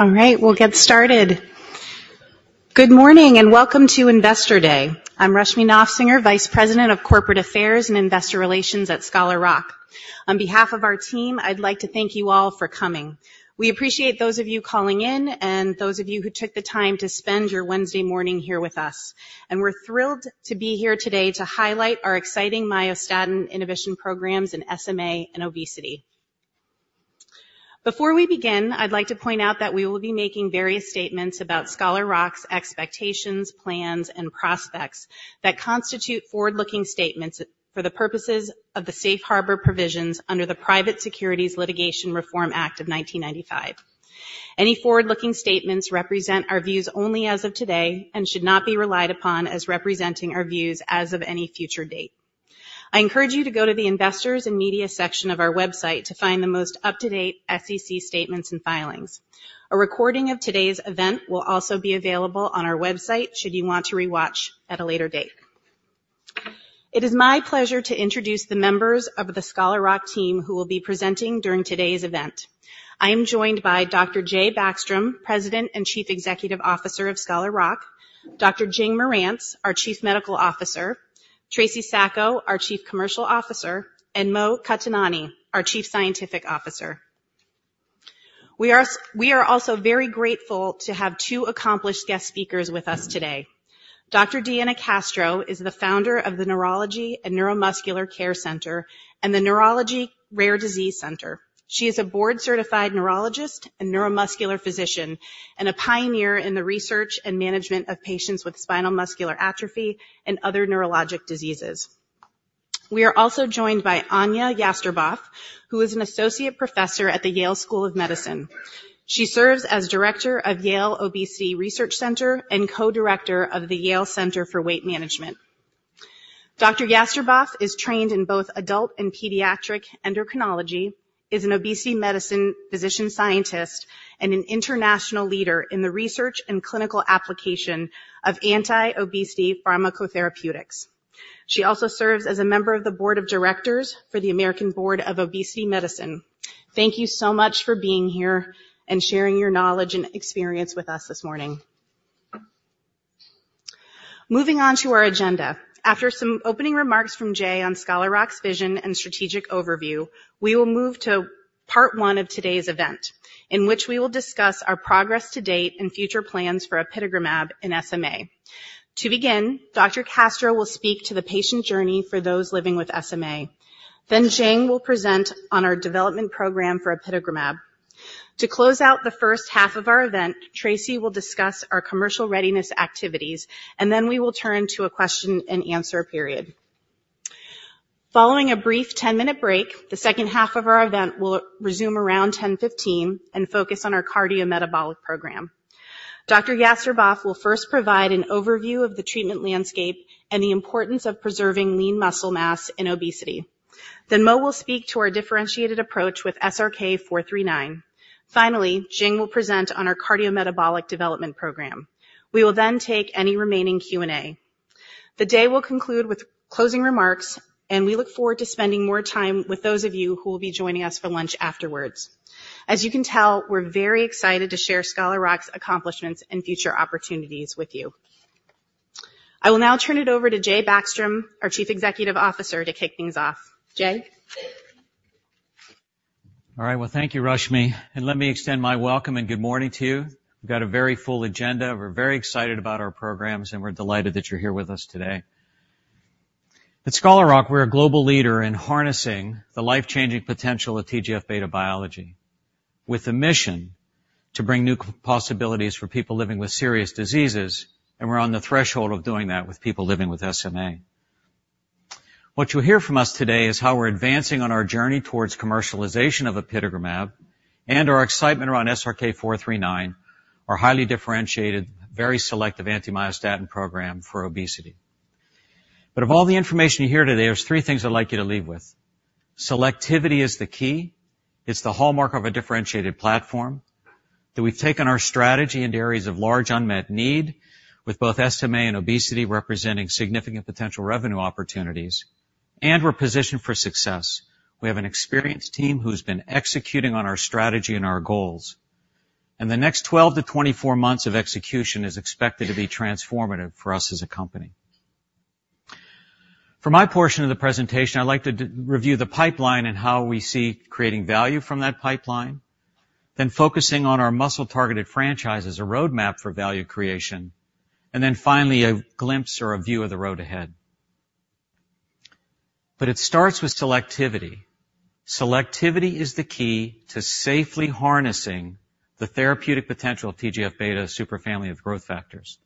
All right, we'll get started. Good morning, and welcome to Investor Day. I'm Rushmie Nofsinger, Vice President of Corporate Affairs and Investor Relations at Scholar Rock. On behalf of our team, I'd like to thank you all for coming. We appreciate those of you calling in, and those of you who took the time to spend your Wednesday morning here with us. And we're thrilled to be here today to highlight our exciting myostatin inhibition programs in SMA and obesity. Before we begin, I'd like to point out that we will be making various statements about Scholar Rock's expectations, plans, and prospects that constitute forward-looking statements for the purposes of the safe harbor provisions under the Private Securities Litigation Reform Act of 1995. Any forward-looking statements represent our views only as of today, and should not be relied upon as representing our views as of any future date. I encourage you to go to the Investors and Media section of our website to find the most up-to-date SEC statements and filings. A recording of today's event will also be available on our website, should you want to rewatch at a later date. It is my pleasure to introduce the members of the Scholar Rock team who will be presenting during today's event. I am joined by Dr. Jay Backstrom, President and Chief Executive Officer of Scholar Rock, Dr. Jing Marantz, our Chief Medical Officer, Tracey Sacco, our Chief Commercial Officer, and Mo Qatanani, our Chief Scientific Officer. We are also very grateful to have two accomplished guest speakers with us today. Dr. Diana Castro is the founder of the Neurology and Neuromuscular Care Center and the Neurology Rare Disease Center. She is a board-certified neurologist and neuromuscular physician, and a pioneer in the research and management of patients with spinal muscular atrophy and other neurologic diseases. We are also joined by Ania Jastreboff, who is an Associate Professor at the Yale School of Medicine. She serves as Director of Yale Obesity Research Center and Co-director of the Yale Center for Weight Management. Dr. Jastreboff is trained in both adult and pediatric endocrinology, is an obesity medicine physician-scientist, and an international leader in the research and clinical application of anti-obesity pharmacotherapeutics. She also serves as a member of the board of directors for the American Board of Obesity Medicine. Thank you so much for being here and sharing your knowledge and experience with us this morning. Moving on to our agenda. After some opening remarks from Jay on Scholar Rock's vision and strategic overview, we will move to part one of today's event, in which we will discuss our progress to date and future plans for apitegromab in SMA. To begin, Dr. Castro will speak to the patient journey for those living with SMA. Then Jing will present on our development program for apitegromab. To close out the first half of our event, Tracey will discuss our commercial readiness activities, and then we will turn to a question-and-answer period. Following a brief 10-minute break, the second half of our event will resume around 10:15 A.M. and focus on our cardiometabolic program. Dr. Jastreboff will first provide an overview of the treatment landscape and the importance of preserving lean muscle mass in obesity. Then Mo will speak to our differentiated approach with SRK-439. Finally, Jing will present on our cardiometabolic development program. We will then take any remaining Q&A. The day will conclude with closing remarks, and we look forward to spending more time with those of you who will be joining us for lunch afterwards. As you can tell, we're very excited to share Scholar Rock's accomplishments and future opportunities with you. I will now turn it over to Jay Backstrom, our Chief Executive Officer, to kick things off. Jay? All right, well, thank you, Rushmie, and let me extend my welcome and good morning to you. We've got a very full agenda. We're very excited about our programs, and we're delighted that you're here with us today. At Scholar Rock, we're a global leader in harnessing the life-changing potential of TGF-beta biology, with a mission to bring new possibilities for people living with serious diseases, and we're on the threshold of doing that with people living with SMA. What you'll hear from us today is how we're advancing on our journey towards commercialization of apitegromab, and our excitement around SRK-439, our highly differentiated, very selective anti-myostatin program for obesity. But of all the information you hear today, there's three things I'd like you to leave with. Selectivity is the key. It's the hallmark of a differentiated platform, that we've taken our strategy into areas of large unmet need, with both SMA and obesity representing significant potential revenue opportunities, and we're positioned for success. We have an experienced team who's been executing on our strategy and our goals, and the next 12-24 months of execution is expected to be transformative for us as a company. For my portion of the presentation, I'd like to review the pipeline and how we see creating value from that pipeline, then focusing on our muscle-targeted franchise as a roadmap for value creation, and then finally, a glimpse or a view of the road ahead. But it starts with selectivity. Selectivity is the key to safely harnessing the therapeutic potential of TGF-beta superfamily of growth factors.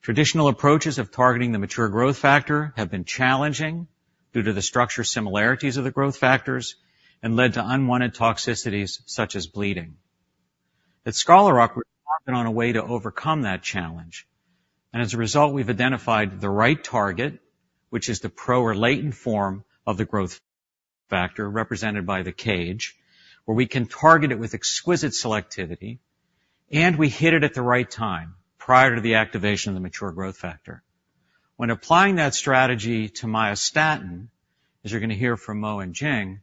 Traditional approaches of targeting the mature growth factor have been challenging due to the structure similarities of the growth factors and led to unwanted toxicities, such as bleeding. At Scholar Rock, we've been on a way to overcome that challenge, and as a result, we've identified the right target, which is the pro or latent form of the growth factor, represented by the cage, where we can target it with exquisite selectivity, and we hit it at the right time, prior to the activation of the mature growth factor. When applying that strategy to myostatin, as you're gonna hear from Mo and Jing,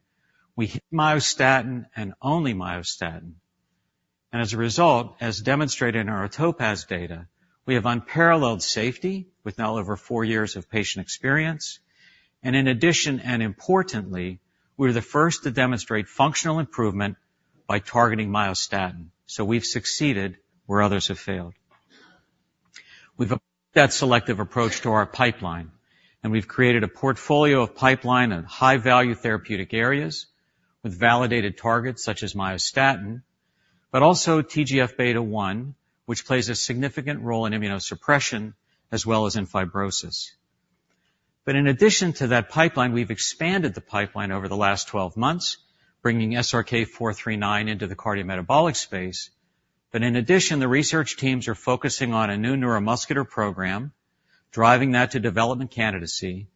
we myostatin and only myostatin. As a result, as demonstrated in our TOPAZ data, we have unparalleled safety with now over four years of patient experience, and in addition, and importantly, we're the first to demonstrate functional improvement by targeting myostatin. So we've succeeded where others have failed. We've applied that selective approach to our pipeline, and we've created a portfolio of pipeline and high-value therapeutic areas with validated targets such as myostatin, but also TGF-beta 1, which plays a significant role in immunosuppression as well as in fibrosis. But in addition to that pipeline, we've expanded the pipeline over the last 12 months, bringing SRK-439 into the cardiometabolic space. But in addition, the research teams are focusing on a new neuromuscular program, driving that to development candidacy,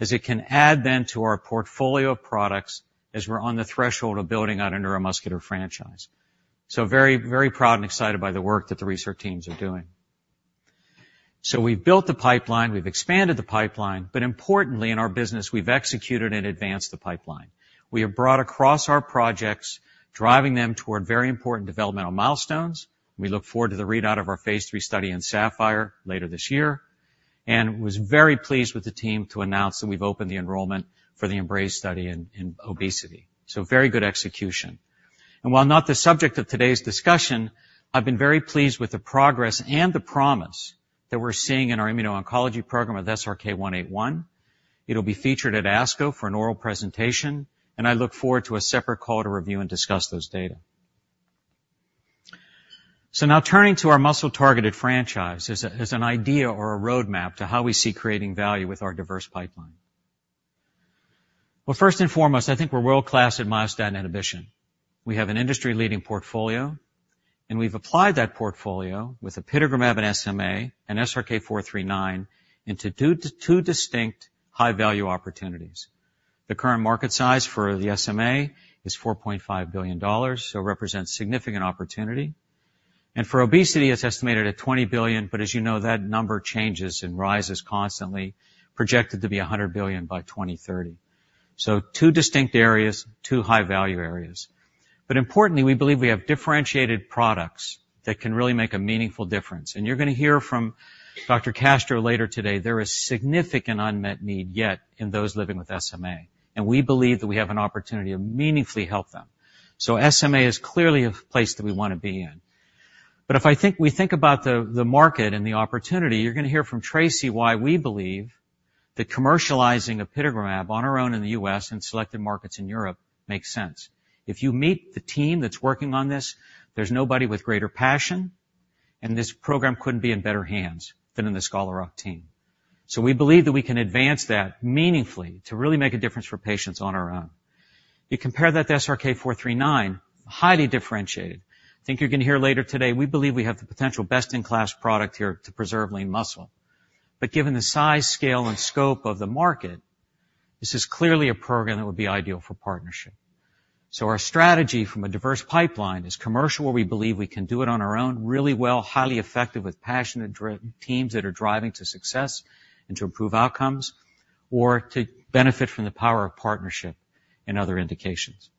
as it can add then to our portfolio of products as we're on the threshold of building out a neuromuscular franchise. So very, very proud and excited by the work that the research teams are doing. So we've built the pipeline, we've expanded the pipeline, but importantly, in our business, we've executed and advanced the pipeline. We have brought across our projects, driving them toward very important developmental milestones. We look forward to the readout of our phase 3 study in SAPPHIRE later this year, and was very pleased with the team to announce that we've opened the enrollment for the EMBRAZE study in obesity. So very good execution. While not the subject of today's discussion, I've been very pleased with the progress and the promise that we're seeing in our immuno-oncology program with SRK-181. It'll be featured at ASCO for an oral presentation, and I look forward to a separate call to review and discuss those data. So now turning to our muscle-targeted franchise as an idea or a roadmap to how we see creating value with our diverse pipeline. Well, first and foremost, I think we're world-class at myostatin inhibition. We have an industry-leading portfolio, and we've applied that portfolio with apitegromab and SMA and SRK-439 into two, two distinct high-value opportunities. The current market size for the SMA is $4.5 billion, so represents significant opportunity. And for obesity, it's estimated at $20 billion, but as you know, that number changes and rises constantly, projected to be $100 billion by 2030. So two distinct areas, two high-value areas. But importantly, we believe we have differentiated products that can really make a meaningful difference. And you're gonna hear from Dr. Castro later today, there is significant unmet need yet in those living with SMA, and we believe that we have an opportunity to meaningfully help them. So SMA is clearly a place that we wanna be in. But if we think about the market and the opportunity, you're gonna hear from Tracey why we believe that commercializing apitegromab on our own in the U.S. and selected markets in Europe makes sense. If you meet the team that's working on this, there's nobody with greater passion, and this program couldn't be in better hands than in the Scholar Rock team. So we believe that we can advance that meaningfully to really make a difference for patients on our own. You compare that to SRK-439, highly differentiated. I think you're gonna hear later today, we believe we have the potential best-in-class product here to preserve lean muscle. But given the size, scale, and scope of the market, this is clearly a program that would be ideal for partnership. So our strategy from a diverse pipeline is commercial, where we believe we can do it on our own, really well, highly effective, with passionate driven teams that are driving to success and to improve outcomes, or to benefit from the power of partnership in other indications.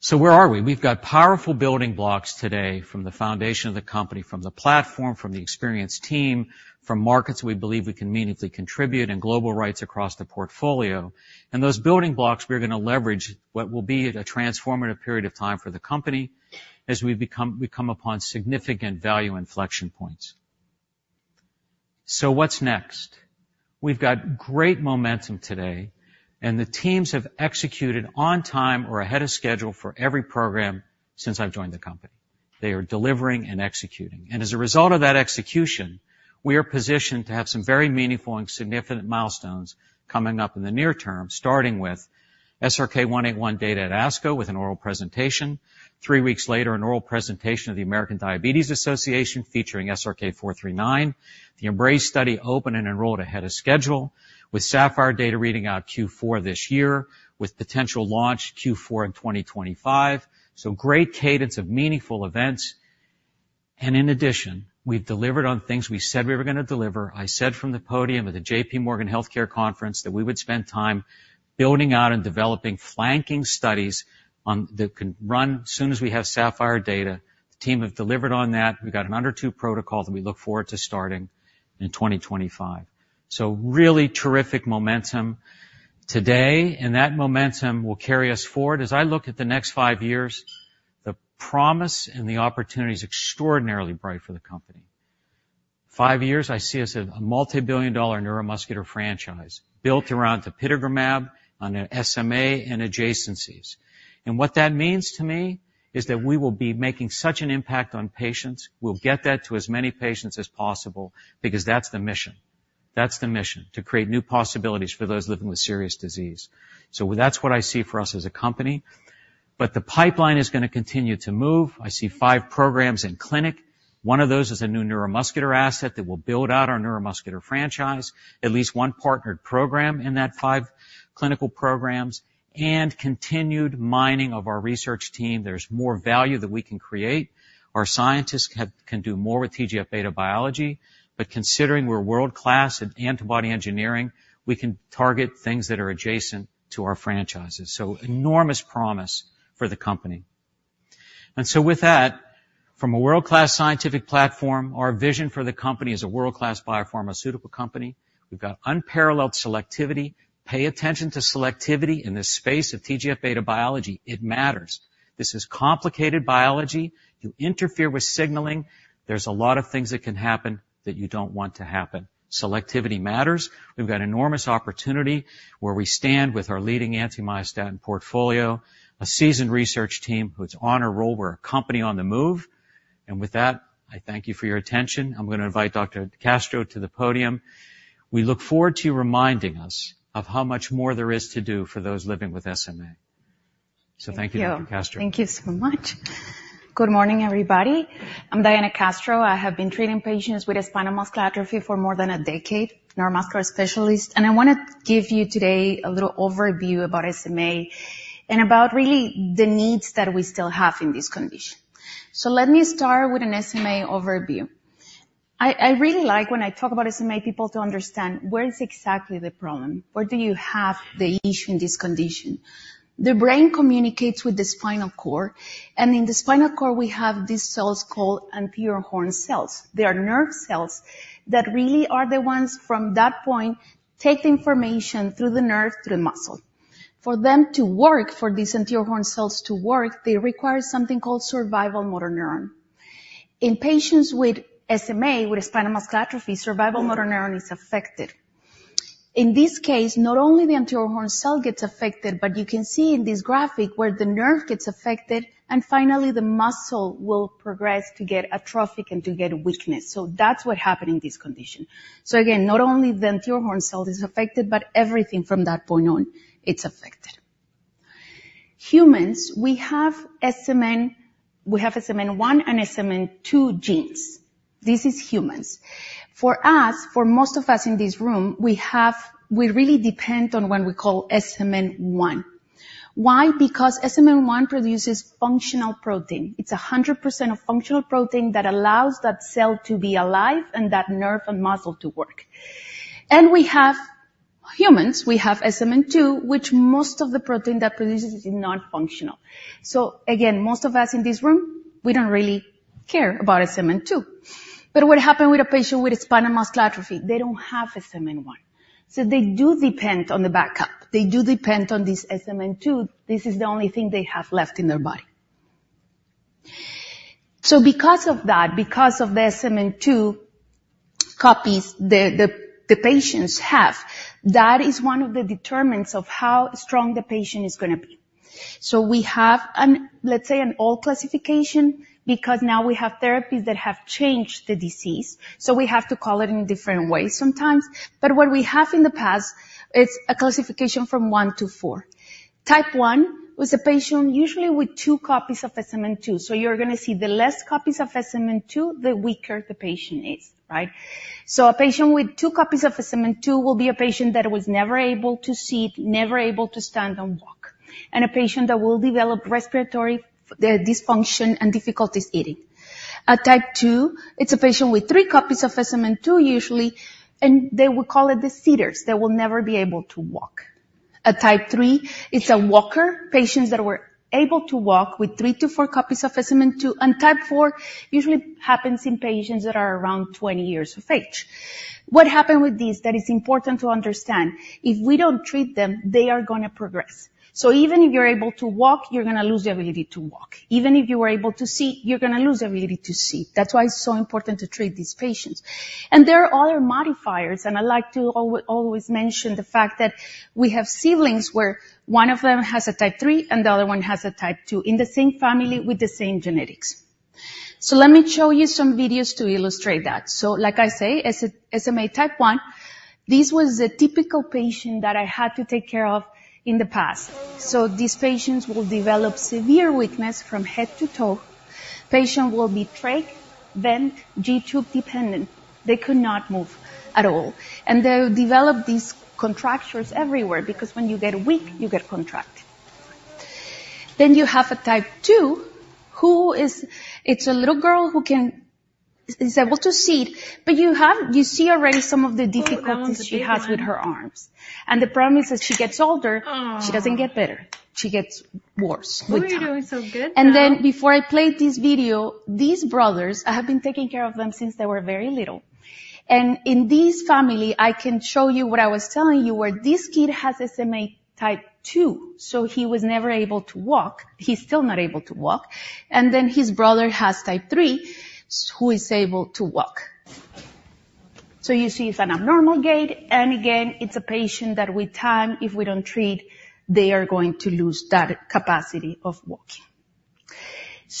So where are we? We've got powerful building blocks today from the foundation of the company, from the platform, from the experienced team, from markets we believe we can meaningfully contribute, and global rights across the portfolio. And those building blocks, we're gonna leverage what will be at a transformative period of time for the company as we've become, we come upon significant value inflection points. So what's next? We've got great momentum today, and the teams have executed on time or ahead of schedule for every program since I've joined the company. They are delivering and executing. As a result of that execution, we are positioned to have some very meaningful and significant milestones coming up in the near term, starting with SRK-181 data at ASCO with an oral presentation. 3 weeks later, an oral presentation of the American Diabetes Association, featuring SRK-439. The EMBRAZE study opened and enrolled ahead of schedule with SAPPHIRE data reading out Q4 this year, with potential launch Q4 in 2025. So great cadence of meaningful events. And in addition, we've delivered on things we said we were gonna deliver. I said from the podium at the J.P. Morgan Healthcare Conference that we would spend time building out and developing flanking studies on... that can run as soon as we have SAPPHIRE data. The team have delivered on that. We've got an under 2 protocol that we look forward to starting in 2025. So really terrific momentum today, and that momentum will carry us forward. As I look at the next five years, the promise and the opportunity is extraordinarily bright for the company. Five years, I see us as a multibillion-dollar neuromuscular franchise built around the apitegromab, on SMA and adjacencies. And what that means to me is that we will be making such an impact on patients. We'll get that to as many patients as possible, because that's the mission. That's the mission, to create new possibilities for those living with serious disease. So that's what I see for us as a company. But the pipeline is gonna continue to move. I see five programs in clinic. One of those is a new neuromuscular asset that will build out our neuromuscular franchise. At least one partnered program in that five clinical programs, and continued mining of our research team. There's more value that we can create.... Our scientists have, can do more with TGF-beta biology, but considering we're world-class at antibody engineering, we can target things that are adjacent to our franchises. So enormous promise for the company. And so with that, from a world-class scientific platform, our vision for the company is a world-class biopharmaceutical company. We've got unparalleled selectivity. Pay attention to selectivity in the space of TGF-beta biology. It matters. This is complicated biology. You interfere with signaling, there's a lot of things that can happen that you don't want to happen. Selectivity matters. We've got enormous opportunity where we stand with our leading anti-myostatin portfolio, a seasoned research team who's on a roll. We're a company on the move, and with that, I thank you for your attention. I'm gonna invite Dr. Castro to the podium. We look forward to you reminding us of how much more there is to do for those living with SMA. Thank you, Dr. Castro. Thank you so much. Good morning, everybody. I'm Diana Castro. I have been treating patients with spinal muscular atrophy for more than a decade. Neuromuscular specialist, and I wanna give you today a little overview about SMA and about really the needs that we still have in this condition. So let me start with an SMA overview. I really like when I talk about SMA, people to understand where is exactly the problem. Where do you have the issue in this condition? The brain communicates with the spinal cord, and in the spinal cord, we have these cells called anterior horn cells. They are nerve cells that really are the ones from that point, take the information through the nerve to the muscle. For them to work, for these anterior horn cells to work, they require something called Survival Motor Neuron. In patients with SMA, with spinal muscular atrophy, survival motor neuron is affected. In this case, not only the anterior horn cell gets affected, but you can see in this graphic where the nerve gets affected, and finally, the muscle will progress to get atrophic and to get weakness. So that's what happened in this condition. So again, not only the anterior horn cell is affected, but everything from that point on, it's affected. Humans, we have SMN, we have SMN1 and SMN2 genes. This is humans. For us, for most of us in this room, we have... We really depend on what we call SMN1. Why? Because SMN1 produces functional protein. It's 100% of functional protein that allows that cell to be alive and that nerve and muscle to work. And we have humans. We have SMN2, which most of the protein that produces is non-functional. So again, most of us in this room, we don't really care about SMN2. But what happened with a patient with spinal muscular atrophy? They don't have SMN1. So they do depend on the backup. They do depend on this SMN2. This is the only thing they have left in their body. So because of that, because of the SMN2 copies the patients have, that is one of the determinants of how strong the patient is gonna be. So we have, let's say, an old classification, because now we have therapies that have changed the disease, so we have to call it in different ways sometimes. But what we have in the past, it's a classification from one to four. Type 1 was a patient, usually with 2 copies of SMN2. So you're gonna see the less copies of SMN2, the weaker the patient is, right? So a patient with 2 copies of SMN2 will be a patient that was never able to sit, never able to stand and walk, and a patient that will develop respiratory dysfunction and difficulties eating. A Type 2, it's a patient with 3 copies of SMN2, usually, and they will call it the sitters. They will never be able to walk. A Type 3, it's a walker. Patients that were able to walk with 3-4 copies of SMN2. Type 4 usually happens in patients that are around 20 years of age. What happened with this that is important to understand, if we don't treat them, they are gonna progress. So even if you're able to walk, you're gonna lose the ability to walk. Even if you are able to sit, you're gonna lose the ability to sit. That's why it's so important to treat these patients. And there are other modifiers, and I like to always mention the fact that we have siblings where one of them has a Type 3 and the other one has a Type 2, in the same family with the same genetics. So let me show you some videos to illustrate that. So like I say, SMA Type 1, this was a typical patient that I had to take care of in the past. So these patients will develop severe weakness from head to toe. Patient will be trach, vent, G-tube dependent. They could not move at all, and they develop these contractures everywhere because when you get weak, you get contracted. Then you have a type two. It's a little girl who is able to sit, but you see already some of the difficulties she has with her arms. And the problem is, as she gets older- Aw! She doesn't get better. She gets worse with time. You were doing so good, though. And then, before I play this video, these brothers, I have been taking care of them since they were very little. In this family, I can show you what I was telling you, where this kid has SMA type two, so he was never able to walk. He's still not able to walk. Then his brother has type three, so who is able to walk. You see, it's an abnormal gait, and again, it's a patient that with time, if we don't treat, they are going to lose that capacity of walking....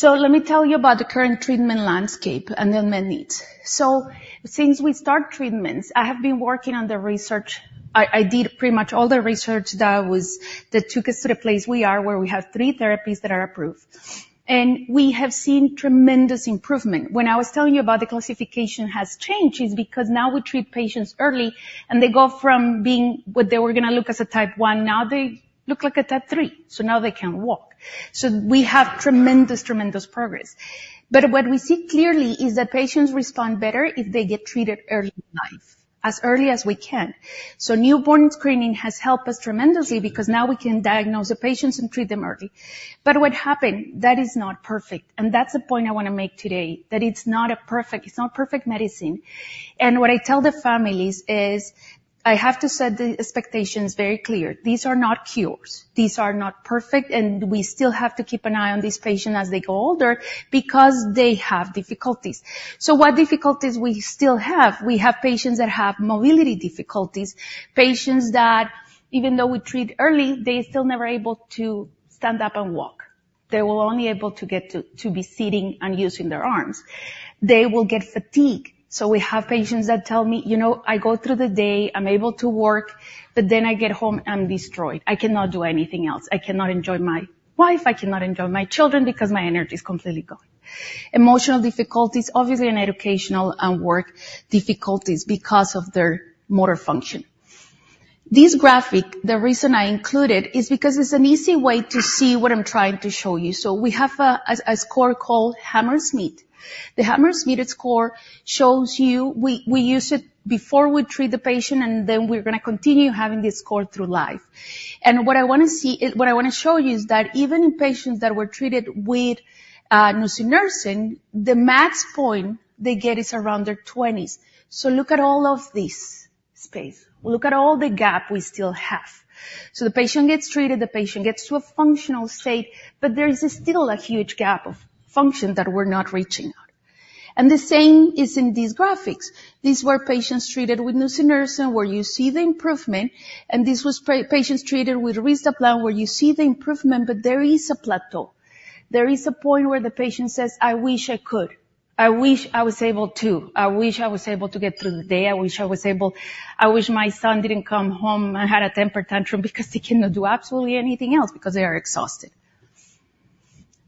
Let me tell you about the current treatment landscape and the unmet needs. Since we start treatments, I have been working on the research. I, I did pretty much all the research that was-- that took us to the place we are, where we have three therapies that are approved. We have seen tremendous improvement. When I was telling you about the classification has changed, it's because now we treat patients early, and they go from being what they were gonna look as a type one, now they look like a type three. So now they can walk. So we have tremendous, tremendous progress. But what we see clearly is that patients respond better if they get treated early in life, as early as we can. So newborn screening has helped us tremendously because now we can diagnose the patients and treat them early. But what happened, that is not perfect, and that's the point I wanna make today, that it's not a perfect... it's not perfect medicine. And what I tell the families is, I have to set the expectations very clear. These are not cures, these are not perfect, and we still have to keep an eye on these patients as they go older because they have difficulties. So what difficulties we still have? We have patients that have mobility difficulties, patients that even though we treat early, they still never able to stand up and walk. They will only able to get to be sitting and using their arms. They will get fatigue. So we have patients that tell me, "You know, I go through the day, I'm able to work, but then I get home, I'm destroyed. I cannot do anything else. I cannot enjoy my wife, I cannot enjoy my children because my energy is completely gone." Emotional difficulties, obviously, and educational and work difficulties because of their motor function. This graphic, the reason I include it, is because it's an easy way to see what I'm trying to show you. So we have a score called Hammersmith. The Hammersmith score shows you... We use it before we treat the patient, and then we're gonna continue having this score through life. And what I wanna see is, what I wanna show you is that even in patients that were treated with nusinersen, the max point they get is around their twenties. So look at all of this space. Look at all the gap we still have. So the patient gets treated, the patient gets to a functional state, but there is still a huge gap of function that we're not reaching out. And the same is in these graphics. These were patients treated with nusinersen, where you see the improvement, and this was patients treated with risdiplam, where you see the improvement, but there is a plateau. There is a point where the patient says, "I wish I could. I wish I was able to. I wish I was able to get through the day. I wish I was able—I wish my son didn't come home and had a temper tantrum," because they cannot do absolutely anything else, because they are exhausted.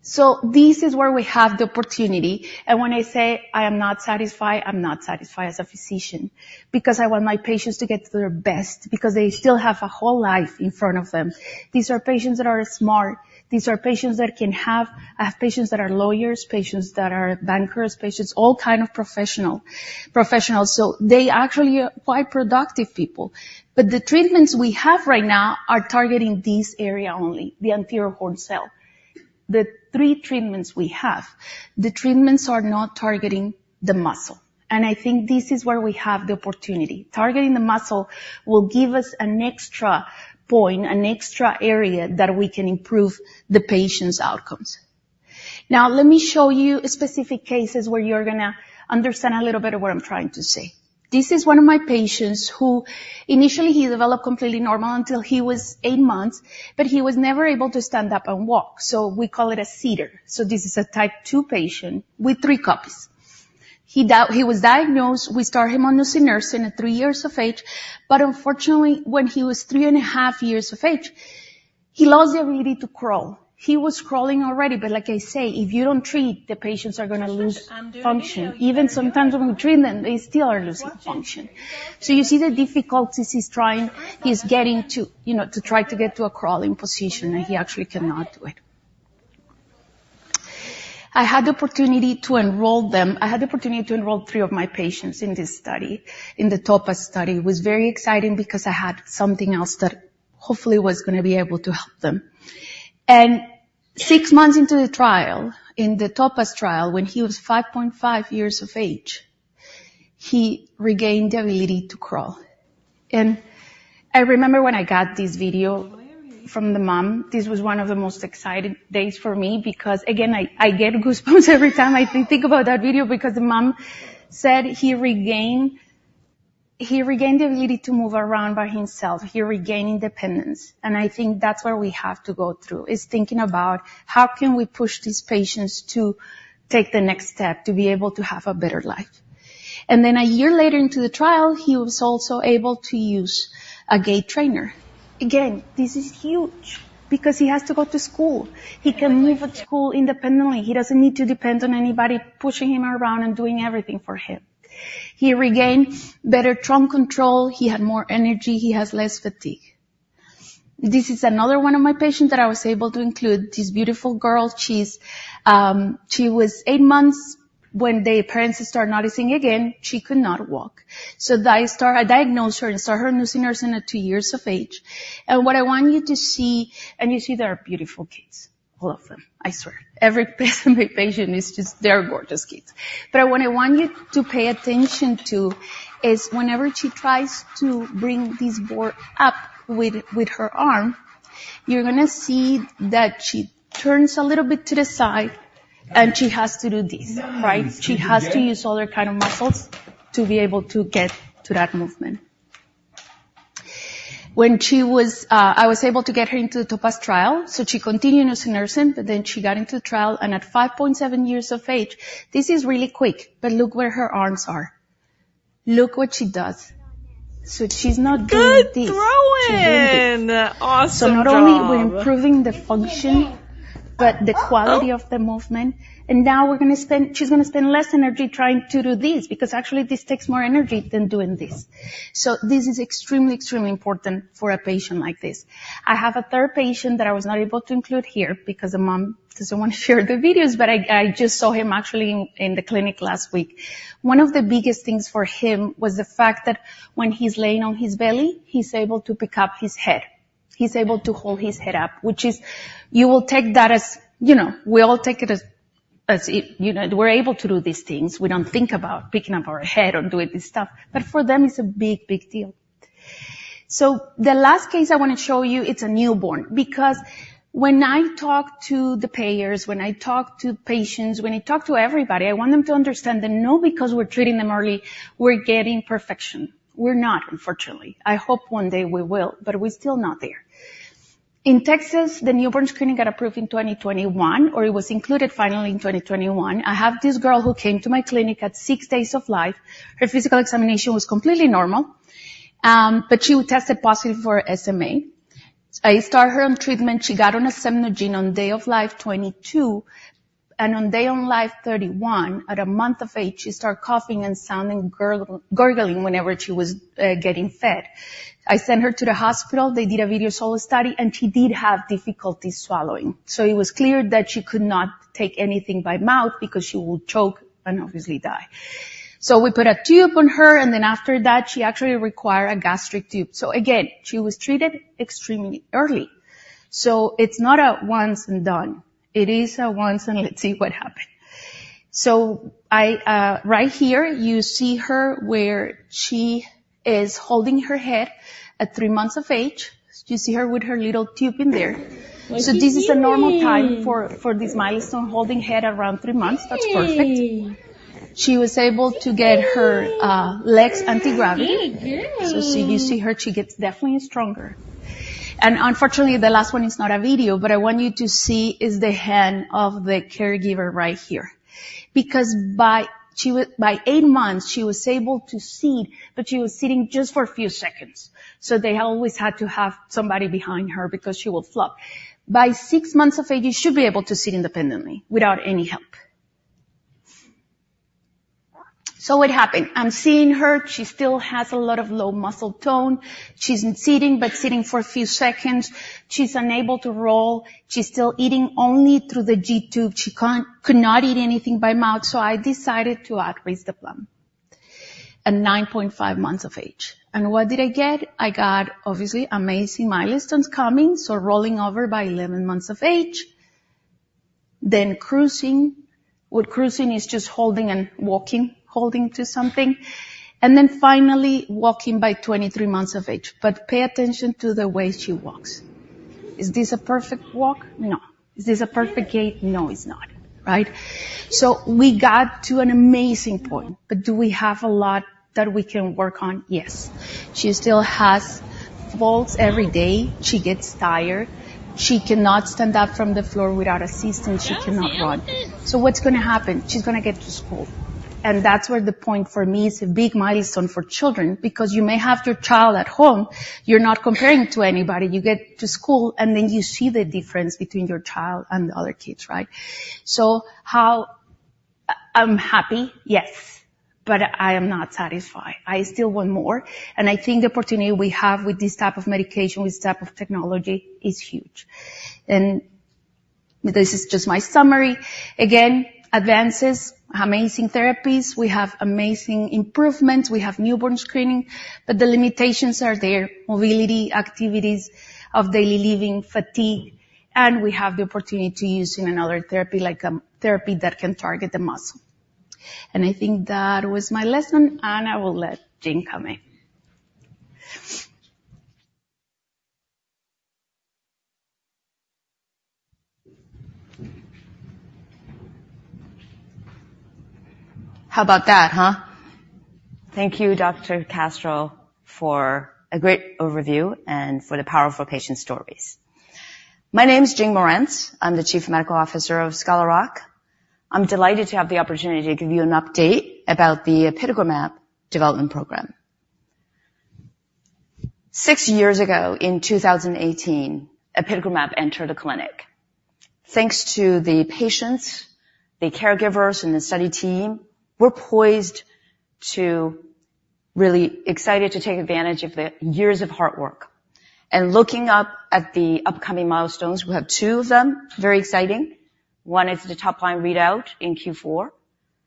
So this is where we have the opportunity, and when I say I am not satisfied, I'm not satisfied as a physician, because I want my patients to get to their best, because they still have a whole life in front of them. These are patients that are smart. These are patients that can have... I have patients that are lawyers, patients that are bankers, patients, all kind of professional, professionals, so they actually are quite productive people. But the treatments we have right now are targeting this area only, the anterior horn cell. The three treatments we have, the treatments are not targeting the muscle, and I think this is where we have the opportunity. Targeting the muscle will give us an extra point, an extra area that we can improve the patient's outcomes. Now, let me show you specific cases where you're gonna understand a little bit of what I'm trying to say. This is one of my patients who initially he developed completely normal until he was eight months, but he was never able to stand up and walk, so we call it a sitter. So this is a type two patient with three copies. He was diagnosed. We start him on nusinersen at 3 years of age, but unfortunately, when he was 3.5 years of age, he lost the ability to crawl. He was crawling already, but like I say, if you don't treat, the patients are gonna lose function. Even sometimes when we treat them, they still are losing function. So you see the difficulties he's trying. He's getting to, you know, to try to get to a crawling position, and he actually cannot do it. I had the opportunity to enroll them. I had the opportunity to enroll 3 of my patients in this study, in the TOPAZ study. It was very exciting because I had something else that hopefully was gonna be able to help them. And 6 months into the trial, in the TOPAZ trial, when he was 5.5 years of age, he regained the ability to crawl. I remember when I got this video from the mom. This was one of the most exciting days for me, because, again, I, I get goosebumps every time I think about that video, because the mom said he regained, he regained the ability to move around by himself. He regained independence. I think that's where we have to go through, is thinking about: How can we push these patients to take the next step, to be able to have a better life? Then a year later into the trial, he was also able to use a gait trainer. Again, this is huge because he has to go to school. He can move at school independently. He doesn't need to depend on anybody pushing him around and doing everything for him. He regained better trunk control, he had more energy, he has less fatigue. This is another one of my patients that I was able to include, this beautiful girl. She's, she was eight months when the parents started noticing again, she could not walk. I diagnosed her and saw her nusinersen at two years of age. And what I want you to see. And you see they are beautiful kids, all of them, I swear. Every patient is just, they're gorgeous kids. But what I want you to pay attention to is whenever she tries to bring this board up with, with her arm, you're gonna see that she turns a little bit to the side, and she has to do this, right? She has to use other kind of muscles to be able to get to that movement. When she was, I was able to get her into the TOPAZ trial, so she continued nursing, but then she got into the trial, and at 5.7 years of age, this is really quick, but look where her arms are. Look what she does. So she's not doing this- Good throwing! She's doing this. Awesome job. So not only we're improving the function, but the quality of the movement. And now we're gonna, she's gonna spend less energy trying to do this, because actually this takes more energy than doing this. So this is extremely, extremely important for a patient like this. I have a third patient that I was not able to include here because the mom doesn't want to share the videos, but I, I just saw him actually in, in the clinic last week. One of the biggest things for him was the fact that when he's laying on his belly, he's able to pick up his head. He's able to hold his head up, which is... You will take that as, you know, we all take it as, as it, you know, we're able to do these things. We don't think about picking up our head or doing this stuff, but for them, it's a big, big deal. So the last case I wanna show you, it's a newborn, because when I talk to the payers, when I talk to patients, when I talk to everybody, I want them to understand that not because we're treating them early, we're getting perfection. We're not, unfortunately. I hope one day we will, but we're still not there. In Texas, the newborn screening got approved in 2021, or it was included finally in 2021. I have this girl who came to my clinic at six days of life. Her physical examination was completely normal, but she tested positive for SMA. I start her on treatment. She got on onasemnogene on day of life 22, and on day of life 31, at a month of age, she started coughing and sounding gurgling whenever she was getting fed. I sent her to the hospital, they did a video swallow study, and she did have difficulty swallowing. So it was clear that she could not take anything by mouth because she would choke and obviously die. So we put a tube on her, and then after that, she actually require a gastric tube. So again, she was treated extremely early. So it's not a once and done. It is a once and let's see what happened. So I... Right here, you see her where she is holding her head at 3 months of age. Do you see her with her little tube in there? She's doing. This is a normal time for this milestone, holding head around three months. Hey. That's perfect. She was able to get her legs anti-gravity. Very good. So you see her, she gets definitely stronger. Unfortunately, the last one is not a video, but I want you to see is the hand of the caregiver right here. Because by 8 months, she was able to sit, but she was sitting just for a few seconds, so they always had to have somebody behind her because she would flop. By 6 months of age, you should be able to sit independently without any help. So what happened? I'm seeing her. She still has a lot of low muscle tone. She's sitting, but sitting for a few seconds. She's unable to roll. She's still eating only through the G-tube. She could not eat anything by mouth, so I decided to at least risdiplam at 9.5 months of age. What did I get? I got, obviously, amazing milestones coming, so rolling over by 11 months of age, then cruising. With cruising is just holding and walking, holding to something, and then finally walking by 23 months of age. But pay attention to the way she walks. Is this a perfect walk? No. Is this a perfect gait? No, it's not, right? So we got to an amazing point, but do we have a lot that we can work on? Yes. She still has falls every day. She gets tired. She cannot stand up from the floor without assistance. She cannot run. So what's gonna happen? She's gonna get to school. That's where the point for me is a big milestone for children, because you may have your child at home, you're not comparing to anybody. You get to school, and then you see the difference between your child and the other kids, right? So... I'm happy, yes, but I am not satisfied. I still want more, and I think the opportunity we have with this type of medication, with this type of technology, is huge. And this is just my summary. Again, advances, amazing therapies. We have amazing improvements. We have newborn screening, but the limitations are there: mobility, activities of daily living, fatigue, and we have the opportunity to use another therapy, like a therapy that can target the muscle. And I think that was my lesson, and I will let Jing come in. How about that, huh? Thank you, Dr. Castro, for a great overview and for the powerful patient stories. My name is Jing Marantz. I'm the Chief Medical Officer of Scholar Rock. I'm delighted to have the opportunity to give you an update about the apitegromab development program. Six years ago, in 2018, apitegromab entered a clinic. Thanks to the patients, the caregivers, and the study team, we're poised to... Really excited to take advantage of the years of hard work. And looking up at the upcoming milestones, we have two of them. Very exciting. One is the top line readout in Q4,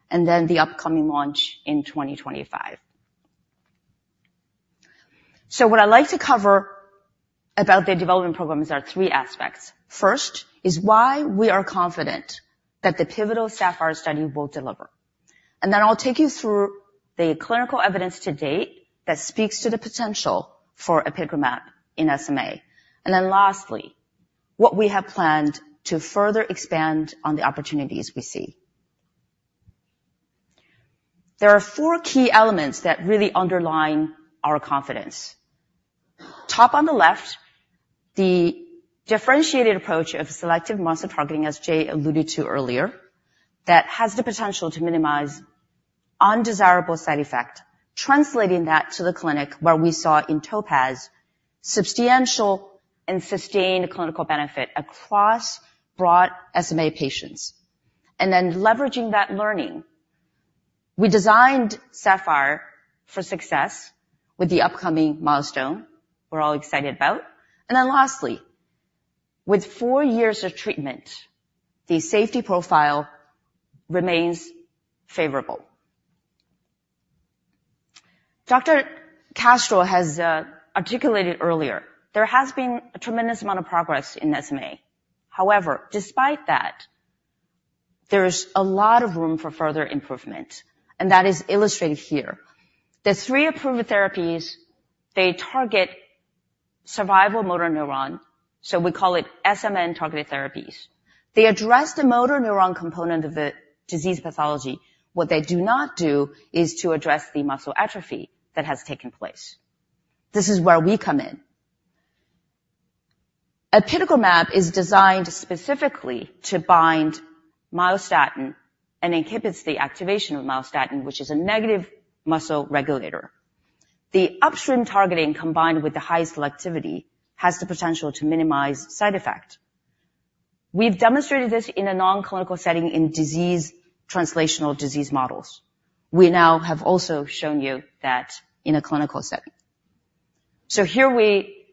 and then the upcoming launch in 2025. So what I'd like to cover about the development program is our three aspects. First, is why we are confident that the pivotal SAPPHIRE study will deliver. And then I'll take you through the clinical evidence to date that speaks to the potential for apitegromab in SMA. And then lastly, what we have planned to further expand on the opportunities we see... There are four key elements that really underline our confidence. Top on the left, the differentiated approach of selective muscle targeting, as Jay alluded to earlier, that has the potential to minimize undesirable side effect, translating that to the clinic where we saw in TOPAZ, substantial and sustained clinical benefit across broad SMA patients. And then leveraging that learning, we designed SAPPHIRE for success with the upcoming milestone we're all excited about. And then lastly, with four years of treatment, the safety profile remains favorable. Dr. Castro has articulated earlier, there has been a tremendous amount of progress in SMA. However, despite that, there is a lot of room for further improvement, and that is illustrated here. The three approved therapies, they target survival motor neuron, so we call it SMN-targeted therapies. They address the motor neuron component of the disease pathology. What they do not do is to address the muscle atrophy that has taken place. This is where we come in. Apitegromab is designed specifically to bind myostatin and inhibits the activation of myostatin, which is a negative muscle regulator. The upstream targeting, combined with the high selectivity, has the potential to minimize side effect. We've demonstrated this in a non-clinical setting in disease, translational disease models. We now have also shown you that in a clinical setting. So here we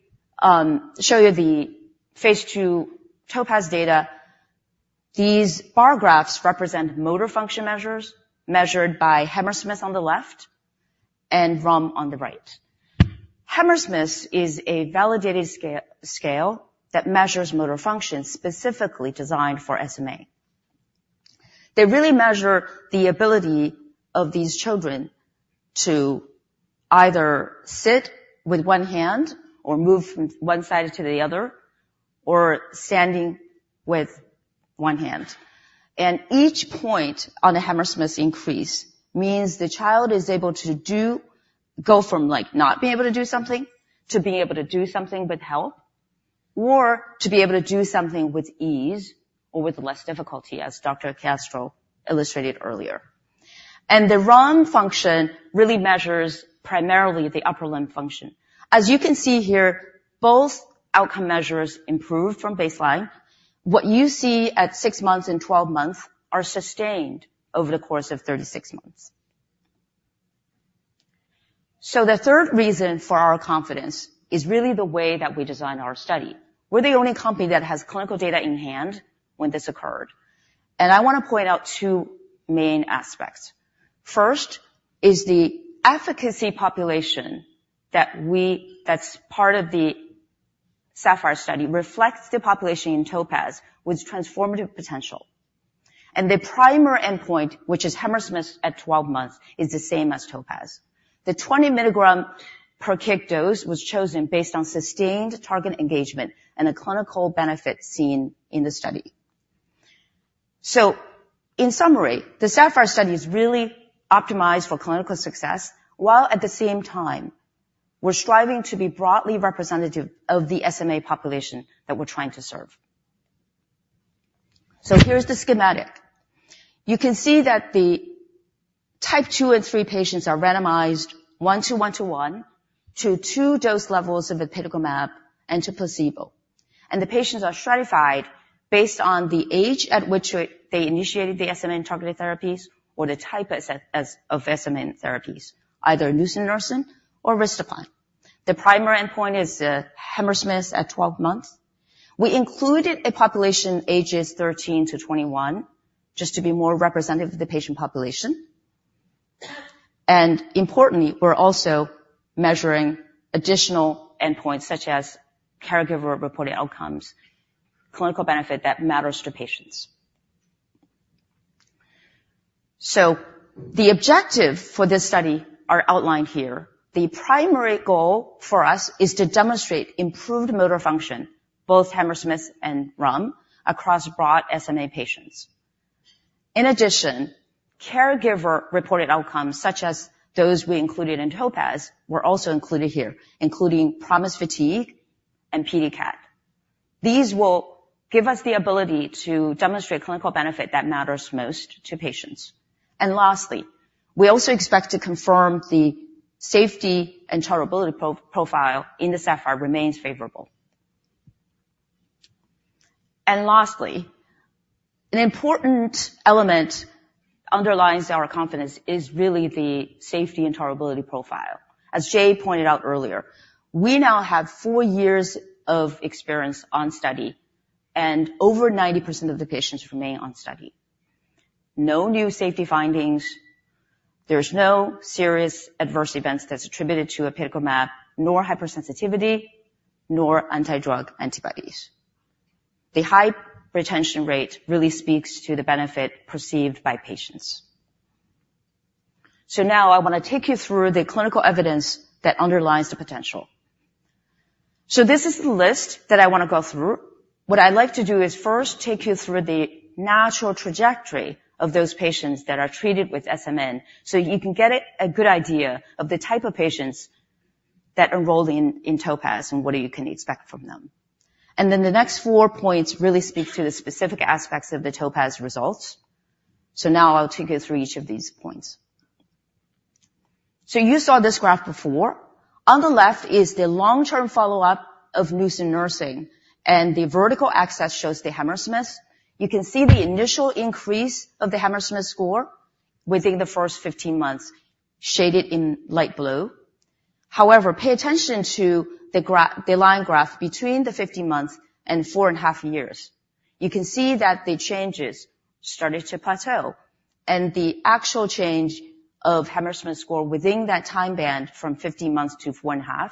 show you the phase 2 TOPAZ data. These bar graphs represent motor function measures measured by Hammersmith on the left and RULM on the right. Hammersmith is a validated scale that measures motor function specifically designed for SMA. They really measure the ability of these children to either sit with one hand or move from one side to the other, or standing with one hand. Each point on the Hammersmith increase means the child is able to do go from, like, not being able to do something, to being able to do something with help, or to be able to do something with ease or with less difficulty, as Dr. Castro illustrated earlier. The RULM function really measures primarily the upper limb function. As you can see here, both outcome measures improve from baseline. What you see at 6 months and 12 months are sustained over the course of 36 months. The third reason for our confidence is really the way that we design our study. We're the only company that has clinical data in hand when this occurred, and I want to point out 2 main aspects. First, is the efficacy population that's part of the SAPPHIRE study, reflects the population in TOPAZ with transformative potential. And the primary endpoint, which is Hammersmith at 12 months, is the same as TOPAZ. The 20 mg per kg dose was chosen based on sustained target engagement and the clinical benefit seen in the study. So in summary, the SAPPHIRE study is really optimized for clinical success, while at the same time, we're striving to be broadly representative of the SMA population that we're trying to serve. So here's the schematic. You can see that the type 2 and 3 patients are randomized 1:1:1 to 2 dose levels of apitegromab and to placebo. The patients are stratified based on the age at which they initiated the SMN targeted therapies, or the type of SMN therapies, either nusinersen or risdiplam. The primary endpoint is Hammersmith at 12 months. We included a population ages 13 to 21, just to be more representative of the patient population. Importantly, we're also measuring additional endpoints, such as caregiver-reported outcomes, clinical benefit that matters to patients. The objective for this study are outlined here. The primary goal for us is to demonstrate improved motor function, both Hammersmith and RULM, across broad SMA patients. In addition, caregiver-reported outcomes, such as those we included in TOPAZ, were also included here, including PROMIS Fatigue and PEDI-CAT. These will give us the ability to demonstrate clinical benefit that matters most to patients. Lastly, we also expect to confirm the safety and tolerability profile in the SAPPHIRE remains favorable. Lastly, an important element underlines our confidence is really the safety and tolerability profile. As Jay pointed out earlier, we now have four years of experience on study, and over 90% of the patients remain on study. No new safety findings. There's no serious adverse events that's attributed to apitegromab, nor hypersensitivity, nor anti-drug antibodies. The high retention rate really speaks to the benefit perceived by patients. So now I want to take you through the clinical evidence that underlies the potential... So this is the list that I want to go through. What I'd like to do is first take you through the natural trajectory of those patients that are treated with SMN, so you can get a good idea of the type of patients that enrolled in TOPAZ and what you can expect from them. Then the next four points really speak to the specific aspects of the TOPAZ results. So now I'll take you through each of these points. So you saw this graph before. On the left is the long-term follow-up of nusinersen, and the vertical axis shows the Hammersmith. You can see the initial increase of the Hammersmith score within the first 15 months, shaded in light blue. However, pay attention to the line graph between the 15 months and 4.5 years. You can see that the changes started to plateau, and the actual change of Hammersmith score within that time band from 15 months to 4.5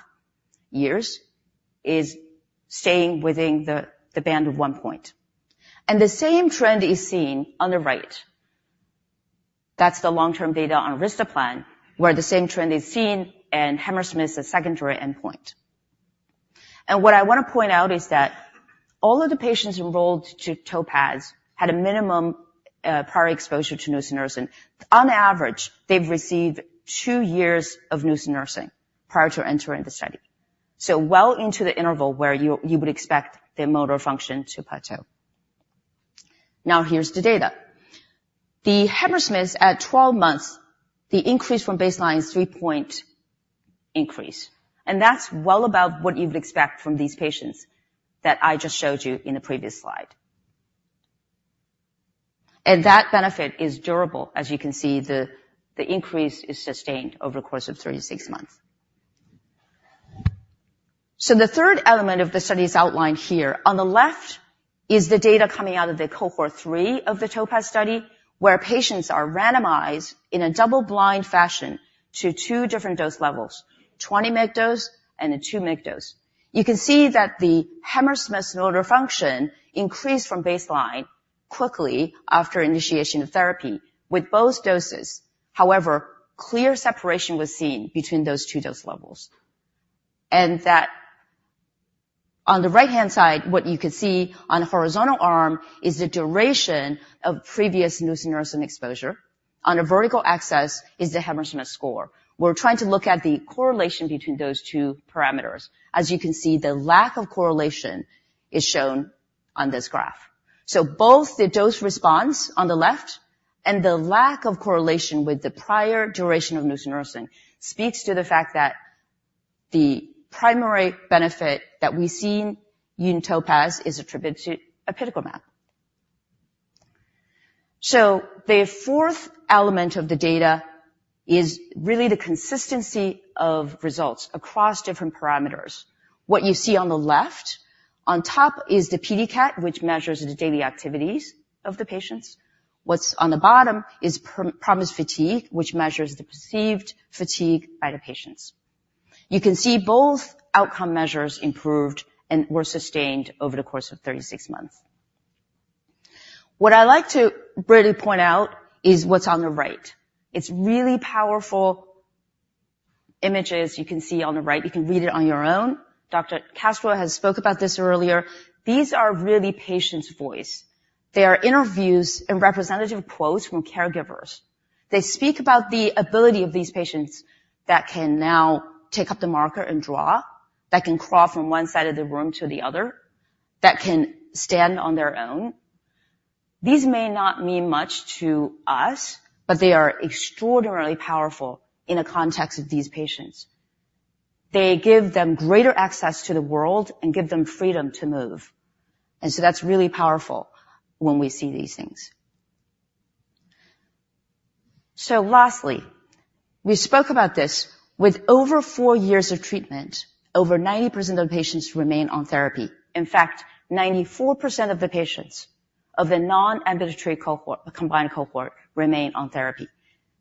years is staying within the band of 1 point. And the same trend is seen on the right. That's the long-term data on risdiplam, where the same trend is seen, and Hammersmith is the secondary endpoint. And what I want to point out is that all of the patients enrolled to TOPAZ had a minimum prior exposure to nusinersen. On average, they've received 2 years of nusinersen prior to entering the study. So well into the interval where you would expect the motor function to plateau. Now, here's the data. The Hammersmith at 12 months, the increase from baseline is 3-point increase, and that's well above what you would expect from these patients that I just showed you in the previous slide. That benefit is durable. As you can see, the increase is sustained over the course of 36 months. The third element of the study is outlined here. On the left is the data coming out of the cohort 3 of the TOPAZ study, where patients are randomized in a double-blind fashion to two different dose levels, 20 mg dose and a 2 mg dose. You can see that the Hammersmith motor function increased from baseline quickly after initiation of therapy with both doses. However, clear separation was seen between those two dose levels. And that on the right-hand side, what you can see on the horizontal arm is the duration of previous nusinersen exposure. On the vertical axis is the Hammersmith score. We're trying to look at the correlation between those two parameters. As you can see, the lack of correlation is shown on this graph. So both the dose response on the left and the lack of correlation with the prior duration of nusinersen speaks to the fact that the primary benefit that we see in TOPAZ is attributed to apitegromab. So the fourth element of the data is really the consistency of results across different parameters. What you see on the left, on top is the PEDI-CAT, which measures the daily activities of the patients. What's on the bottom is PROMIS Fatigue, which measures the perceived fatigue by the patients. You can see both outcome measures improved and were sustained over the course of 36 months. What I'd like to really point out is what's on the right. It's really powerful images you can see on the right. You can read it on your own. Dr. Castro has spoke about this earlier. These are really patients' voice. They are interviews and representative quotes from caregivers. They speak about the ability of these patients that can now take up the marker and draw, that can crawl from one side of the room to the other, that can stand on their own. These may not mean much to us, but they are extraordinarily powerful in the context of these patients. They give them greater access to the world and give them freedom to move, and so that's really powerful when we see these things. So lastly, we spoke about this. With over four years of treatment, over 90% of patients remain on therapy. In fact, 94% of the patients of the non-ambulatory cohort, the combined cohort, remain on therapy.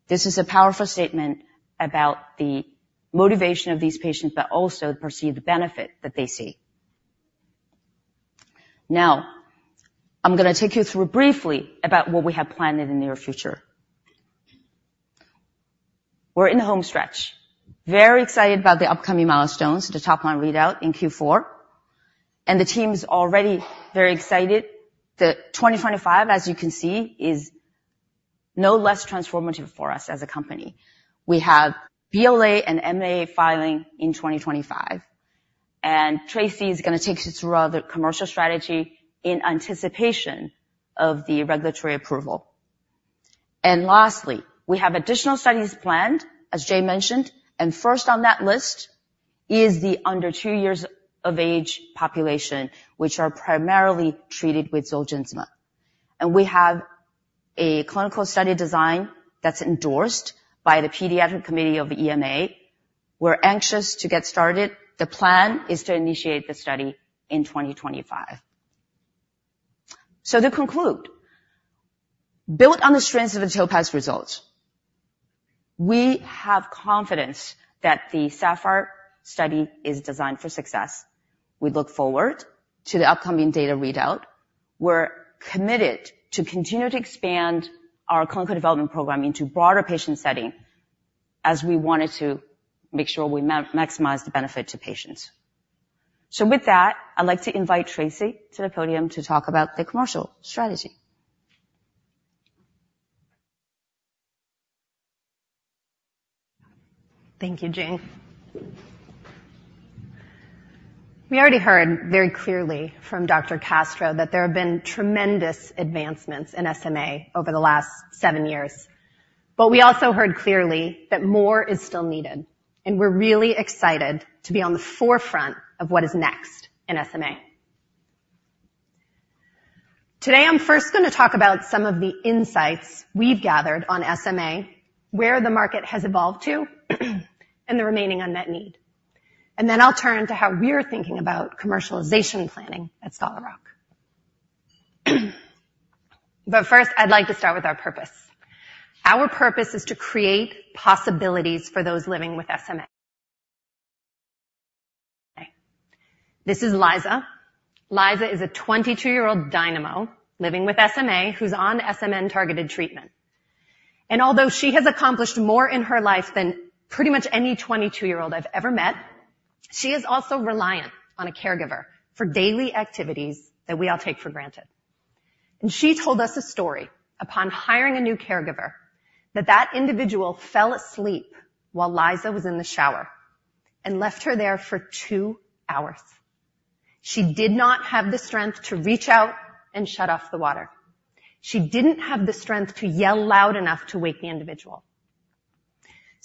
This is a powerful statement about the motivation of these patients, but also the perceived benefit that they see. Now, I'm gonna take you through briefly about what we have planned in the near future. We're in the home stretch. Very excited about the upcoming milestones, the topline readout in Q4, and the team is already very excited that 2025, as you can see, is no less transformative for us as a company. We have BLA and MAA filing in 2025, and Tracey is gonna take you through our commercial strategy in anticipation of the regulatory approval. And lastly, we have additional studies planned, as Jay mentioned, and first on that list is the under 2 years of age population, which are primarily treated with Zolgensma. We have a clinical study design that's endorsed by the Pediatric Committee of the EMA. We're anxious to get started. The plan is to initiate the study in 2025. To conclude, built on the strengths of the TOPAZ results, we have confidence that the SAPPHIRE study is designed for success. We look forward to the upcoming data readout. We're committed to continue to expand our clinical development program into broader patient setting.... as we wanted to make sure we maximize the benefit to patients. So with that, I'd like to invite Tracey to the podium to talk about the commercial strategy. Thank you, Jing. We already heard very clearly from Dr. Castro that there have been tremendous advancements in SMA over the last 7 years, but we also heard clearly that more is still needed, and we're really excited to be on the forefront of what is next in SMA. Today, I'm first going to talk about some of the insights we've gathered on SMA, where the market has evolved to, and the remaining unmet need. Then I'll turn to how we're thinking about commercialization planning at Scholar Rock. But first, I'd like to start with our purpose. Our purpose is to create possibilities for those living with SMA. This is Liza. Liza is a 22-year-old dynamo living with SMA, who's on SMN-targeted treatment. Although she has accomplished more in her life than pretty much any 22-year-old I've ever met, she is also reliant on a caregiver for daily activities that we all take for granted. She told us a story upon hiring a new caregiver, that that individual fell asleep while Liza was in the shower and left her there for 2 hours. She did not have the strength to reach out and shut off the water. She didn't have the strength to yell loud enough to wake the individual.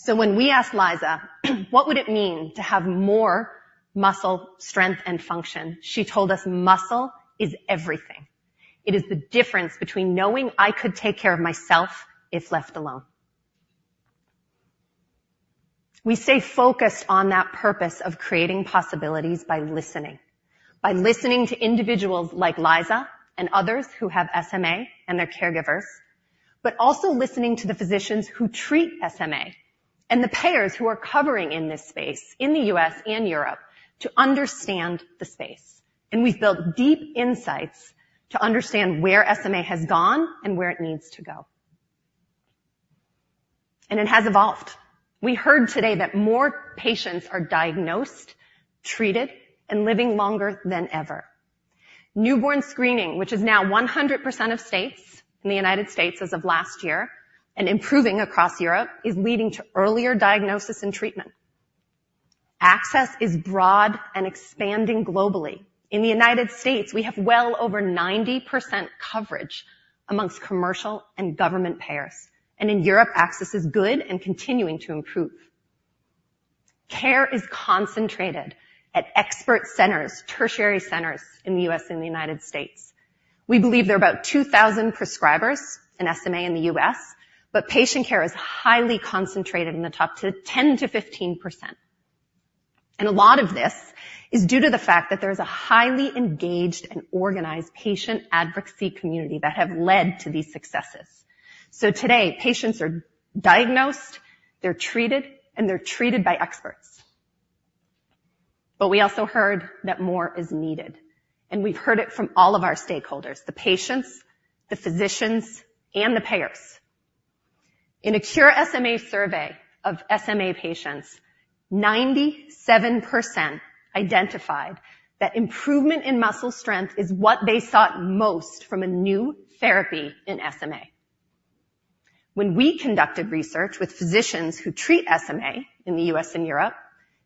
When we asked Liza, "What would it mean to have more muscle strength and function?" She told us, "Muscle is everything. It is the difference between knowing I could take care of myself if left alone." We stay focused on that purpose of creating possibilities by listening. By listening to individuals like Liza and others who have SMA and their caregivers, but also listening to the physicians who treat SMA and the payers who are covering in this space in the U.S. and Europe to understand the space. We've built deep insights to understand where SMA has gone and where it needs to go. It has evolved. We heard today that more patients are diagnosed, treated, and living longer than ever. Newborn screening, which is now 100% of states in the United States as of last year, and improving across Europe, is leading to earlier diagnosis and treatment. Access is broad and expanding globally. In the United States, we have well over 90% coverage amongst commercial and government payers, and in Europe, access is good and continuing to improve. Care is concentrated at expert centers, tertiary centers in the U.S. and the United States. We believe there are about 2,000 prescribers in SMA in the U.S., but patient care is highly concentrated in the top 10-15%. A lot of this is due to the fact that there's a highly engaged and organized patient advocacy community that have led to these successes. Today, patients are diagnosed, they're treated, and they're treated by experts. We also heard that more is needed, and we've heard it from all of our stakeholders, the patients, the physicians, and the payers. In a Cure SMA survey of SMA patients, 97% identified that improvement in muscle strength is what they sought most from a new therapy in SMA. When we conducted research with physicians who treat SMA in the US and Europe,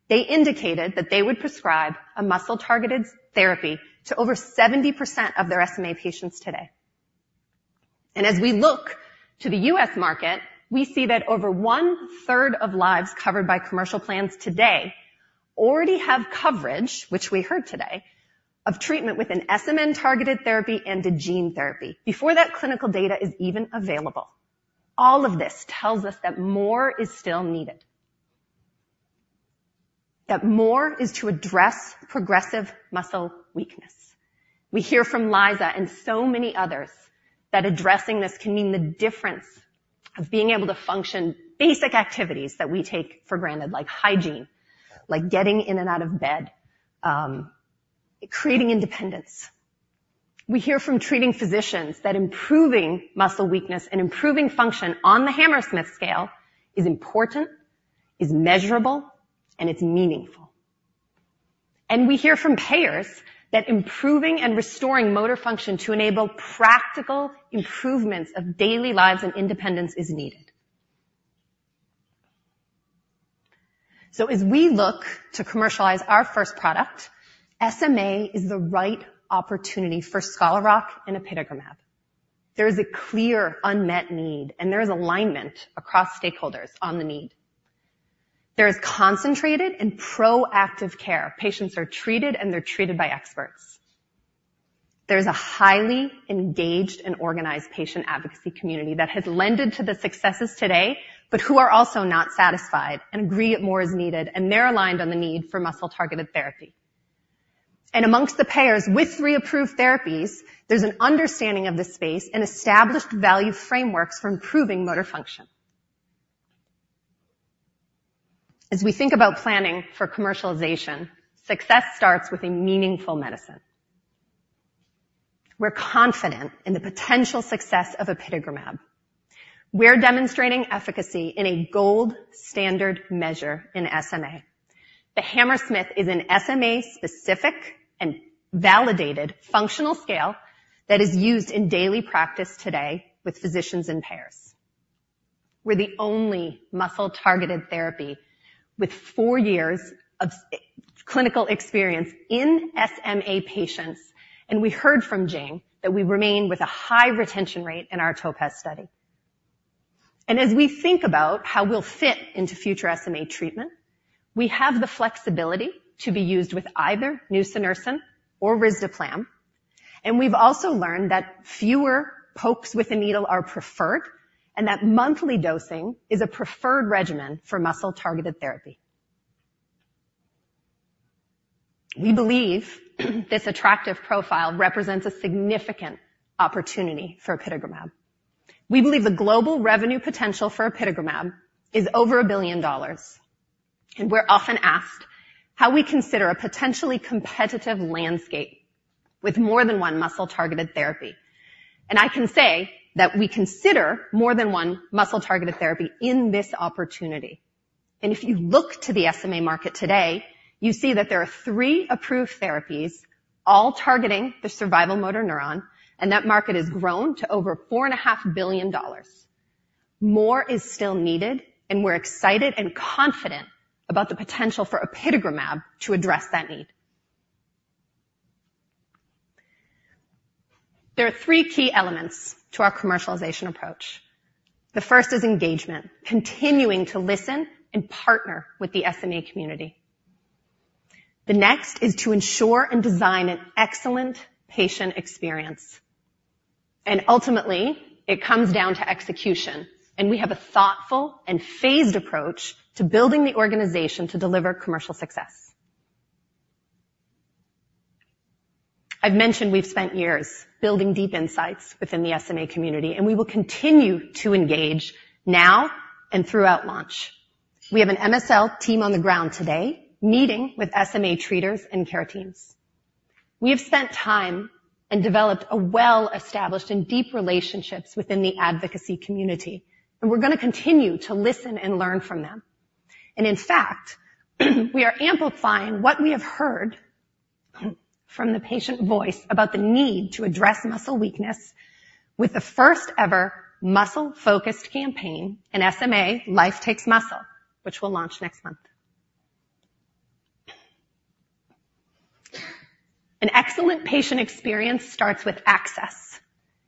they indicated that they would prescribe a muscle-targeted therapy to over 70% of their SMA patients today. As we look to the US market, we see that over one-third of lives covered by commercial plans today already have coverage, which we heard today, of treatment with an SMN-targeted therapy and a gene therapy. Before that clinical data is even available, all of this tells us that more is still needed. That more is to address progressive muscle weakness. We hear from Liza and so many others that addressing this can mean the difference of being able to function basic activities that we take for granted, like hygiene, like getting in and out of bed, creating independence. We hear from treating physicians that improving muscle weakness and improving function on the Hammersmith scale is important, is measurable, and it's meaningful. We hear from payers that improving and restoring motor function to enable practical improvements of daily lives and independence is needed. As we look to commercialize our first product, SMA is the right opportunity for Scholar Rock and apitegromab. There is a clear unmet need and there is alignment across stakeholders on the need. There is concentrated and proactive care. Patients are treated, and they're treated by experts. There's a highly engaged and organized patient advocacy community that has lent to the successes today, but who are also not satisfied and agree that more is needed, and they're aligned on the need for muscle-targeted therapy. Amongst the payers with three approved therapies, there's an understanding of the space and established value frameworks for improving motor function. As we think about planning for commercialization, success starts with a meaningful medicine.... We're confident in the potential success of apitegromab. We're demonstrating efficacy in a gold standard measure in SMA. The Hammersmith is an SMA-specific and validated functional scale that is used in daily practice today with physicians and peers. We're the only muscle-targeted therapy with four years of clinical experience in SMA patients, and we heard from Jay that we remain with a high retention rate in our TOPAZ study. As we think about how we'll fit into future SMA treatment, we have the flexibility to be used with either nusinersen or risdiplam, and we've also learned that fewer pokes with a needle are preferred and that monthly dosing is a preferred regimen for muscle-targeted therapy. We believe this attractive profile represents a significant opportunity for apitegromab. We believe the global revenue potential for apitegromab is over $1 billion, and we're often asked how we consider a potentially competitive landscape with more than one muscle-targeted therapy. I can say that we consider more than one muscle-targeted therapy in this opportunity. If you look to the SMA market today, you see that there are three approved therapies, all targeting the survival motor neuron, and that market has grown to over $4.5 billion. More is still needed, and we're excited and confident about the potential for apitegromab to address that need. There are three key elements to our commercialization approach. The first is engagement, continuing to listen and partner with the SMA community. The next is to ensure and design an excellent patient experience, and ultimately, it comes down to execution, and we have a thoughtful and phased approach to building the organization to deliver commercial success. I've mentioned we've spent years building deep insights within the SMA community, and we will continue to engage now and throughout launch. We have an MSL team on the ground today, meeting with SMA treaters and care teams. We have spent time and developed a well-established and deep relationships within the advocacy community, and we're gonna continue to listen and learn from them. In fact, we are amplifying what we have heard from the patient voice about the need to address muscle weakness with the first ever muscle-focused campaign in SMA, Life Takes Muscle, which we'll launch next month. An excellent patient experience starts with access,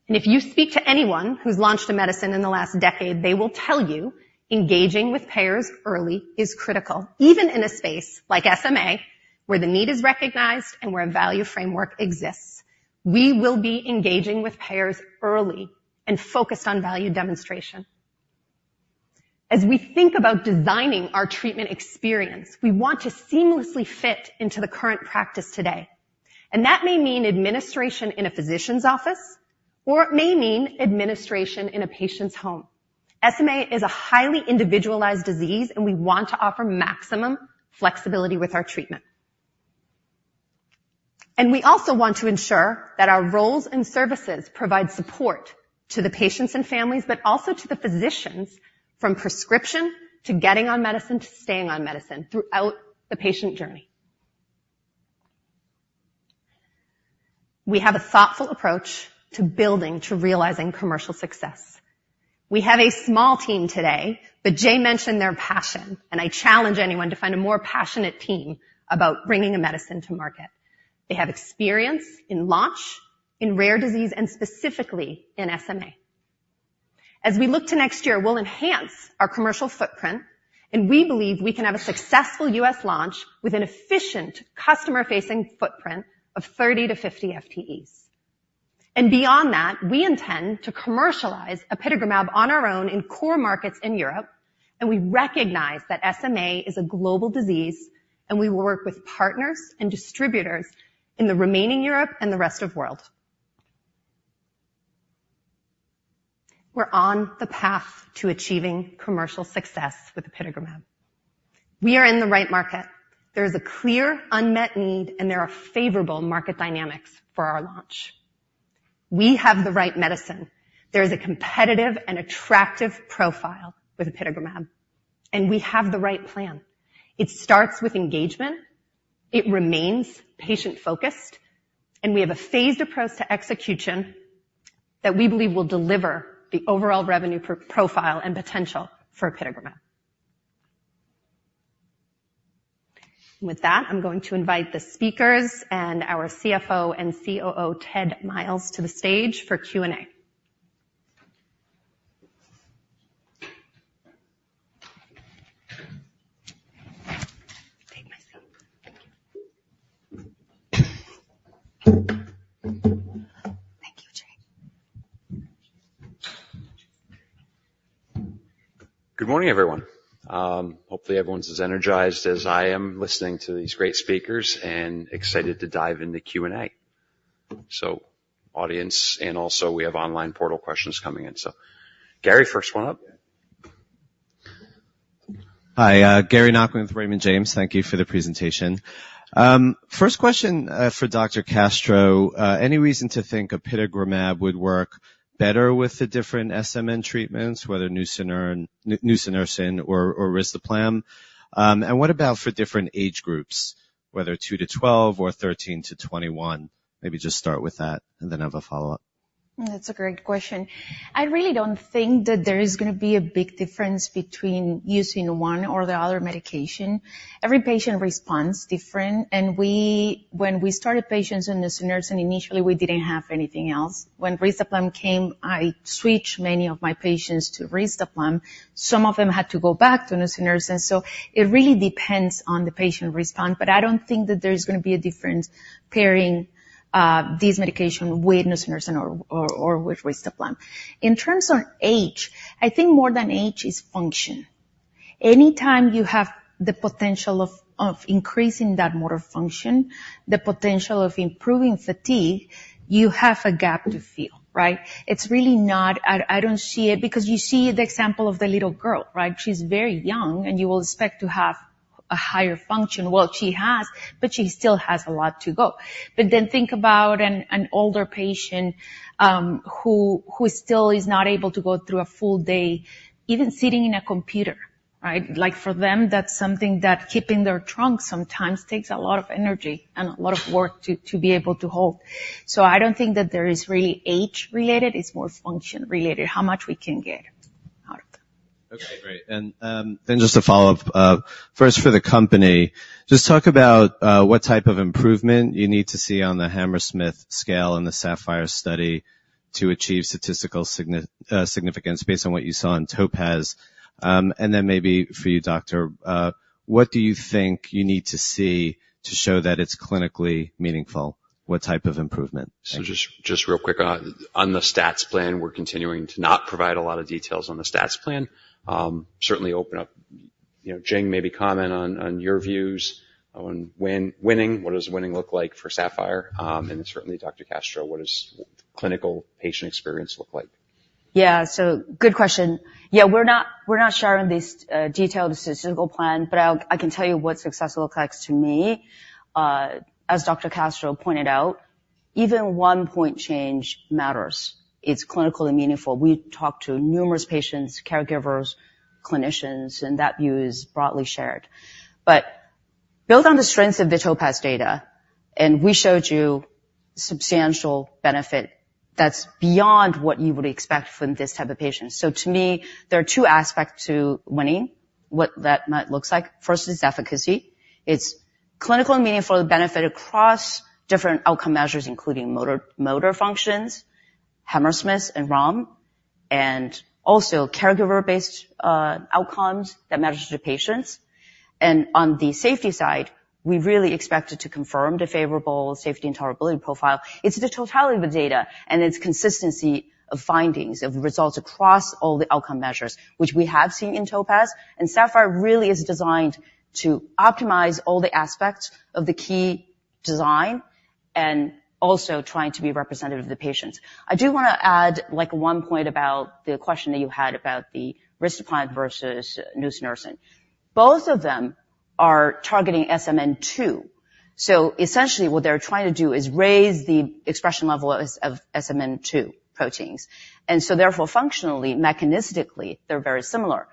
and if you speak to anyone who's launched a medicine in the last decade, they will tell you engaging with payers early is critical, even in a space like SMA, where the need is recognized and where a value framework exists. We will be engaging with payers early and focused on value demonstration. As we think about designing our treatment experience, we want to seamlessly fit into the current practice today, and that may mean administration in a physician's office, or it may mean administration in a patient's home. SMA is a highly individualized disease, and we want to offer maximum flexibility with our treatment. We also want to ensure that our roles and services provide support to the patients and families, but also to the physicians from prescription to getting on medicine, to staying on medicine throughout the patient journey. We have a thoughtful approach to building, to realizing commercial success. We have a small team today, but Jay mentioned their passion, and I challenge anyone to find a more passionate team about bringing a medicine to market. They have experience in launch, in rare disease, and specifically in SMA. As we look to next year, we'll enhance our commercial footprint, and we believe we can have a successful U.S. launch with an efficient customer-facing footprint of 30-50 FTEs. Beyond that, we intend to commercialize apitegromab on our own in core markets in Europe, and we recognize that SMA is a global disease, and we will work with partners and distributors in the remaining Europe and the rest of world. We're on the path to achieving commercial success with apitegromab. We are in the right market. There is a clear unmet need, and there are favorable market dynamics for our launch. We have the right medicine. There is a competitive and attractive profile with apitegromab, and we have the right plan. It starts with engagement, it remains patient-focused, and we have a phased approach to execution that we believe will deliver the overall revenue profile and potential for apitegromab. With that, I'm going to invite the speakers and our CFO and COO, Ted Miles, to the stage for Q&A. Good morning, everyone. Hopefully everyone's as energized as I am, listening to these great speakers and excited to dive into Q&A. So, audience, and also we have online portal questions coming in. So, Gary, first one up? Hi, Gary Nachman with Raymond James. Thank you for the presentation. First question, for Dr. Castro. Any reason to think apitegromab would work better with the different SMN treatments, whether nusinersen or risdiplam? And what about for different age groups, whether 2-12 or 13-21? Maybe just start with that, and then I have a follow-up. That's a great question. I really don't think that there is gonna be a big difference between using one or the other medication. Every patient responds different, and when we started patients on nusinersen, initially, we didn't have anything else. When risdiplam came, I switched many of my patients to risdiplam. Some of them had to go back to nusinersen. So it really depends on the patient response, but I don't think that there's gonna be a difference pairing this medication with nusinersen or with risdiplam. In terms of age, I think more than age is function. Anytime you have the potential of increasing that motor function, the potential of improving fatigue, you have a gap to fill, right? It's really not. I don't see it because you see the example of the little girl, right? She's very young, and you will expect to have a higher function. Well, she has, but she still has a lot to go. But then think about an older patient who still is not able to go through a full day, even sitting in a computer, right? Like, for them, that's something that keeping their trunk sometimes takes a lot of energy and a lot of work to be able to hold. So I don't think that there is really age-related. It's more function-related, how much we can get out of it. Okay, great. And then just a follow-up. First, for the company, just talk about what type of improvement you need to see on the Hammersmith scale and the SAPPHIRE study to achieve statistical significance based on what you saw in TOPAZ. And then maybe for you, doctor, what do you think you need to see to show that it's clinically meaningful? What type of improvement? So just real quick, on the stats plan, we're continuing to not provide a lot of details on the stats plan. Certainly open up... You know, Jing, maybe comment on your views on winning. What does winning look like for SAPPHIRE? And certainly, Dr. Castro, what does clinical patient experience look like? Yeah, so good question. Yeah, we're not, we're not sharing this, detailed statistical plan, but I can tell you what success looks like to me. As Dr. Castro pointed out, even one-point change matters. It's clinically meaningful. We talked to numerous patients, caregivers, clinicians, and that view is broadly shared. But build on the strengths of the TOPAZ data, and we showed you substantial benefit that's beyond what you would expect from this type of patient. So to me, there are two aspects to winning, what that might looks like. First is efficacy. It's clinical and meaningful benefit across different outcome measures, including motor, motor functions, Hammersmith and ROM, and also caregiver-based, outcomes that matters to patients. And on the safety side, we really expect it to confirm the favorable safety and tolerability profile. It's the totality of the data and its consistency of findings, of results across all the outcome measures, which we have seen in TOPAZ. SAPPHIRE really is designed to optimize all the aspects of the key design and also trying to be representative of the patients. I do wanna add, like, one point about the question that you had about the risdiplam versus nusinersen. Both of them are targeting SMN2. So essentially, what they're trying to do is raise the expression level of, of SMN2 proteins, and so therefore, functionally, mechanistically, they're very similar.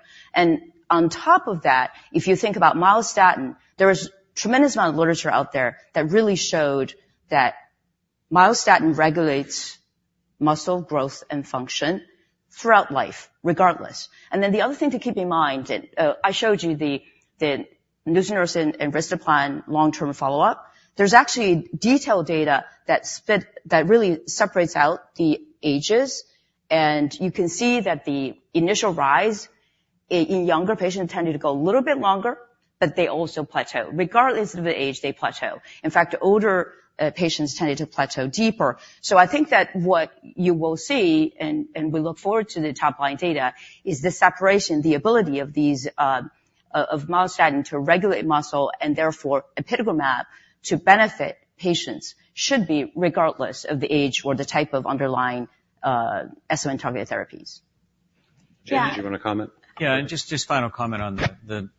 On top of that, if you think about myostatin, there is tremendous amount of literature out there that really showed that myostatin regulates muscle growth and function throughout life, regardless. Then the other thing to keep in mind, and, I showed you the, the nusinersen and risdiplam long-term follow-up. There's actually detailed data that really separates out the ages, and you can see that the initial rise in younger patients tended to go a little bit longer, but they also plateau. Regardless of the age, they plateau. In fact, older patients tended to plateau deeper. So I think that what you will see, and we look forward to the top-line data, is the separation, the ability of these of myostatin to regulate muscle, and therefore, apitegromab to benefit patients should be regardless of the age or the type of underlying SMN-targeting therapies. James, do you want to comment? Yeah, just final comment on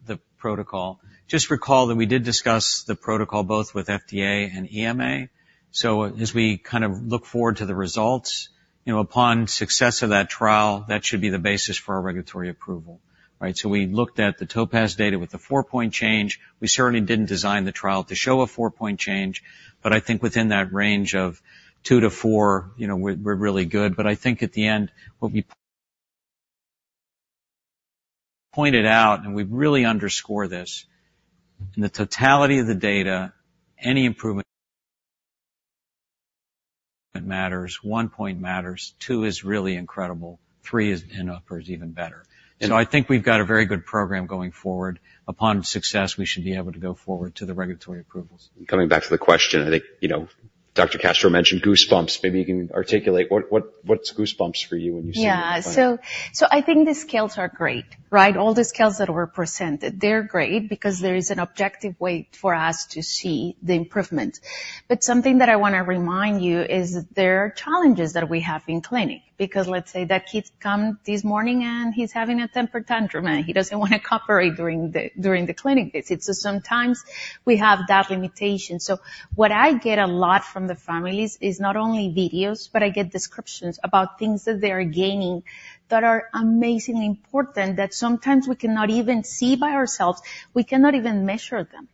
the protocol. Just recall that we did discuss the protocol both with FDA and EMA. So as we kind of look forward to the results, you know, upon success of that trial, that should be the basis for our regulatory approval, right? So we looked at the TOPAZ data with the four-point change. We certainly didn't design the trial to show a four-point change, but I think within that range of two to four, you know, we're really good. But I think at the end, what we pointed out, and we really underscore this, in the totality of the data, any improvement matters. One point matters, two is really incredible, three is, and upward is even better. So I think we've got a very good program going forward. Upon success, we should be able to go forward to the regulatory approvals. Coming back to the question, I think, you know, Dr. Castro mentioned goosebumps. Maybe you can articulate what, what's goosebumps for you when you see- Yeah, so, so I think the scales are great, right? All the scales that were presented, they're great because there is an objective way for us to see the improvement. But something that I wanna remind you is that there are challenges that we have in clinic, because let's say that kids come this morning, and he's having a temper tantrum, and he doesn't wanna cooperate during the clinic visit. So sometimes we have that limitation. So what I get a lot from the families is not only videos, but I get descriptions about things that they are gaining that are amazingly important, that sometimes we cannot even see by ourselves. We cannot even measure them.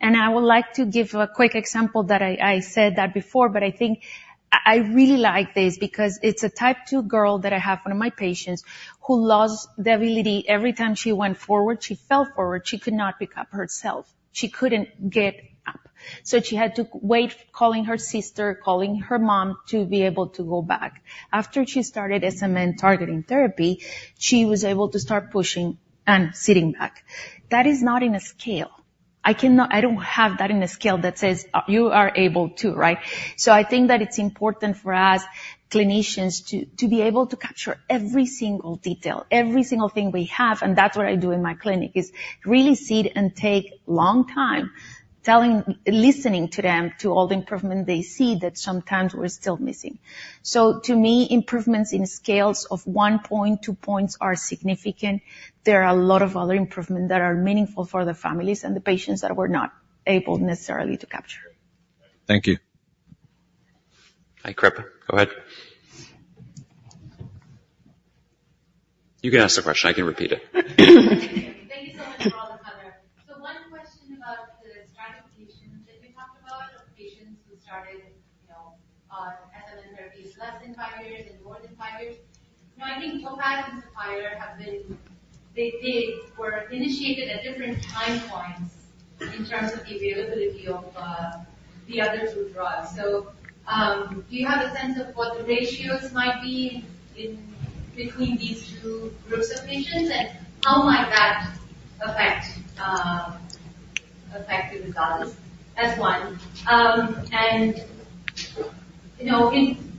I would like to give a quick example that I said that before, but I think I really like this because it's a type two girl that I have, one of my patients, who lost the ability. Every time she went forward, she fell forward. She could not pick up herself. She couldn't get up. So she had to wait, calling her sister, calling her mom to be able to go back. After she started SMN targeting therapy, she was able to start pushing and sitting back. That is not in a scale. I cannot. I don't have that in a scale that says, "You are able to," right? So I think that it's important for us clinicians to be able to capture every single detail, every single thing we have, and that's what I do in my clinic, is really sit and take long time listening to them, to all the improvement they see that sometimes we're still missing. So to me, improvements in scales of 1 point, 2 points are significant. There are a lot of other improvements that are meaningful for the families and the patients that we're not able necessarily to capture. Thank you. Hi, Kripa. Go ahead. You can ask the question. I can repeat it. Thank you so much for all the cover. So one question about the stratification that you talked about, of patients who started, you know, SMN therapies less than five years and more than five years. Now, I think TOPAZ and SAPPHIRE have been... They were initiated at different time points in terms of the availability of the other therapies. So, do you have a sense of what the ratios might be in between these two groups of patients? And how might that affect the results? That's one. And, you know,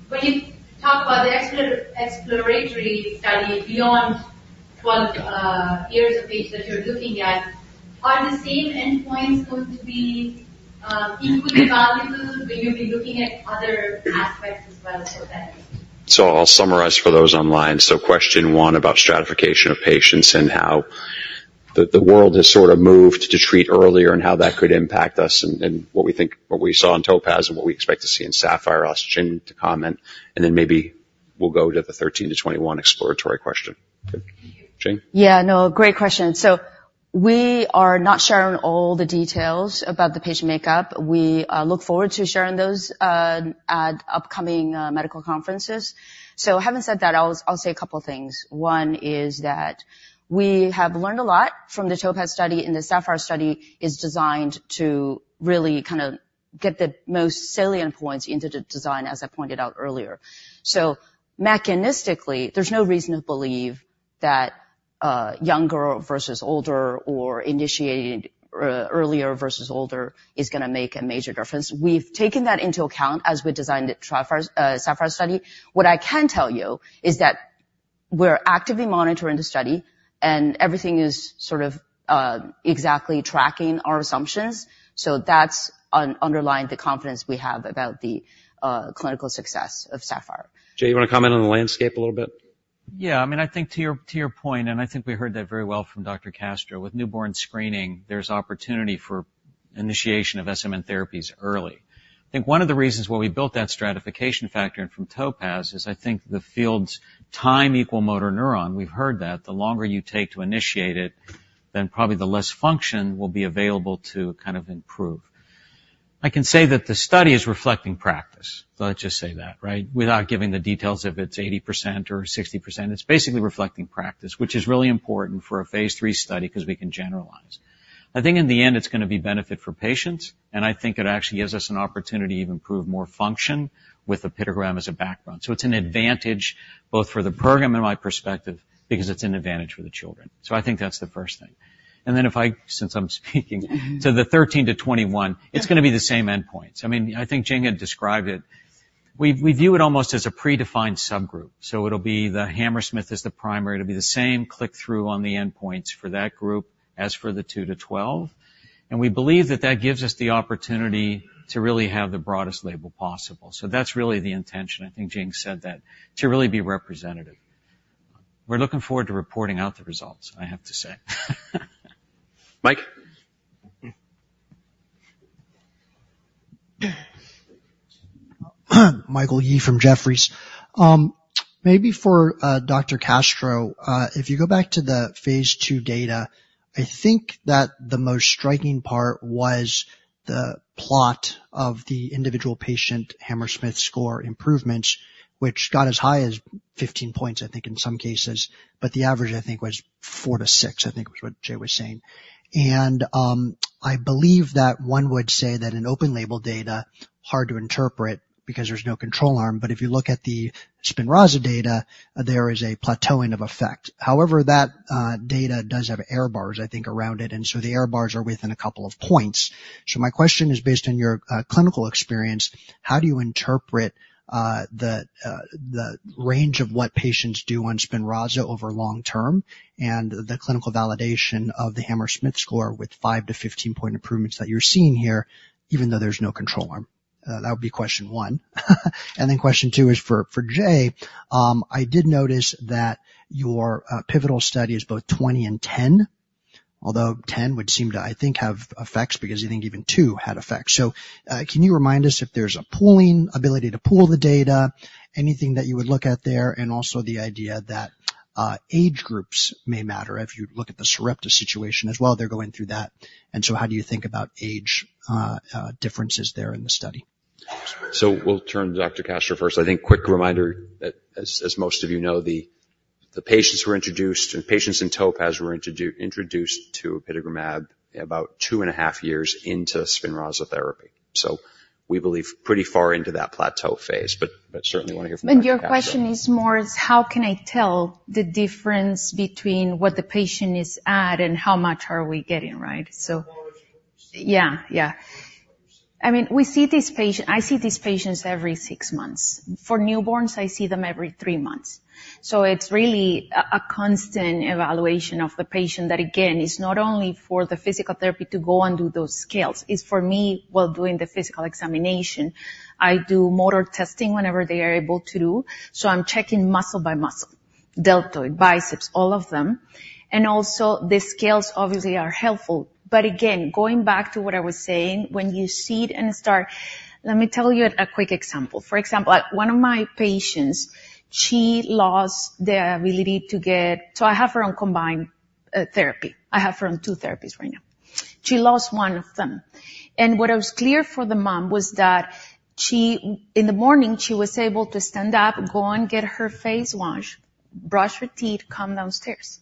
when you talk about the exploratory study beyond twelve years of age that you're looking at, are the same endpoints going to be equally valuable, or will you be looking at other aspects as well for that? So I'll summarize for those online. So question one about stratification of patients and how the world has sort of moved to treat earlier and how that could impact us and what we think, what we saw in TOPAZ and what we expect to see in SAPPHIRE. I'll ask Jing to comment, and then maybe we'll go to the 13-21 exploratory question. Jing? Yeah, no, great question. So we are not sharing all the details about the patient makeup. We look forward to sharing those at upcoming medical conferences. So having said that, I'll say a couple of things. One is that we have learned a lot from the TOPAZ study, and the SAPPHIRE study is designed to really kind of get the most salient points into the design, as I pointed out earlier. So mechanistically, there's no reason to believe that younger versus older or initiated earlier versus older is gonna make a major difference. We've taken that into account as we designed the SAPPHIRE study. What I can tell you is that we're actively monitoring the study, and everything is sort of exactly tracking our assumptions. So that's underlying the confidence we have about the clinical success of SAPPHIRE. Jay, you wanna comment on the landscape a little bit? Yeah. I mean, I think to your, to your point, and I think we heard that very well from Dr. Castro. With newborn screening, there's opportunity for initiation of SMN therapies early. I think one of the reasons why we built that stratification factor in from TOPAZ is I think the field is time equals motor neuron. We've heard that. The longer you take to initiate it, then probably the less function will be available to kind of improve. I can say that the study is reflecting practice. Let's just say that, right? Without giving the details if it's 80% or 60%. It's basically reflecting practice, which is really important for a phase 3 study because we can generalize. I think in the end, it's gonna be benefit for patients, and I think it actually gives us an opportunity to improve more function with apitegromab as a background. So it's an advantage both for the program and my perspective because it's an advantage for the children. So I think that's the first thing. And then if I... Since I'm speaking to the 13 to 21, it's gonna be the same endpoints. I mean, I think Jing had described it. We view it almost as a predefined subgroup. So it'll be the Hammersmith as the primary. It'll be the same click-through on the endpoints for that group as for the 2 to 12, and we believe that that gives us the opportunity to really have the broadest label possible. So that's really the intention. I think Jing said that, to really be representative. We're looking forward to reporting out the results, I have to say. Mike? Michael Yee from Jefferies. Maybe for Dr. Castro, if you go back to the phase 2 data, I think that the most striking part was the plot of the individual patient Hammersmith score improvements, which got as high as 15 points, I think, in some cases, but the average, I think, was 4-6, I think was what Jay was saying. I believe that one would say that an open label data, hard to interpret-... because there's no control arm. But if you look at the Spinraza data, there is a plateauing of effect. However, that data does have error bars, I think, around it, and so the error bars are within a couple of points. So my question is based on your clinical experience, how do you interpret the range of what patients do on Spinraza over long term, and the clinical validation of the Hammersmith score with 5- to 15-point improvements that you're seeing here, even though there's no control arm? That would be question one. And then question two is for Jay. I did notice that your pivotal study is both 20 and 10, although 10 would seem to, I think, have effects because I think even 2 had effects. So, can you remind us if there's pooling ability to pool the data, anything that you would look at there, and also the idea that age groups may matter if you look at the Sarepta situation as well? They're going through that. So how do you think about age differences there in the study? So we'll turn to Dr. Castro first. I think, quick reminder, that as, as most of you know, the patients were introduced, and patients in TOPAZ were introduced to apitegromab about 2.5 years into Spinraza therapy. So we believe pretty far into that plateau phase, but certainly want to hear from Dr. Castro. And your question is more, is how can I tell the difference between what the patient is at and how much are we getting, right? So, yeah, yeah. I mean, we see these patients... I see these patients every six months. For newborns, I see them every three months. So it's really a, a constant evaluation of the patient. That again, is not only for the physical therapy to go and do those scales, it's for me while doing the physical examination. I do motor testing whenever they are able to do, so I'm checking muscle by muscle, deltoid, biceps, all of them. And also, the scales obviously are helpful. But again, going back to what I was saying, when you see it in a stark... Let me tell you a quick example. For example, one of my patients, she lost the ability to get. So I have her on combined therapy. I have her on two therapies right now. She lost one of them, and what was clear for the mom was that she, in the morning, she was able to stand up, go and get her face washed, brush her teeth, come downstairs.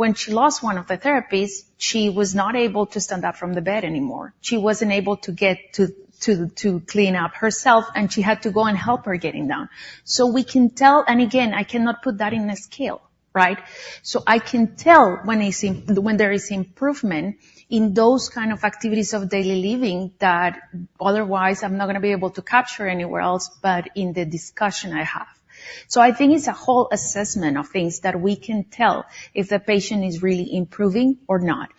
When she lost one of the therapies, she was not able to stand up from the bed anymore. She wasn't able to get to clean up herself, and she had to go and help her getting down. So we can tell. And again, I cannot put that in a scale, right? So I can tell when I see when there is improvement in those kind of activities of daily living that otherwise I'm not going to be able to capture anywhere else but in the discussion I have. So I think it's a whole assessment of things that we can tell if the patient is really improving or not.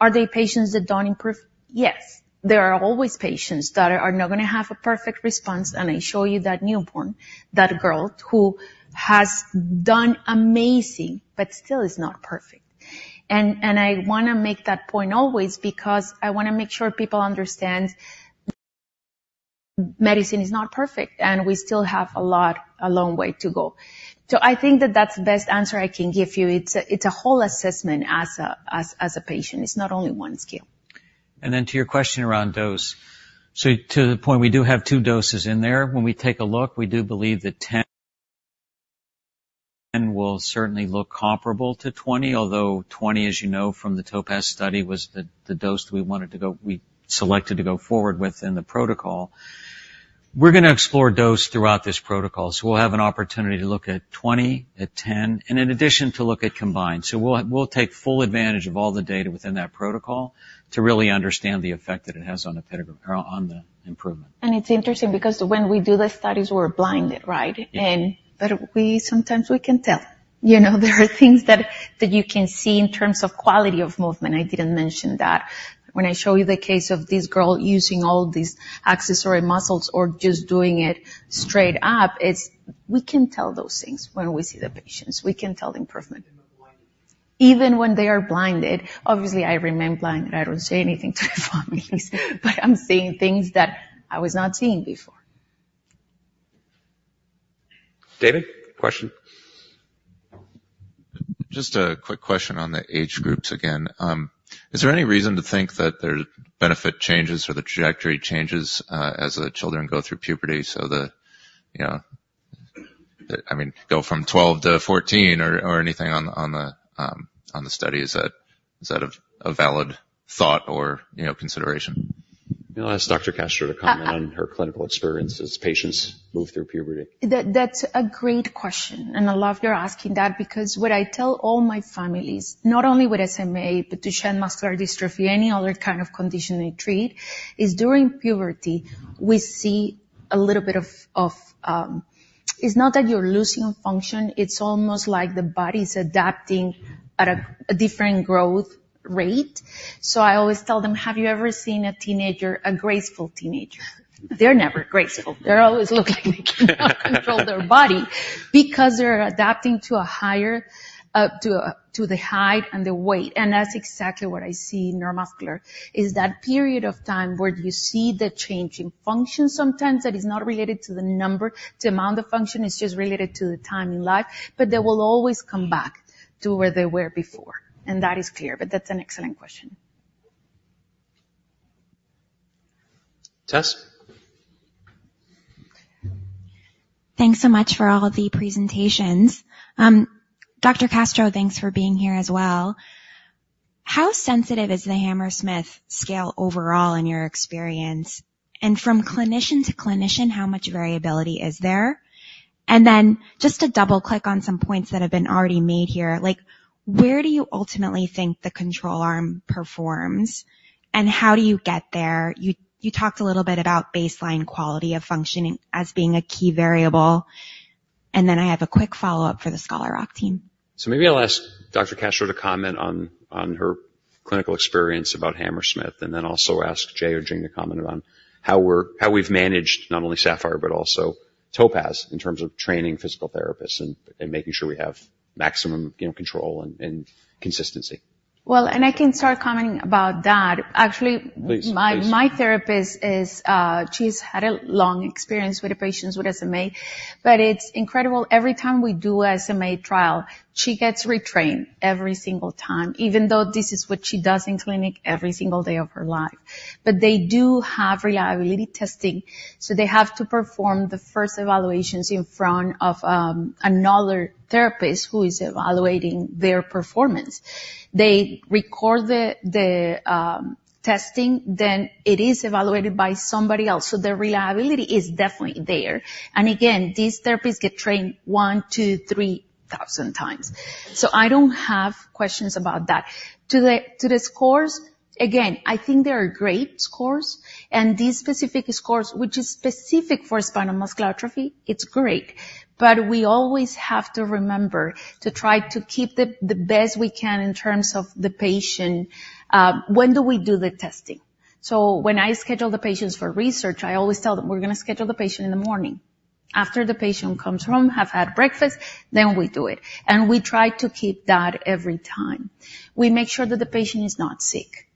Are there patients that don't improve? Yes, there are always patients that are not gonna have a perfect response, and I show you that newborn, that girl who has done amazing, but still is not perfect. I want to make that point always because I want to make sure people understand medicine is not perfect, and we still have a long way to go. So I think that's the best answer I can give you. It's a whole assessment as a patient. It's not only one scale. Then to your question around dose. So to the point, we do have two doses in there. When we take a look, we do believe that 10 will certainly look comparable to 20, although 20, as you know from the TOPAZ study, was the dose we wanted to go forward with, we selected to go forward with in the protocol. We're gonna explore dose throughout this protocol, so we'll have an opportunity to look at 20, at 10, and in addition, to look at combined. So we'll take full advantage of all the data within that protocol to really understand the effect that it has on the apitegromab or on the improvement. It's interesting because when we do the studies, we're blinded, right? We sometimes can tell, you know, there are things that you can see in terms of quality of movement. I didn't mention that. When I show you the case of this girl using all these accessory muscles or just doing it straight up, it's... We can tell those things when we see the patients. We can tell the improvement. Even when they are blinded. Obviously, I remain blinded. I don't say anything to the families, but I'm seeing things that I was not seeing before. David, question? Just a quick question on the age groups again. Is there any reason to think that their benefit changes or the trajectory changes as the children go through puberty, you know, I mean, go from 12 to 14 or anything on the studies? Is that a valid thought or, you know, consideration? I'll ask Dr. Castro to comment on her clinical experience as patients move through puberty. That, that's a great question, and I love you're asking that because what I tell all my families, not only with SMA, but Duchenne muscular dystrophy, any other kind of condition they treat, is during puberty, we see a little bit of, it's not that you're losing function, it's almost like the body's adapting at a different growth rate. So I always tell them: Have you ever seen a teenager, a graceful teenager? They're never graceful. They're always looking like they cannot control their body, because they're adapting to a higher, to the height and the weight. That's exactly what I see in neuromuscular, is that period of time where you see the change in function sometimes that is not related to the number, the amount of function, it's just related to the time in life, but they will always come back to where they were before, and that is clear. But that's an excellent question. Tess?... Thanks so much for all of the presentations. Dr. Castro, thanks for being here as well. How sensitive is the Hammersmith scale overall in your experience? And from clinician to clinician, how much variability is there? And then just to double-click on some points that have been already made here, like, where do you ultimately think the control arm performs, and how do you get there? You, you talked a little bit about baseline quality of functioning as being a key variable. And then I have a quick follow-up for the Scholar Rock team. So maybe I'll ask Dr. Castro to comment on her clinical experience about Hammersmith, and then also ask Jay or Jing to comment on how we've managed not only SAPPHIRE, but also TOPAZ, in terms of training physical therapists and making sure we have maximum, you know, control and consistency. Well, and I can start commenting about that. Actually- Please. My therapist is, she's had a long experience with the patients with SMA, but it's incredible. Every time we do SMA trial, she gets retrained every single time, even though this is what she does in clinic every single day of her life. But they do have reliability testing, so they have to perform the first evaluations in front of another therapist who is evaluating their performance. They record the testing, then it is evaluated by somebody else, so the reliability is definitely there. And again, these therapists get trained 1 to 3,000 times. So I don't have questions about that. To the scores, again, I think they are great scores, and these specific scores, which is specific for Spinal Muscular Atrophy, it's great. But we always have to remember to try to keep the best we can in terms of the patient. When do we do the testing? So when I schedule the patients for research, I always tell them, "We're gonna schedule the patient in the morning. After the patient comes home, have had breakfast, then we do it." And we try to keep that every time. We make sure that the patient is not sick.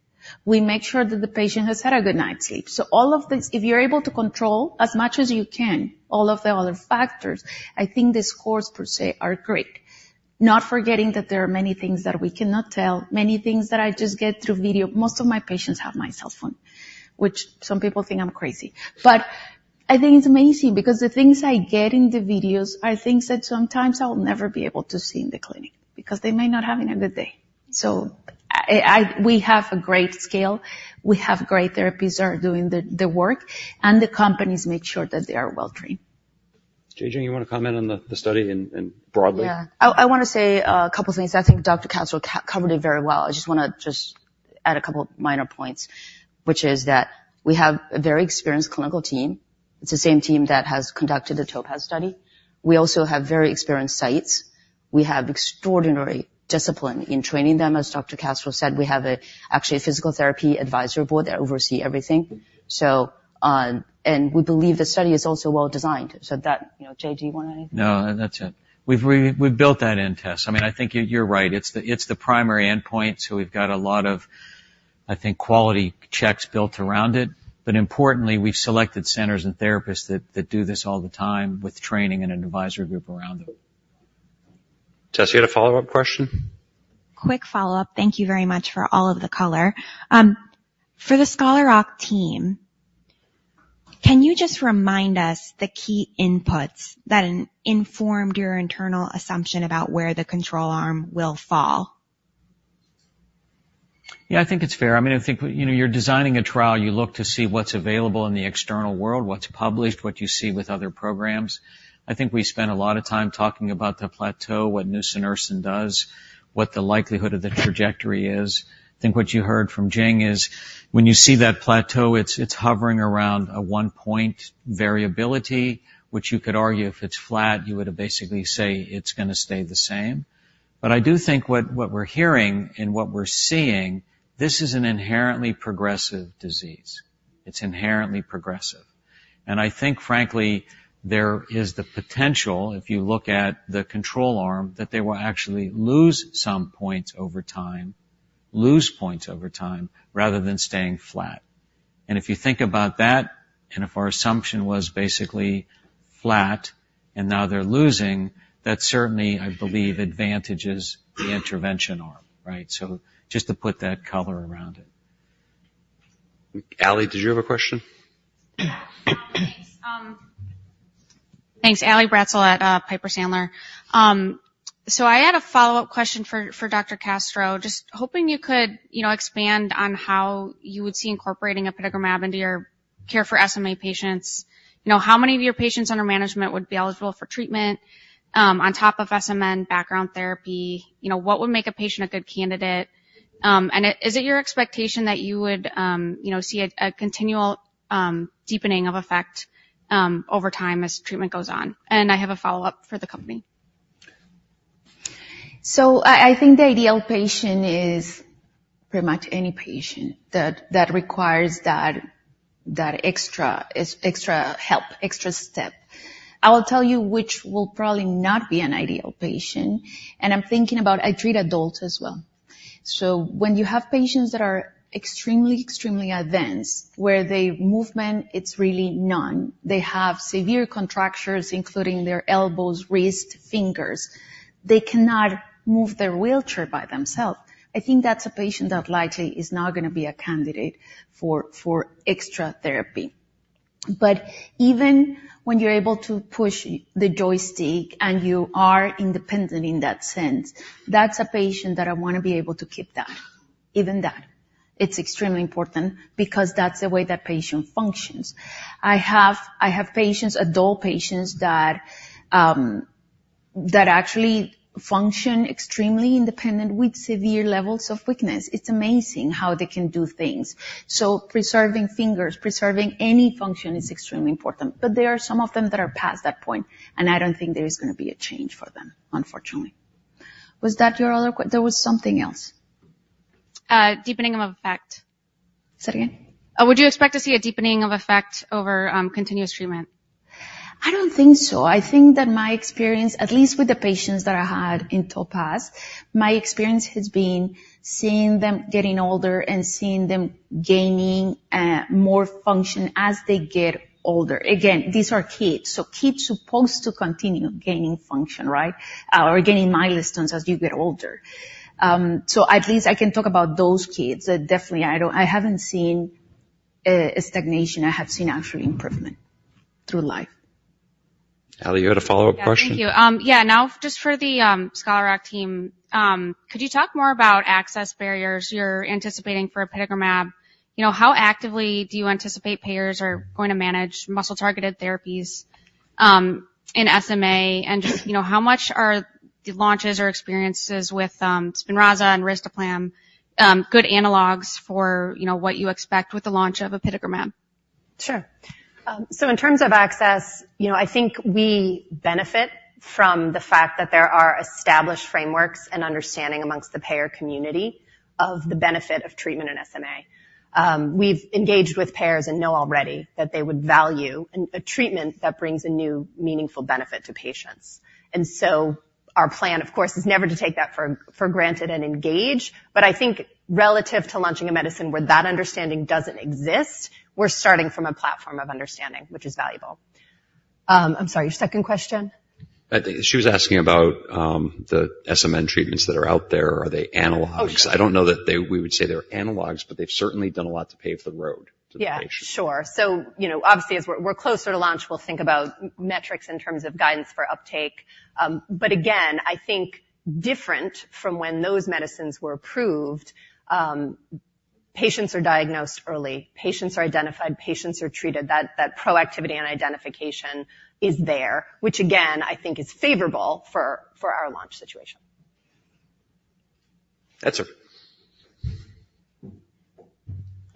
We make sure that the patient has had a good night's sleep. So all of these, if you're able to control as much as you can, all of the other factors, I think the scores, per se, are great. Not forgetting that there are many things that we cannot tell, many things that I just get through video. Most of my patients have my cell phone, which some people think I'm crazy. But I think it's amazing because the things I get in the videos are things that sometimes I'll never be able to see in the clinic because they may not having a good day. So we have a great scale, we have great therapists are doing the work, and the companies make sure that they are well-trained. Jing, you wanna comment on the study and broadly? Yeah. I wanna say a couple things. I think Dr. Castro covered it very well. I just wanna just add a couple minor points, which is that we have a very experienced clinical team. It's the same team that has conducted the TOPAZ study. We also have very experienced sites. We have extraordinary discipline in training them. As Dr. Castro said, we have actually a physical therapy advisory board that oversee everything. So, and we believe the study is also well designed. So that, you know, Jay, do you want to add anything? No, that's it. We've built that in test. I mean, I think you're right, it's the primary endpoint, so we've got a lot of, I think, quality checks built around it. But importantly, we've selected centers and therapists that do this all the time with training and an advisory group around them. Tess, you had a follow-up question? Quick follow-up. Thank you very much for all of the color. For the Scholar Rock team, can you just remind us the key inputs that informed your internal assumption about where the control arm will fall? Yeah, I think it's fair. I mean, I think, you know, you're designing a trial, you look to see what's available in the external world, what's published, what you see with other programs. I think we spent a lot of time talking about the plateau, what nusinersen does, what the likelihood of the trajectory is. I think what you heard from Jing is, when you see that plateau, it's hovering around a 1-point variability, which you could argue if it's flat, you would basically say it's gonna stay the same. But I do think what we're hearing and what we're seeing, this is an inherently progressive disease. It's inherently progressive. And I think, frankly, there is the potential, if you look at the control arm, that they will actually lose some points over time, lose points over time, rather than staying flat. And if you think about that, and if our assumption was basically flat, and now they're losing, that certainly, I believe, advantages the intervention arm, right? So just to put that color around it. Ally, did you have a question? Yeah. Thanks. Thanks, Allison Bratzel at Piper Sandler. So I had a follow-up question for Dr. Castro. Just hoping you could, you know, expand on how you would see incorporating apitegromab into your care for SMA patients. You know, how many of your patients under management would be eligible for treatment on top of SMN background therapy? You know, what would make a patient a good candidate? And is it your expectation that you would, you know, see a continual deepening of effect over time as treatment goes on? And I have a follow-up for the company. So I think the ideal patient is pretty much any patient that requires that extra help, extra step. I will tell you which will probably not be an ideal patient, and I'm thinking about... I treat adults as well. So when you have patients that are extremely advanced, where their movement is really none, they have severe contractures, including their elbows, wrists, fingers, they cannot move their wheelchair by themselves, I think that's a patient that likely is not gonna be a candidate for extra therapy. But even when you're able to push the joystick and you are independent in that sense, that's a patient that I wanna be able to keep that. Even that, it's extremely important because that's the way that patient functions. I have, I have patients, adult patients, that actually function extremely independent with severe levels of weakness. It's amazing how they can do things. So preserving fingers, preserving any function is extremely important. But there are some of them that are past that point, and I don't think there is gonna be a change for them, unfortunately. Was that your other que-- There was something else? Deepening of effect. Say it again. Would you expect to see a deepening of effect over, continuous treatment? I don't think so. I think that my experience, at least with the patients that I had in TOPAZ, my experience has been seeing them getting older and seeing them gaining more function as they get older. Again, these are kids, so kids supposed to continue gaining function, right? Or gaining milestones as you get older. So at least I can talk about those kids. Definitely, I haven't seen a stagnation. I have seen actual improvement through life. Ali, you had a follow-up question? Yeah, thank you. Yeah, now just for the Scholar Rock team, could you talk more about access barriers you're anticipating for apitegromab? You know, how actively do you anticipate payers are going to manage muscle-targeted therapies in SMA? And just, you know, how much are the launches or experiences with Spinraza and risdiplam good analogs for, you know, what you expect with the launch of apitegromab? Sure. So in terms of access, you know, I think we benefit from the fact that there are established frameworks and understanding amongst the payer community of the benefit of treatment in SMA. We've engaged with payers and know already that they would value a treatment that brings a new, meaningful benefit to patients. And so our plan, of course, is never to take that for granted and engage. But I think relative to launching a medicine where that understanding doesn't exist, we're starting from a platform of understanding, which is valuable. I'm sorry, your second question? I think she was asking about, the SMN treatments that are out there. Are they analogs? Oh, sure. I don't know that they... We would say they're analogs, but they've certainly done a lot to pave the road to the patient. Yeah, sure. So, you know, obviously, as we're closer to launch, we'll think about metrics in terms of guidance for uptake. But again, I think different from when those medicines were approved, patients are diagnosed early, patients are identified, patients are treated. That proactivity and identification is there, which again, I think is favorable for our launch situation. Etzer.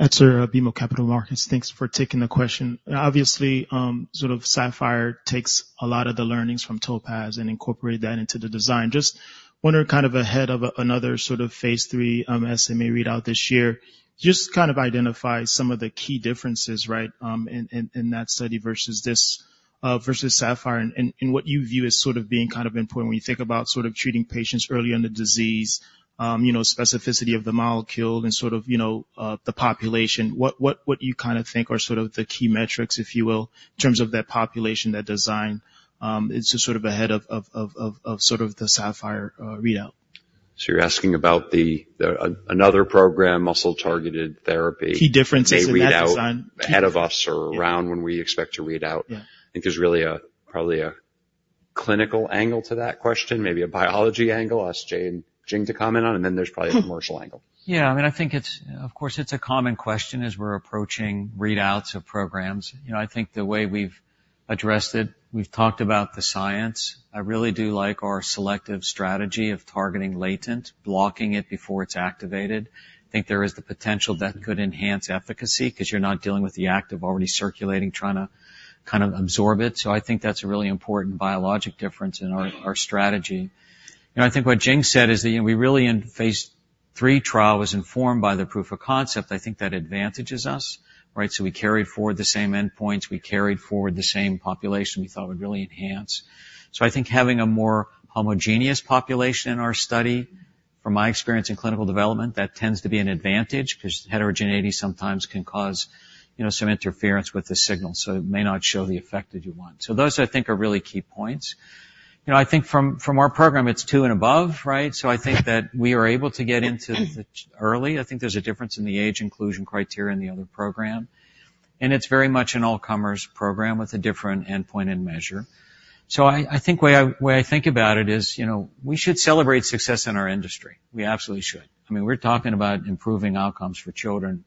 Etzer, BMO Capital Markets. Thanks for taking the question. Obviously, sort of SAPPHIRE takes a lot of the learnings from TOPAZ and incorporate that into the design. Just wondering, kind of ahead of another sort of Phase 3, SMA readout this year, just kind of identify some of the key differences, right, in, in, in that study versus this, versus SAPPHIRE. And what you view as sort of being kind of important when you think about sort of treating patients early on the disease, you know, specificity of the molecule and sort of, you know, the population. What, what, what do you kind of think are sort of the key metrics, if you will, in terms of that population, that design, it's just sort of ahead of, of, of, of, of sort of the SAPPHIRE, readout? So you're asking about another program, muscle-targeted therapy- Key differences in that design. Readout ahead of us or around when we expect to read out. Yeah. I think there's really a, probably a clinical angle to that question, maybe a biology angle. Ask Jay and Jing to comment on, and then there's probably a commercial angle. Yeah, I mean, I think it's, of course, it's a common question as we're approaching readouts of programs. You know, I think the way we've addressed it, we've talked about the science. I really do like our selective strategy of targeting latent, blocking it before it's activated. I think there is the potential that could enhance efficacy 'cause you're not dealing with the act of already circulating, trying to kind of absorb it. So I think that's a really important biologic difference in our, our strategy. You know, I think what Jing said is that, you know, we really in phase 3 trial, was informed by the proof of concept. I think that advantages us, right? So we carried forward the same endpoints, we carried forward the same population we thought would really enhance. So I think having a more homogeneous population in our study, from my experience in clinical development, that tends to be an advantage because heterogeneity sometimes can cause, you know, some interference with the signal, so it may not show the effect that you want. So those, I think, are really key points. You know, I think from our program, it's 2 and above, right? So I think that we are able to get into it early. I think there's a difference in the age inclusion criteria in the other program. And it's very much an all-comers program with a different endpoint and measure. So I think way I think about it is, you know, we should celebrate success in our industry. We absolutely should. I mean, we're talking about improving outcomes for children,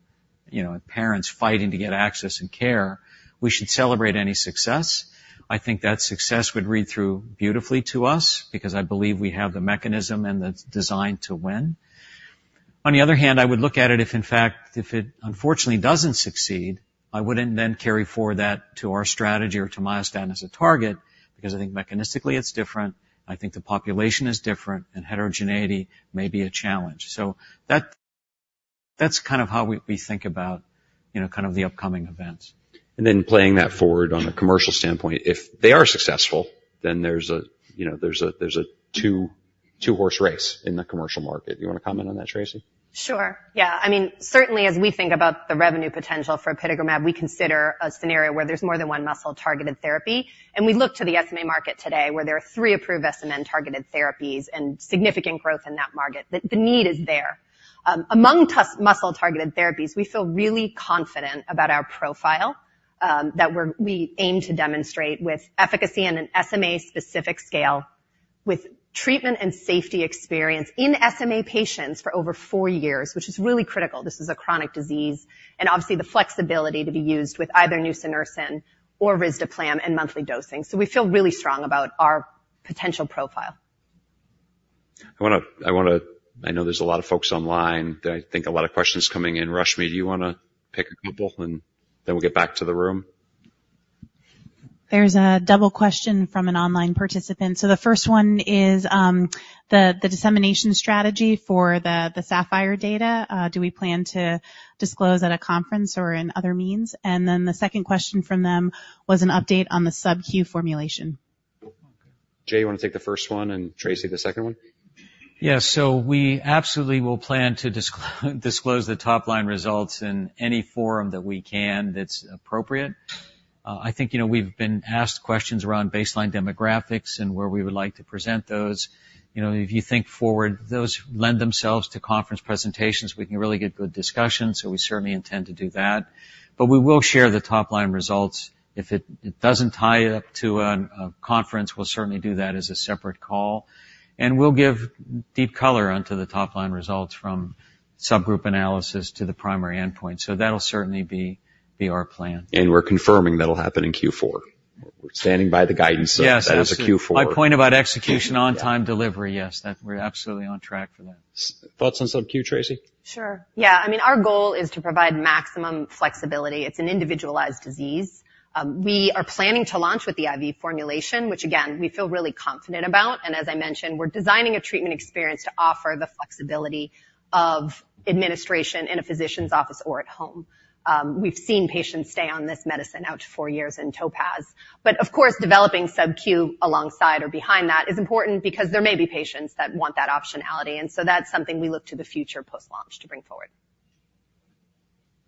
you know, and parents fighting to get access and care. We should celebrate any success. I think that success would read through beautifully to us because I believe we have the mechanism and the design to win. On the other hand, I would look at it if, in fact, if it unfortunately doesn't succeed, I wouldn't then carry forward that to our strategy or to myostatin as a target, because I think mechanistically it's different, I think the population is different, and heterogeneity may be a challenge. So that, that's kind of how we, we think about, you know, kind of the upcoming events. And then playing that forward on the commercial standpoint, if they are successful, then there's a, you know, there's a, there's a two, two-horse race in the commercial market. You wanna comment on that, Tracey? Sure. Yeah. I mean, certainly as we think about the revenue potential for apitegromab, we consider a scenario where there's more than one muscle-targeted therapy, and we look to the SMA market today, where there are three approved SMN-targeted therapies and significant growth in that market. The need is there. Among those muscle-targeted therapies, we feel really confident about our profile that we aim to demonstrate with efficacy in an SMA-specific scale, with treatment and safety experience in SMA patients for over four years, which is really critical. This is a chronic disease, and obviously, the flexibility to be used with either nusinersen or risdiplam and monthly dosing. So we feel really strong about our potential profile. I wanna, I know there's a lot of folks online, that I think a lot of questions coming in. Rushmie, do you wanna pick a couple, and then we'll get back to the room? There's a double question from an online participant. So the first one is, the dissemination strategy for the SAPPHIRE data. Do we plan to disclose at a conference or in other means? And then the second question from them was an update on the subQ formulation. Jay, you wanna take the first one, and Tracey, the second one? Yes. So we absolutely will plan to disclose the top-line results in any forum that we can, that's appropriate. I think, you know, we've been asked questions around baseline demographics and where we would like to present those. You know, if you think forward, those lend themselves to conference presentations, we can really get good discussions, so we certainly intend to do that. But we will share the top-line results. If it doesn't tie up to a conference, we'll certainly do that as a separate call. And we'll give deep color onto the top-line results, from subgroup analysis to the primary endpoint. So that'll certainly be our plan. We're confirming that'll happen in Q4. We're standing by the guidance- Yes, absolutely. That is a Q4. My point about execution on time delivery, yes, that we're absolutely on track for that. Thoughts on subQ, Tracey? Sure. Yeah, I mean, our goal is to provide maximum flexibility. It's an individualized disease. We are planning to launch with the IV formulation, which, again, we feel really confident about. And as I mentioned, we're designing a treatment experience to offer the flexibility of administration in a physician's office or at home. We've seen patients stay on this medicine out to four years in TOPAZ. But of course, developing subQ alongside or behind that is important because there may be patients that want that optionality, and so that's something we look to the future post-launch to bring forward.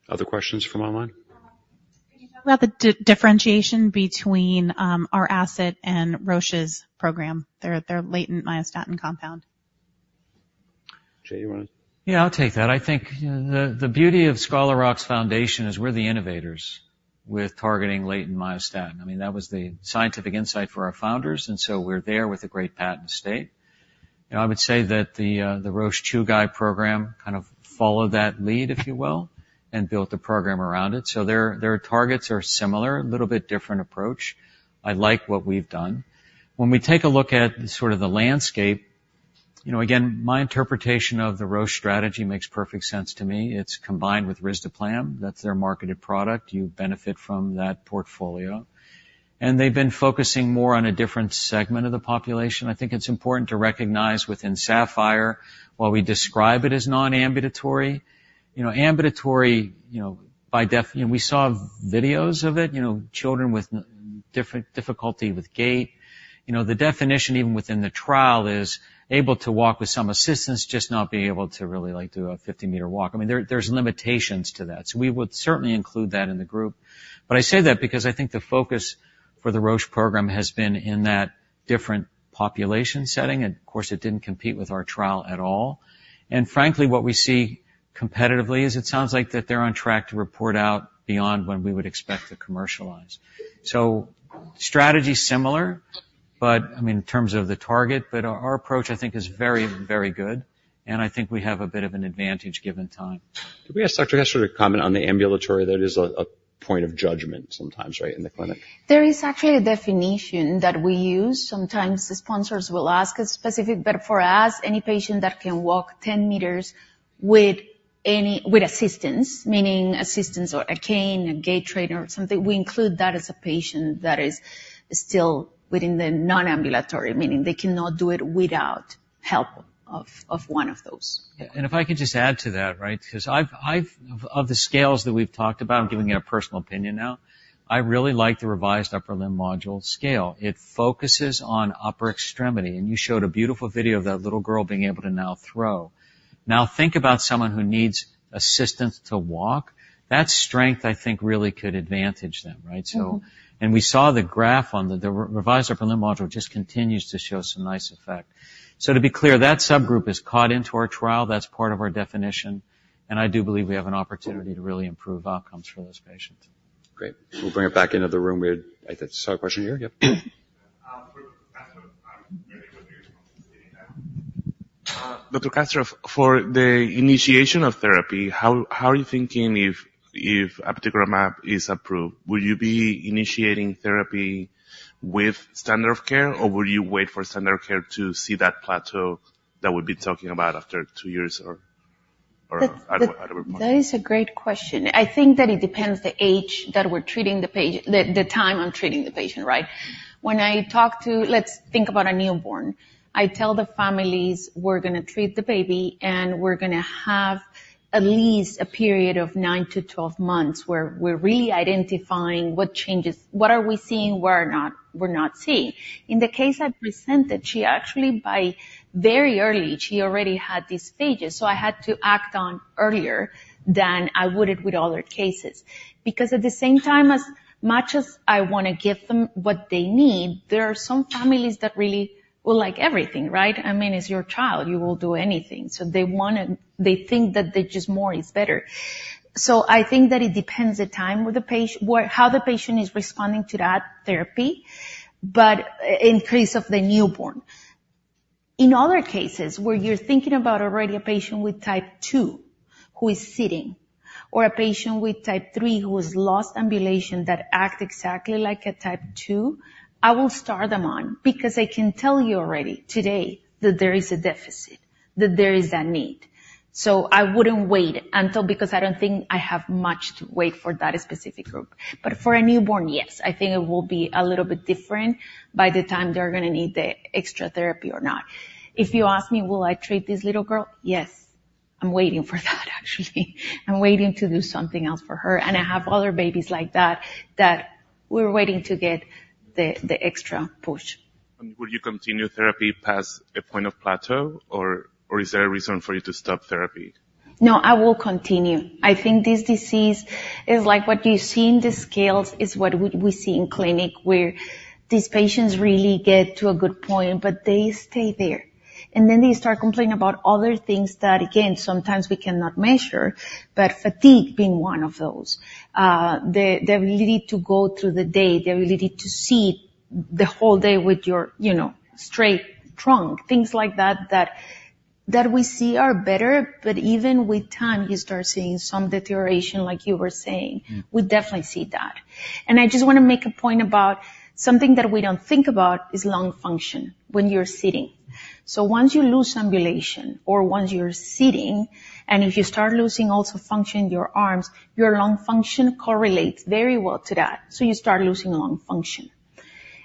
Other questions from online? Can you talk about the differentiation between our asset and Roche's program, their latent myostatin compound? Jay, you wanna...? Yeah, I'll take that. I think, you know, the beauty of Scholar Rock's foundation is we're the innovators with targeting latent myostatin. I mean, that was the scientific insight for our founders, and so we're there with a great patent estate. You know, I would say that the Roche Chugai program kind of followed that lead, if you will, and built a program around it. So their targets are similar, a little bit different approach. I like what we've done. When we take a look at sort of the landscape, you know, again, my interpretation of the Roche strategy makes perfect sense to me. It's combined with risdiplam, that's their marketed product. You benefit from that portfolio. And they've been focusing more on a different segment of the population. I think it's important to recognize within SAPPHIRE, while we describe it as non-ambulatory, you know, ambulatory, you know. You know, we saw videos of it, you know, children with different difficulty with gait. You know, the definition, even within the trial, is able to walk with some assistance, just not being able to really, like, do a 50-meter walk. I mean, there, there's limitations to that. So we would certainly include that in the group. But I say that because I think the focus for the Roche program has been in that different population setting, and of course, it didn't compete with our trial at all. And frankly, what we see competitively is it sounds like that they're on track to report out beyond when we would expect to commercialize. Strategy, similar, but, I mean, in terms of the target, but our, our approach, I think, is very, very good, and I think we have a bit of an advantage given time. Could we ask Dr. Castro to comment on the ambulatory? That is a point of judgment sometimes, right, in the clinic. There is actually a definition that we use. Sometimes the sponsors will ask a specific... But for us, any patient that can walk 10 meters with any assistance, meaning assistance or a cane, a gait trainer, or something, we include that as a patient that is still within the nonambulatory, meaning they cannot do it without help of one of those. Yeah, and if I could just add to that, right? Because of the scales that we've talked about, I'm giving you a personal opinion now. I really like the Revised Upper Limb Module scale. It focuses on upper extremity, and you showed a beautiful video of that little girl being able to now throw. Now think about someone who needs assistance to walk. That strength, I think, really could advantage them, right? We saw the graph on the Revised Upper Limb Module just continues to show some nice effect. To be clear, that subgroup is the cohort in our trial. That's part of our definition, and I do believe we have an opportunity to really improve outcomes for those patients. Great. We'll bring it back into the room. We had, I think, saw a question here. Yep. For Dr. Castro, for the initiation of therapy, how are you thinking if apitegromab is approved? Will you be initiating therapy with standard of care, or will you wait for standard of care to see that plateau that we'll be talking about after two years or at what point? That is a great question. I think that it depends the age that we're treating the patient, the time I'm treating the patient, right? When I talk to... Let's think about a newborn. I tell the families, we're gonna treat the baby, and we're gonna have at least a period of 9-12 months, where we're really identifying what changes, what are we seeing, what are not, we're not seeing. In the case I presented, she actually, by very early, she already had these stages, so I had to act on earlier than I would've with other cases. Because at the same time, as much as I wanna give them what they need, there are some families that really will like everything, right? I mean, it's your child, you will do anything. So they wanna, they think that they just more is better. So I think that it depends on the time with the patient, where, how the patient is responding to that therapy, but in the case of the newborn. In other cases where you're thinking about already a patient with Type 2 who is sitting, or a patient with Type 3 who has lost ambulation that acts exactly like a Type 2, I will start them on, because I can tell you already today that there is a deficit, that there is that need. So I wouldn't wait until, because I don't think I have much to wait for that specific group. But for a newborn, yes, I think it will be a little bit different by the time they're gonna need the extra therapy or not. If you ask me, will I treat this little girl? Yes. I'm waiting for that, actually. I'm waiting to do something else for her, and I have other babies like that, that we're waiting to get the extra push. Would you continue therapy past a point of plateau, or, or is there a reason for you to stop therapy? No, I will continue. I think this disease is like what you see in the scales, is what we see in clinic, where these patients really get to a good point, but they stay there. And then they start complaining about other things that, again, sometimes we cannot measure, but fatigue being one of those. The ability to go through the day, the ability to see the whole day with your, you know, straight trunk, things like that, that we see are better. But even with time, you start seeing some deterioration, like you were saying. Mm-hmm. We definitely see that. And I just wanna make a point about something that we don't think about, is lung function when you're sitting. So once you lose ambulation or once you're sitting, and if you start losing also function in your arms, your lung function correlates very well to that, so you start losing lung function.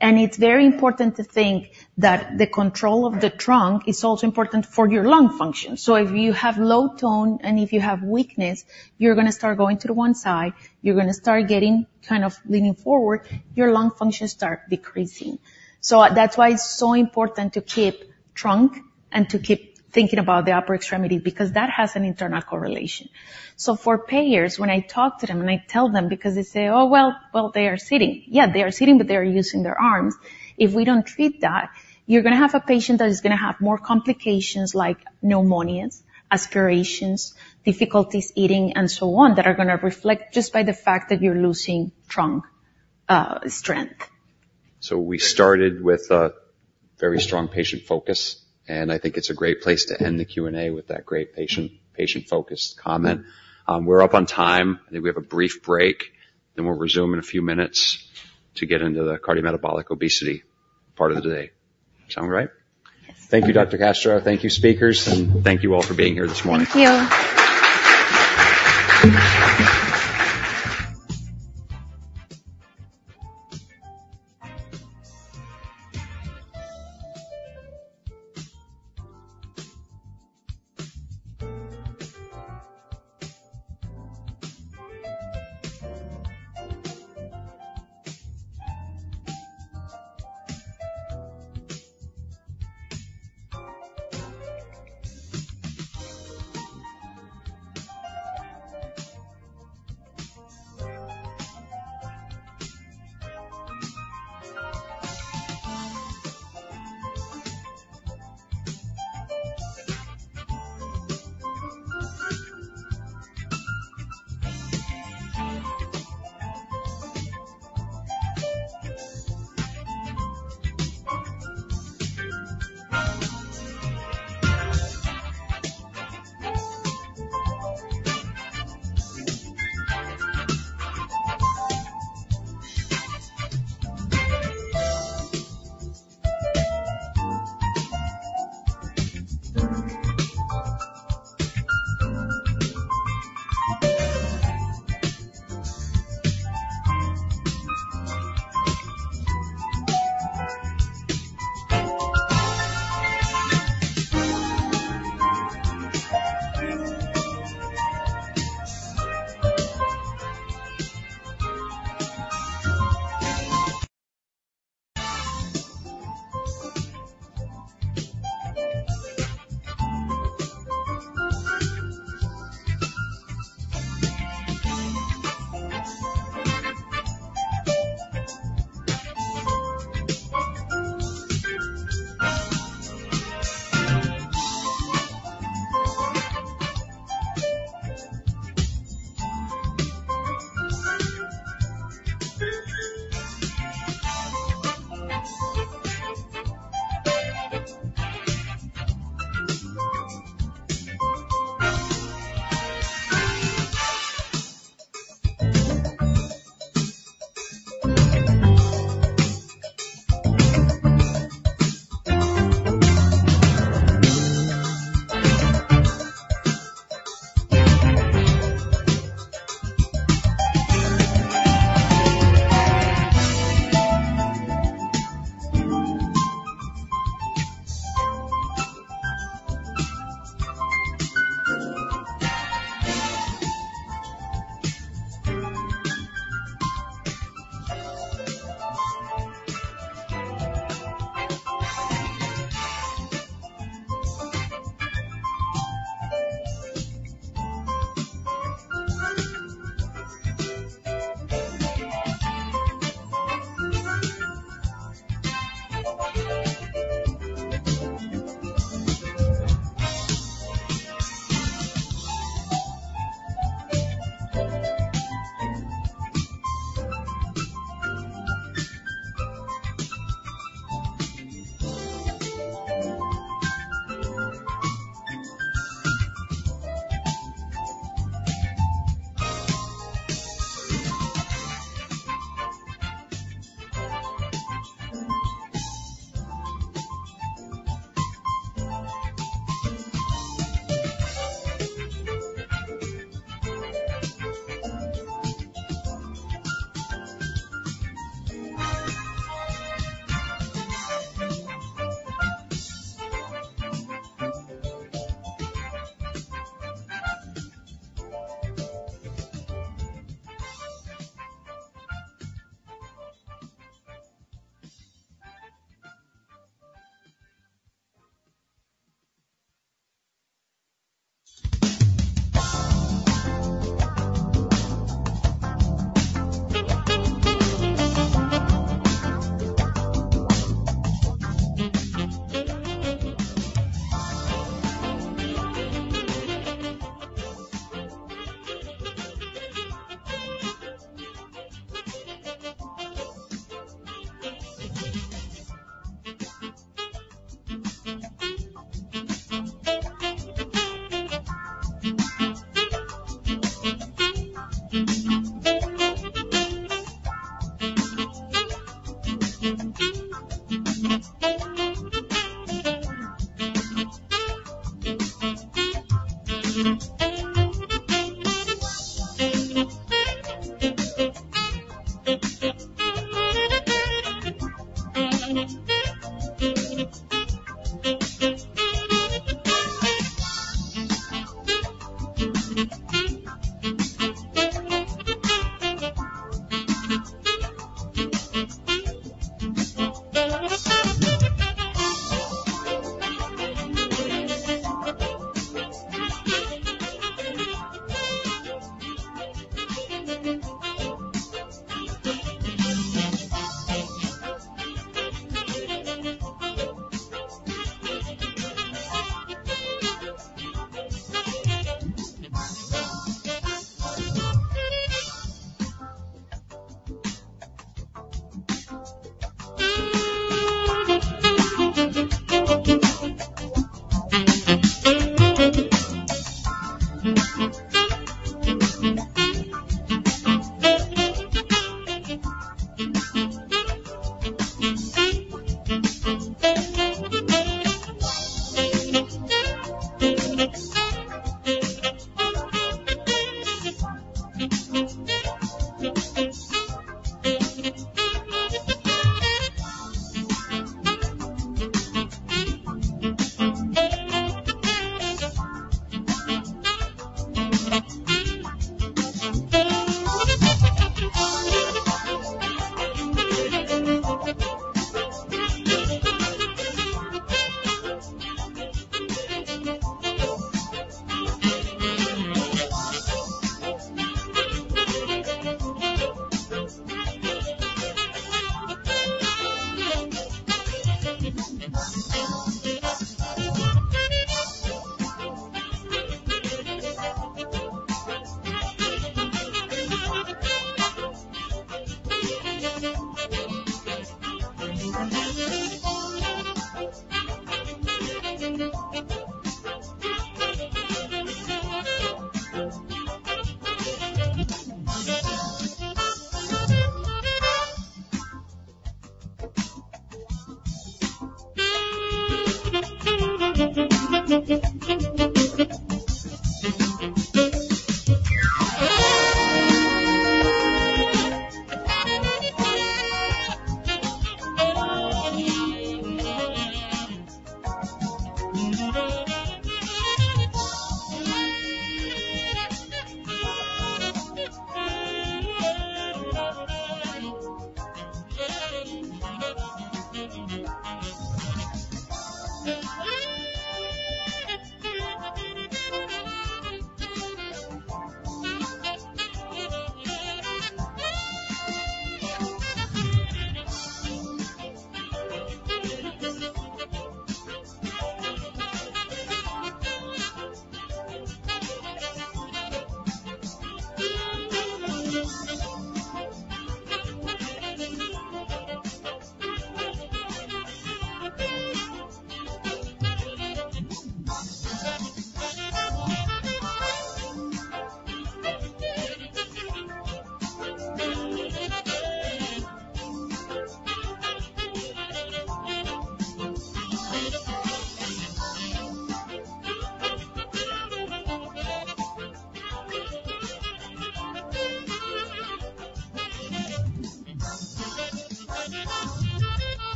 And it's very important to think that the control of the trunk is also important for your lung function. So if you have low tone and if you have weakness, you're gonna start going to the one side, you're gonna start getting kind of leaning forward, your lung function start decreasing. So that's why it's so important to keep trunk and to keep thinking about the upper extremity, because that has an internal correlation. So for payers, when I talk to them and I tell them, because they say, "Oh, well, well, they are sitting." Yeah, they are sitting, but they are using their arms. If we don't treat that, you're gonna have a patient that is gonna have more complications like pneumonias, aspirations, difficulties eating, and so on, that are gonna reflect just by the fact that you're losing trunk strength. We started with a very strong patient focus, and I think it's a great place to end the Q&A with that great patient, patient-focused comment. We're up on time. I think we have a brief break, then we'll resume in a few minutes to get into the cardiometabolic obesity part of the day. Sound right? Yes. Thank you, Dr. Castro. Thank you, speakers, and thank you all for being here this morning. Thank you.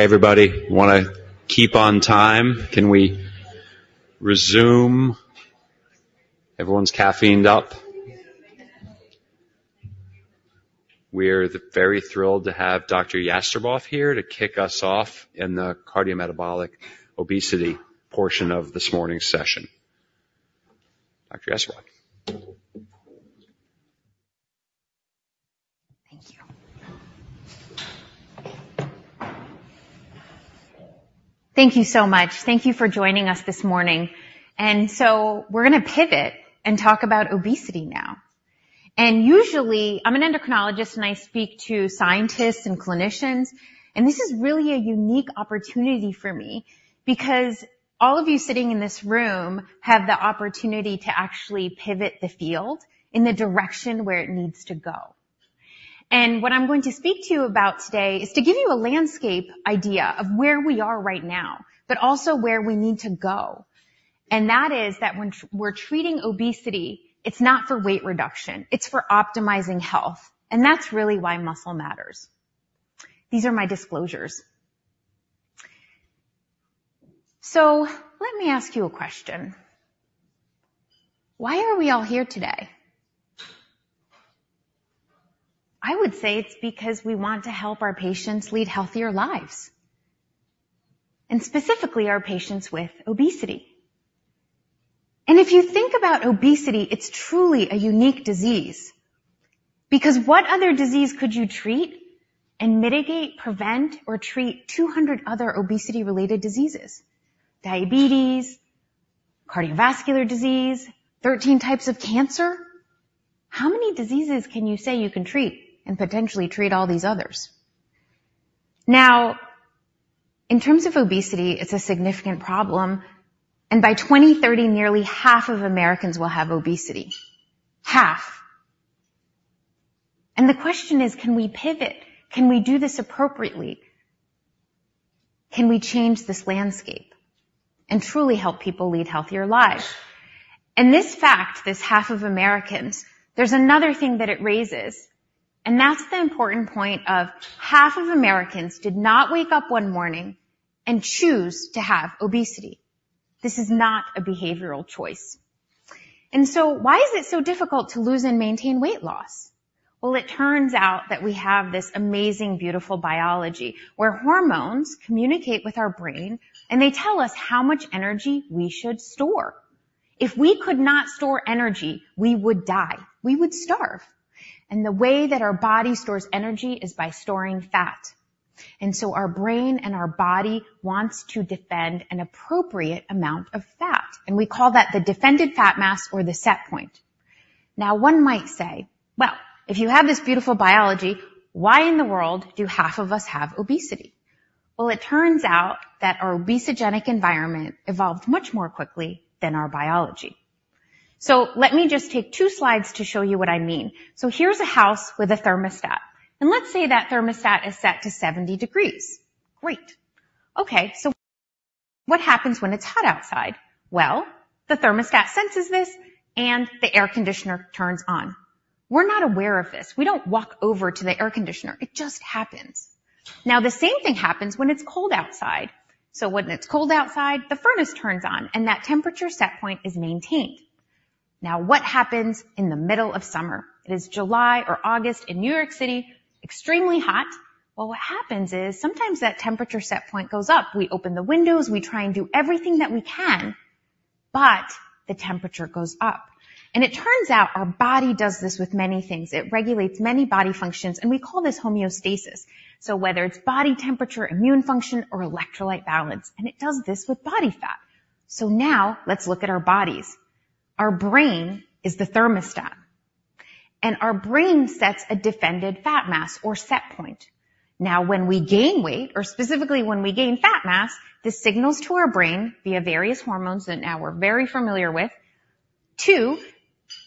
Hi, everybody. Wanna keep on time. Can we resume? Everyone's caffeined up. We're very thrilled to have Dr. Jastreboff here to kick us off in the cardiometabolic obesity portion of this morning's session. Dr. Jastreboff. Thank you. Thank you so much. Thank you for joining us this morning. So we're gonna pivot and talk about obesity now. Usually, I'm an endocrinologist, and I speak to scientists and clinicians, and this is really a unique opportunity for me because all of you sitting in this room have the opportunity to actually pivot the field in the direction where it needs to go. What I'm going to speak to you about today is to give you a landscape idea of where we are right now, but also where we need to go. That is that when we're treating obesity, it's not for weight reduction, it's for optimizing health. That's really why muscle matters. These are my disclosures. So let me ask you a question. Why are we all here today? I would say it's because we want to help our patients lead healthier lives, and specifically our patients with obesity. If you think about obesity, it's truly a unique disease, because what other disease could you treat and mitigate, prevent, or treat 200 other obesity-related diseases? Diabetes, cardiovascular disease, 13 types of cancer.... How many diseases can you say you can treat and potentially treat all these others? Now, in terms of obesity, it's a significant problem, and by 2030, nearly half of Americans will have obesity. Half. The question is: can we pivot? Can we do this appropriately? Can we change this landscape and truly help people lead healthier lives? This fact, this half of Americans, there's another thing that it raises, and that's the important point of half of Americans did not wake up one morning and choose to have obesity. This is not a behavioral choice. And so why is it so difficult to lose and maintain weight loss? Well, it turns out that we have this amazing, beautiful biology, where hormones communicate with our brain, and they tell us how much energy we should store. If we could not store energy, we would die, we would starve. And the way that our body stores energy is by storing fat. And so our brain and our body wants to defend an appropriate amount of fat, and we call that the defended fat mass or the set point. Now, one might say, "Well, if you have this beautiful biology, why in the world do half of us have obesity?" Well, it turns out that our obesogenic environment evolved much more quickly than our biology. So let me just take two slides to show you what I mean. So here's a house with a thermostat, and let's say that thermostat is set to 70 degrees. Great. Okay, so what happens when it's hot outside? Well, the thermostat senses this, and the air conditioner turns on. We're not aware of this. We don't walk over to the air conditioner. It just happens. Now, the same thing happens when it's cold outside. So when it's cold outside, the furnace turns on, and that temperature set point is maintained. Now, what happens in the middle of summer? It is July or August in New York City, extremely hot. Well, what happens is sometimes that temperature set point goes up. We open the windows, we try and do everything that we can, but the temperature goes up. And it turns out our body does this with many things. It regulates many body functions, and we call this homeostasis. So whether it's body temperature, immune function, or electrolyte balance, and it does this with body fat. So now let's look at our bodies. Our brain is the thermostat, and our brain sets a defended fat mass or set point. Now, when we gain weight, or specifically when we gain fat mass, this signals to our brain via various hormones that now we're very familiar with, to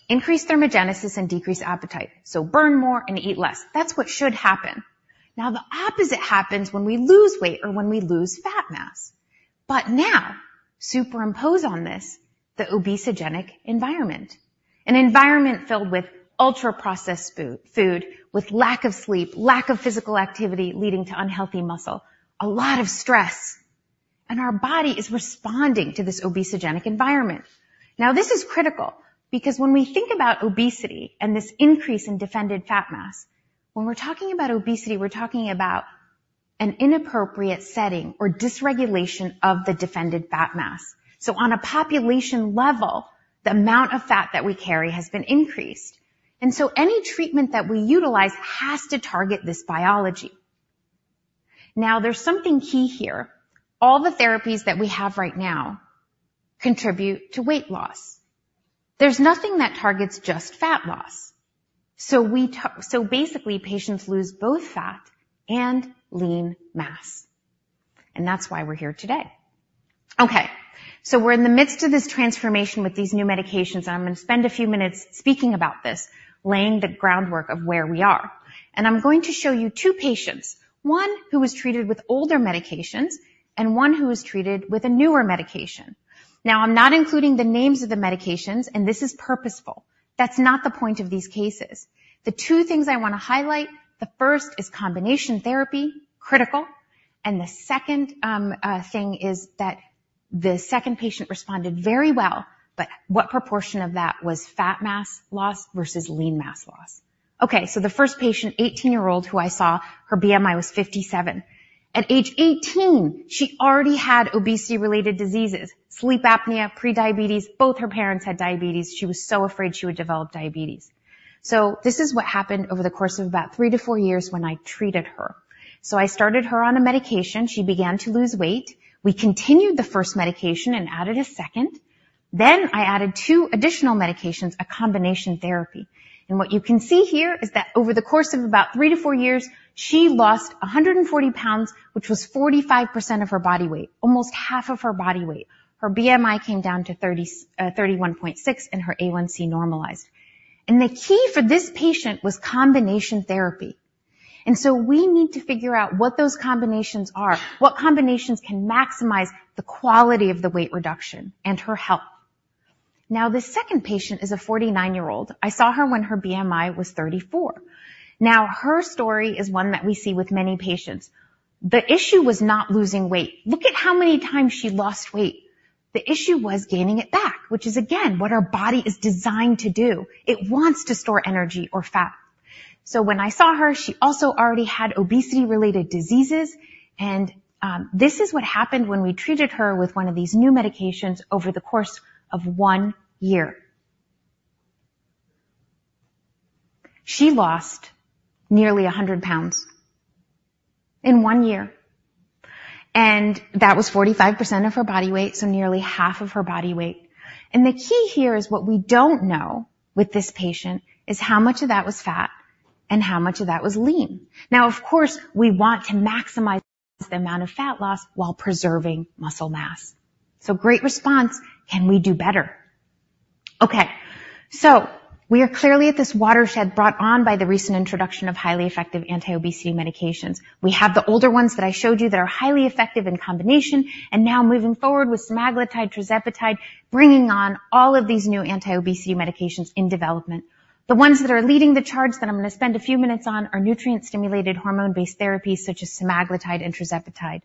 increase thermogenesis and decrease appetite. So burn more and eat less. That's what should happen. Now, the opposite happens when we lose weight or when we lose fat mass. But now superimpose on this the obesogenic environment, an environment filled with ultra-processed food, with lack of sleep, lack of physical activity, leading to unhealthy muscle, a lot of stress, and our body is responding to this obesogenic environment. Now, this is critical because when we think about obesity and this increase in defended fat mass, when we're talking about obesity, we're talking about an inappropriate setting or dysregulation of the defended fat mass. So on a population level, the amount of fat that we carry has been increased, and so any treatment that we utilize has to target this biology. Now, there's something key here. All the therapies that we have right now contribute to weight loss. There's nothing that targets just fat loss. So basically, patients lose both fat and lean mass, and that's why we're here today. Okay, so we're in the midst of this transformation with these new medications, and I'm going to spend a few minutes speaking about this, laying the groundwork of where we are. I'm going to show you two patients, one who was treated with older medications and one who was treated with a newer medication. Now, I'm not including the names of the medications, and this is purposeful. That's not the point of these cases. The two things I want to highlight, the first is combination therapy, critical, and the second thing is that the second patient responded very well, but what proportion of that was fat mass loss versus lean mass loss? Okay, so the first patient, 18-year-old, who I saw, her BMI was 57. At age 18, she already had obesity-related diseases, sleep apnea, prediabetes. Both her parents had diabetes. She was so afraid she would develop diabetes. So this is what happened over the course of about 3-4 years when I treated her. So I started her on a medication. She began to lose weight. We continued the first medication and added a second. Then I added two additional medications, a combination therapy. What you can see here is that over the course of about 3-4 years, she lost 140 pounds, which was 45% of her body weight, almost half of her body weight. Her BMI came down to 30, 31.6, and her A1C normalized. The key for this patient was combination therapy. So we need to figure out what those combinations are, what combinations can maximize the quality of the weight reduction and her health. Now, the second patient is a 49-year-old. I saw her when her BMI was 34. Now, her story is one that we see with many patients. The issue was not losing weight. Look at how many times she lost weight. The issue was gaining it back, which is, again, what our body is designed to do. It wants to store energy or fat. So when I saw her, she also already had obesity-related diseases, and this is what happened when we treated her with one of these new medications over the course of 1 year. She lost nearly 100 pounds in 1 year, and that was 45% of her body weight, so nearly half of her body weight. And the key here is what we don't know with this patient is how much of that was fat and how much of that was lean. Now, of course, we want to maximize the amount of fat loss while preserving muscle mass. So great response. Can we do better? Okay, so we are clearly at this watershed brought on by the recent introduction of highly effective anti-obesity medications. We have the older ones that I showed you that are highly effective in combination, and now moving forward with semaglutide, tirzepatide, bringing on all of these new anti-obesity medications in development. The ones that are leading the charge that I'm going to spend a few minutes on are nutrient-stimulated, hormone-based therapies such as semaglutide and tirzepatide.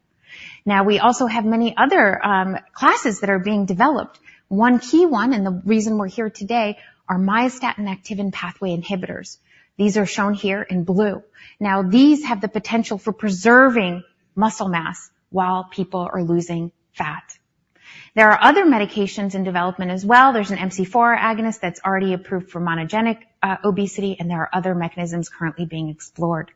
Now, we also have many other classes that are being developed. One key one, and the reason we're here today, are myostatin activin pathway inhibitors. These are shown here in blue. Now, these have the potential for preserving muscle mass while people are losing fat. There are other medications in development as well. There's an MC4 agonist that's already approved for monogenic obesity, and there are other mechanisms currently being explored.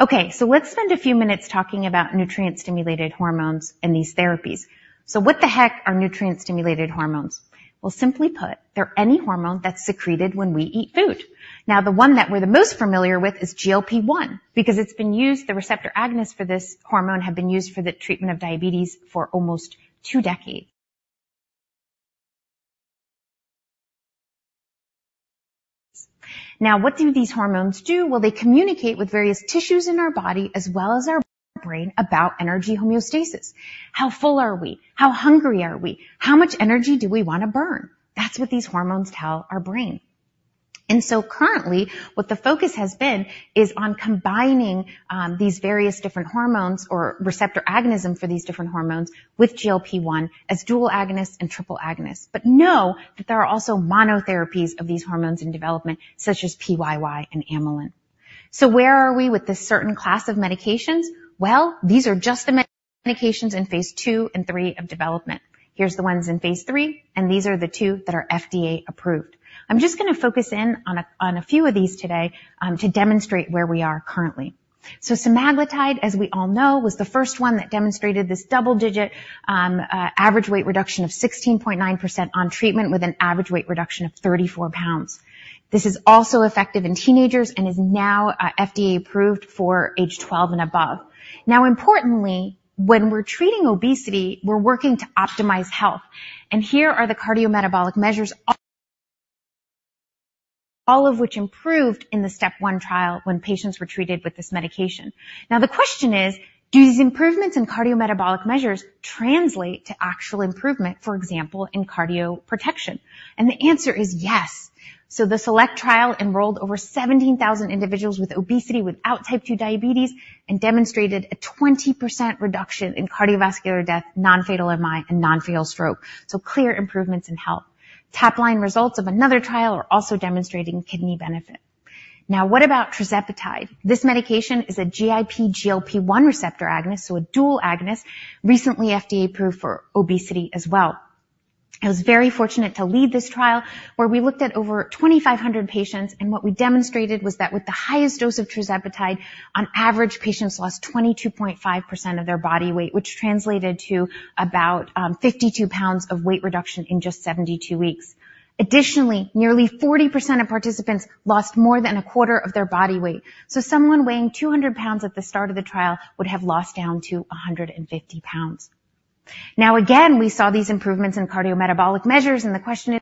Okay, so let's spend a few minutes talking about nutrient-stimulated hormones and these therapies. So what the heck are nutrient-stimulated hormones? Well, simply put, they're any hormone that's secreted when we eat food. Now, the one that we're the most familiar with is GLP-1, because it's been used, the receptor agonist for this hormone, have been used for the treatment of diabetes for almost two decades. Now, what do these hormones do? Well, they communicate with various tissues in our body as well as our brain, about energy homeostasis. How full are we? How hungry are we? How much energy do we want to burn? That's what these hormones tell our brain. And so currently, what the focus has been is on combining these various different hormones or receptor agonism for these different hormones with GLP-1 as dual agonist and triple agonist. But know that there are also monotherapies of these hormones in development, such as PYY and amylin. Where are we with this certain class of medications? Well, these are just the medications in phase 2 and 3 of development. Here's the ones in phase 3, and these are the two that are FDA approved. I'm just going to focus in on a few of these today to demonstrate where we are currently. So semaglutide, as we all know, was the first one that demonstrated this double digit average weight reduction of 16.9% on treatment with an average weight reduction of 34 pounds. This is also effective in teenagers and is now FDA approved for age 12 and above. Now, importantly, when we're treating obesity, we're working to optimize health, and here are the cardiometabolic measures, all of which improved in the STEP 1 trial when patients were treated with this medication. Now, the question is, do these improvements in cardiometabolic measures translate to actual improvement, for example, in cardio protection? The answer is yes. The SELECT trial enrolled over 17,000 individuals with obesity without type 2 diabetes and demonstrated a 20% reduction in cardiovascular death, non-fatal MI, and non-fatal stroke. Clear improvements in health. Top line results of another trial are also demonstrating kidney benefit. Now, what about tirzepatide? This medication is a GIP/GLP-1 receptor agonist, so a dual agonist, recently FDA approved for obesity as well. I was very fortunate to lead this trial, where we looked at over 2,500 patients, and what we demonstrated was that with the highest dose of tirzepatide, on average, patients lost 22.5% of their body weight, which translated to about 52 pounds of weight reduction in just 72 weeks. Additionally, nearly 40% of participants lost more than a quarter of their body weight. So someone weighing 200 pounds at the start of the trial would have lost down to 150 pounds. Now, again, we saw these improvements in cardiometabolic measures, and the question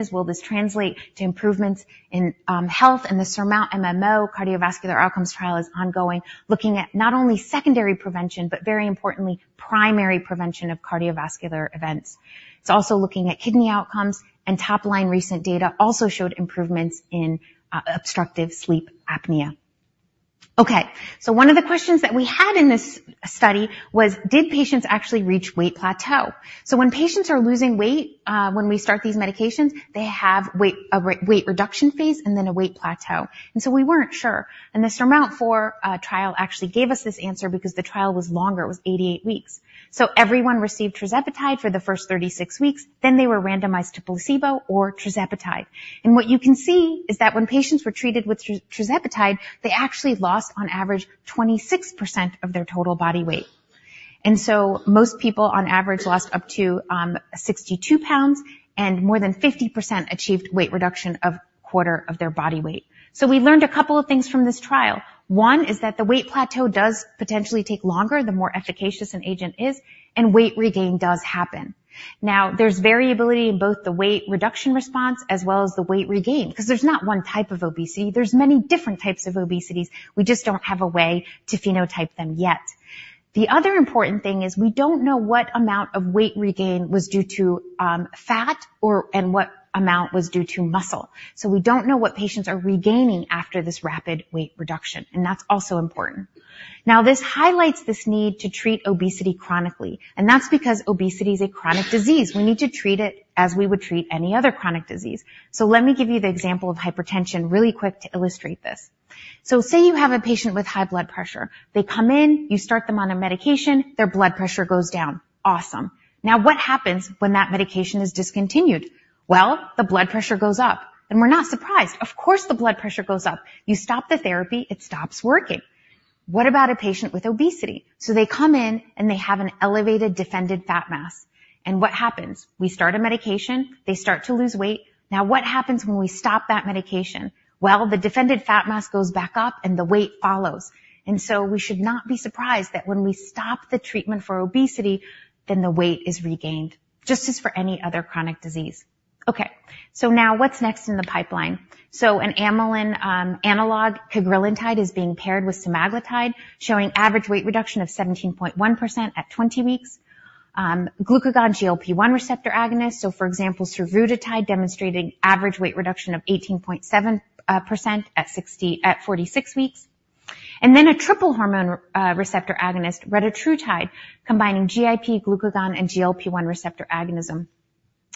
is, will this translate to improvements in health? And the SURMOUNT-MMO cardiovascular outcomes trial is ongoing, looking at not only secondary prevention, but very importantly, primary prevention of cardiovascular events. It's also looking at kidney outcomes, and top-line recent data also showed improvements in obstructive sleep apnea. Okay, so one of the questions that we had in this study was: Did patients actually reach weight plateau? So when patients are losing weight, when we start these medications, they have a weight reduction phase and then a weight plateau. And so we weren't sure. The SURMOUNT-4 trial actually gave us this answer because the trial was longer. It was 88 weeks. So everyone received tirzepatide for the first 36 weeks, then they were randomized to placebo or tirzepatide. And what you can see is that when patients were treated with tirzepatide, they actually lost on average 26% of their total body weight. And so most people, on average, lost up to 62 pounds, and more than 50% achieved weight reduction of 25% of their body weight. So we learned a couple of things from this trial. One is that the weight plateau does potentially take longer, the more efficacious an agent is, and weight regain does happen. Now, there's variability in both the weight reduction response as well as the weight regain, because there's not one type of obesity, there's many different types of obesities. We just don't have a way to phenotype them yet. The other important thing is we don't know what amount of weight regain was due to, fat or, and what amount was due to muscle. So we don't know what patients are regaining after this rapid weight reduction, and that's also important. Now, this highlights this need to treat obesity chronically, and that's because obesity is a chronic disease. We need to treat it as we would treat any other chronic disease. So let me give you the example of hypertension really quick to illustrate this. So say you have a patient with high blood pressure. They come in, you start them on a medication, their blood pressure goes down. Awesome. Now, what happens when that medication is discontinued?... Well, the blood pressure goes up, and we're not surprised. Of course, the blood pressure goes up. You stop the therapy, it stops working. What about a patient with obesity? So they come in, and they have an elevated defended fat mass. And what happens? We start a medication, they start to lose weight. Now, what happens when we stop that medication? Well, the defended fat mass goes back up, and the weight follows. And so we should not be surprised that when we stop the treatment for obesity, then the weight is regained, just as for any other chronic disease. Okay, so now what's next in the pipeline? So an amylin analog, cagrilintide, is being paired with semaglutide, showing average weight reduction of 17.1 at 20 weeks. Glucagon GLP-1 receptor agonist, so for example, survodutide, demonstrating average weight reduction of 18.7% at 46 weeks. A triple hormone receptor agonist, retatrutide, combining GIP, glucagon, and GLP-1 receptor agonism.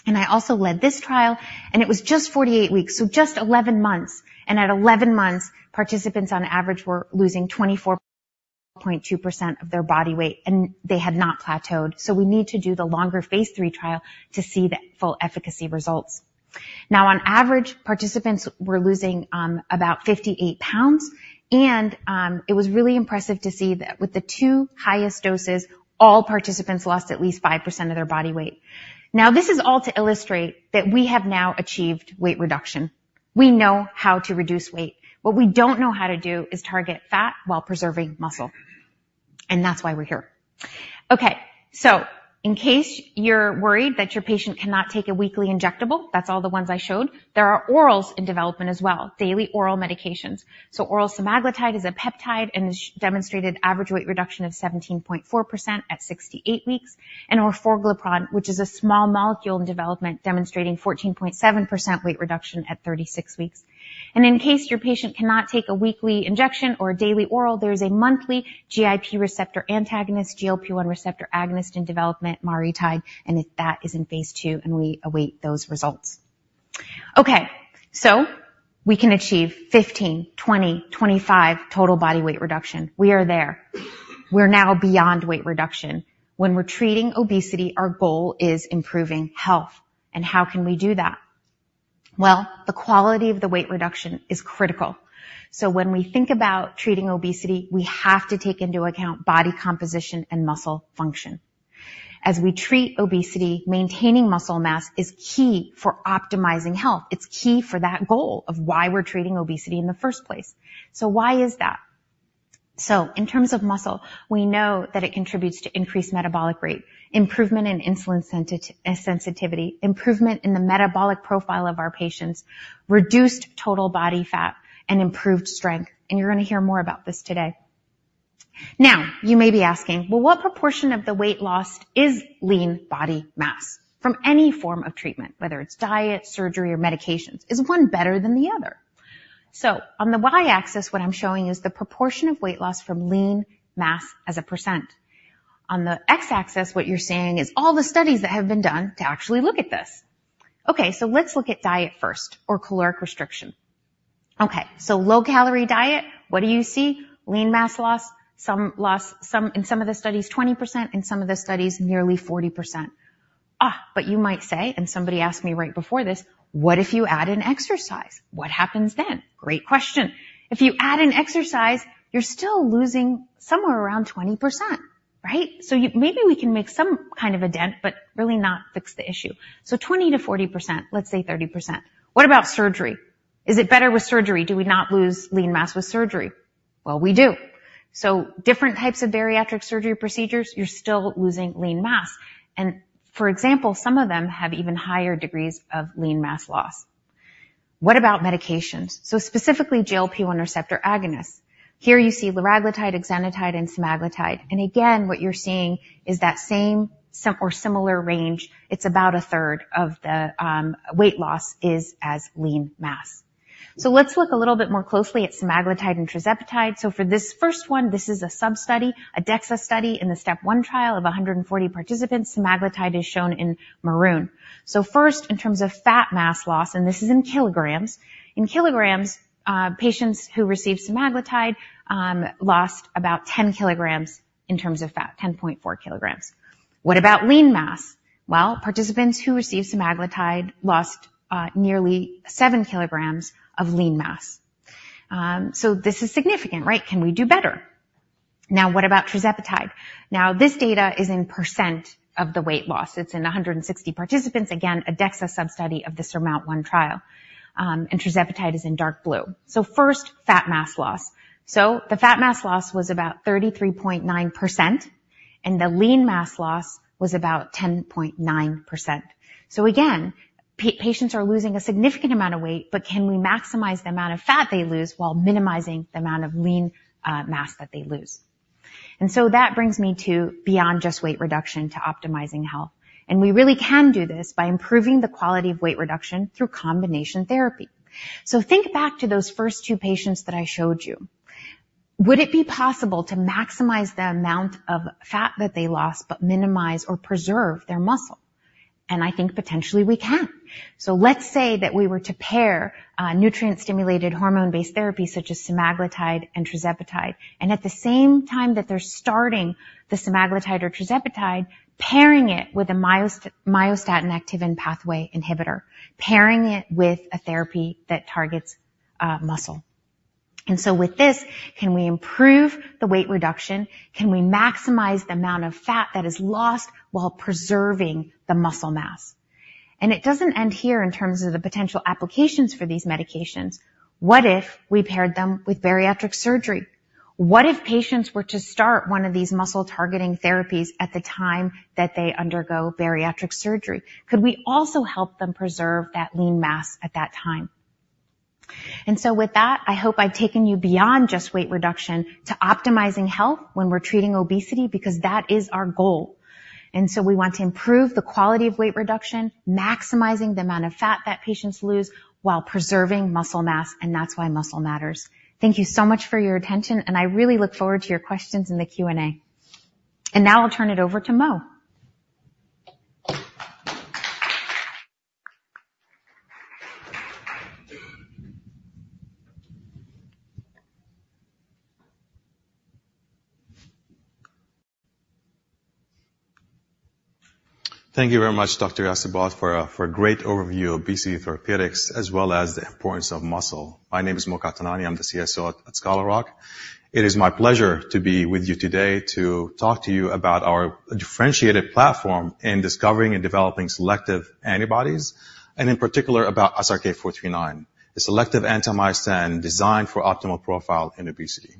I also led this trial, and it was just 48 weeks, so just 11 months. At 11 months, participants on average were losing 24.2% of their body weight, and they had not plateaued. We need to do the longer phase 3 trial to see the full efficacy results. On average, participants were losing about 58 pounds, and it was really impressive to see that with the two highest doses, all participants lost at least 5% of their body weight. This is all to illustrate that we have now achieved weight reduction. We know how to reduce weight. What we don't know how to do is target fat while preserving muscle, and that's why we're here. Okay, so in case you're worried that your patient cannot take a weekly injectable, that's all the ones I showed. There are orals in development as well, daily oral medications. So oral semaglutide is a peptide and demonstrated average weight reduction of 17.4% at 68 weeks, and orforglipron, which is a small molecule in development, demonstrating 14.7% weight reduction at 36 weeks. And in case your patient cannot take a weekly injection or a daily oral, there is a monthly GIP receptor antagonist, GLP-1 receptor agonist in development, MariTide, and that is in phase 2, and we await those results. Okay, so we can achieve 15, 20, 25 total body weight reduction. We are there. We're now beyond weight reduction. When we're treating obesity, our goal is improving health. And how can we do that? Well, the quality of the weight reduction is critical. So when we think about treating obesity, we have to take into account body composition and muscle function. As we treat obesity, maintaining muscle mass is key for optimizing health. It's key for that goal of why we're treating obesity in the first place. So why is that? So in terms of muscle, we know that it contributes to increased metabolic rate, improvement in insulin sensitivity, improvement in the metabolic profile of our patients, reduced total body fat, and improved strength, and you're gonna hear more about this today. Now, you may be asking, "Well, what proportion of the weight lost is lean body mass from any form of treatment, whether it's diet, surgery, or medications? Is one better than the other?" So on the y-axis, what I'm showing is the proportion of weight loss from lean mass as a percent. On the x-axis, what you're seeing is all the studies that have been done to actually look at this. Okay, so let's look at diet first or caloric restriction. Okay, so low-calorie diet, what do you see? Lean mass loss, some loss, some, in some of the studies, 20%, in some of the studies, nearly 40%. Ah, but you might say, and somebody asked me right before this, "What if you add in exercise? What happens then?" Great question. If you add in exercise, you're still losing somewhere around 20%, right? So you maybe we can make some kind of a dent, but really not fix the issue. So 20%-40%, let's say 30%. What about surgery? Is it better with surgery? Do we not lose lean mass with surgery? Well, we do. So different types of bariatric surgery procedures, you're still losing lean mass. And, for example, some of them have even higher degrees of lean mass loss. What about medications? So specifically, GLP-1 receptor agonist. Here you see liraglutide, exenatide, and semaglutide. And again, what you're seeing is that same or similar range. It's about a third of the weight loss is as lean mass. So let's look a little bit more closely at semaglutide and tirzepatide. So for this first one, this is a sub-study, a DEXA study in the STEP 1 trial of 140 participants. Semaglutide is shown in maroon. So first, in terms of fat mass loss, and this is in kgs. In kgs, patients who received semaglutide lost about 10 kgs in terms of fat, 10.4 kgs. What about lean mass? Well, participants who received semaglutide lost nearly 7 kgs of lean mass. So this is significant, right? Can we do better? Now, what about tirzepatide? Now, this data is in percent of the weight loss. It's in 160 participants. Again, a DEXA sub-study of the SURMOUNT-1 trial, and tirzepatide is in dark blue. So first, fat mass loss. So the fat mass loss was about 33.9%, and the lean mass loss was about 10.9%. So again, patients are losing a significant amount of weight, but can we maximize the amount of fat they lose while minimizing the amount of lean mass that they lose? And so that brings me to beyond just weight reduction to optimizing health. And we really can do this by improving the quality of weight reduction through combination therapy. So think back to those first two patients that I showed you. Would it be possible to maximize the amount of fat that they lost but minimize or preserve their muscle? And I think potentially we can. So let's say that we were to pair nutrient-stimulated hormone-based therapy such as semaglutide and tirzepatide, and at the same time that they're starting the semaglutide or tirzepatide, pairing it with a myostatin activin pathway inhibitor, pairing it with a therapy that targets muscle. And so with this, can we improve the weight reduction? Can we maximize the amount of fat that is lost while preserving the muscle mass? And it doesn't end here in terms of the potential applications for these medications. What if we paired them with bariatric surgery? What if patients were to start one of these muscle-targeting therapies at the time that they undergo bariatric surgery? Could we also help them preserve that lean mass at that time? And so with that, I hope I've taken you beyond just weight reduction to optimizing health when we're treating obesity, because that is our goal. And so we want to improve the quality of weight reduction, maximizing the amount of fat that patients lose while preserving muscle mass, and that's why muscle matters. Thank you so much for your attention, and I really look forward to your questions in the Q&A. And now I'll turn it over to Mo. Thank you very much, Dr. Jastreboff, for a great overview of obesity therapeutics as well as the importance of muscle. My name is Mo Qatanani. I'm the CSO at Scholar Rock. It is my pleasure to be with you today to talk to you about our differentiated platform in discovering and developing selective antibodies, and in particular, about SRK-439, a selective anti-myostatin designed for optimal profile in obesity.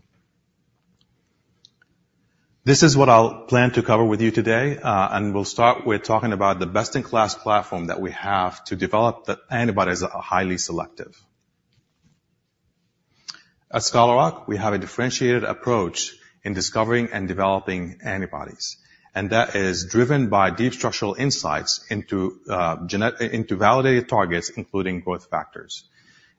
This is what I'll plan to cover with you today, and we'll start with talking about the best-in-class platform that we have to develop the antibodies that are highly selective. At Scholar Rock, we have a differentiated approach in discovering and developing antibodies, and that is driven by deep structural insights into validated targets, including growth factors.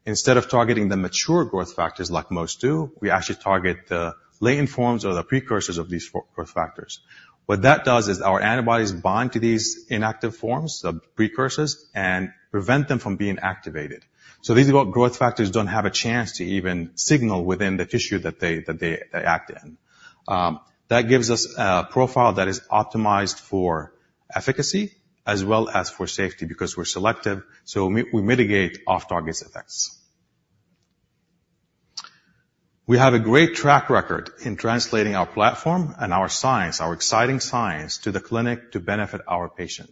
Instead of targeting the mature growth factors like most do, we actually target the latent forms or the precursors of these growth factors. What that does is our antibodies bind to these inactive forms, the precursors, and prevent them from being activated. So these growth factors don't have a chance to even signal within the tissue that they act in. That gives us a profile that is optimized for efficacy as well as for safety, because we're selective, so we mitigate off-target effects. We have a great track record in translating our platform and our science, our exciting science, to the clinic to benefit our patient.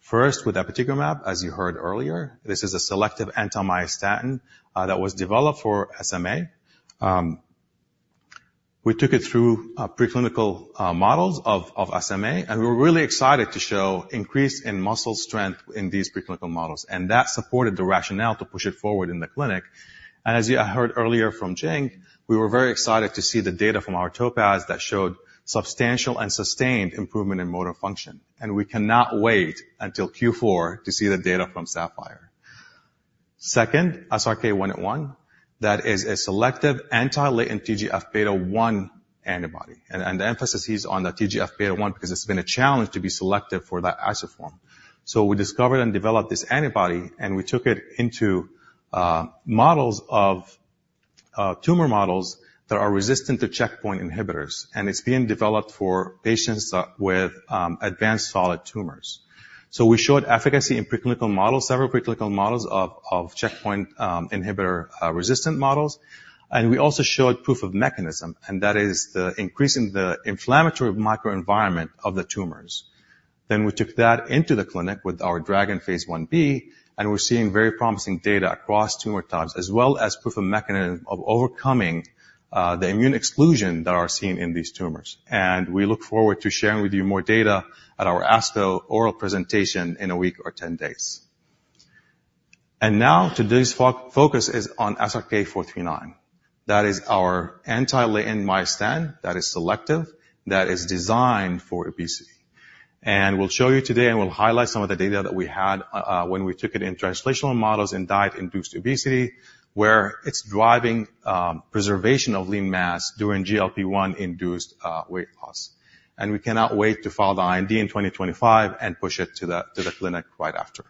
First, with apitegromab, as you heard earlier, this is a selective anti-myostatin that was developed for SMA. We took it through preclinical models of SMA, and we're really excited to show increase in muscle strength in these preclinical models, and that supported the rationale to push it forward in the clinic. As you heard earlier from Jing, we were very excited to see the data from our TOPAZ that showed substantial and sustained improvement in motor function, and we cannot wait until Q4 to see the data from SAPPHIRE. Second, SRK-181, that is a selective anti-latent TGF-β1 antibody. The emphasis is on the TGF-β1 because it's been a challenge to be selective for that isoform. So we discovered and developed this antibody, and we took it into tumor models that are resistant to checkpoint inhibitors, and it's being developed for patients with advanced solid tumors. So we showed efficacy in preclinical models, several preclinical models of checkpoint inhibitor resistant models. And we also showed proof of mechanism, and that is the increase in the inflammatory microenvironment of the tumors. Then we took that into the clinic with our DRAGON phase 1b, and we're seeing very promising data across tumor types, as well as proof of mechanism of overcoming the immune exclusion that are seen in these tumors. And we look forward to sharing with you more data at our ASCO oral presentation in a week or ten days. And now, today's focus is on SRK-439. That is our anti-latent myostatin, that is selective, that is designed for obesity. We'll show you today, and we'll highlight some of the data that we had when we took it in translational models in diet-induced obesity, where it's driving preservation of lean mass during GLP-1-induced weight loss. We cannot wait to file the IND in 2025 and push it to the clinic right after.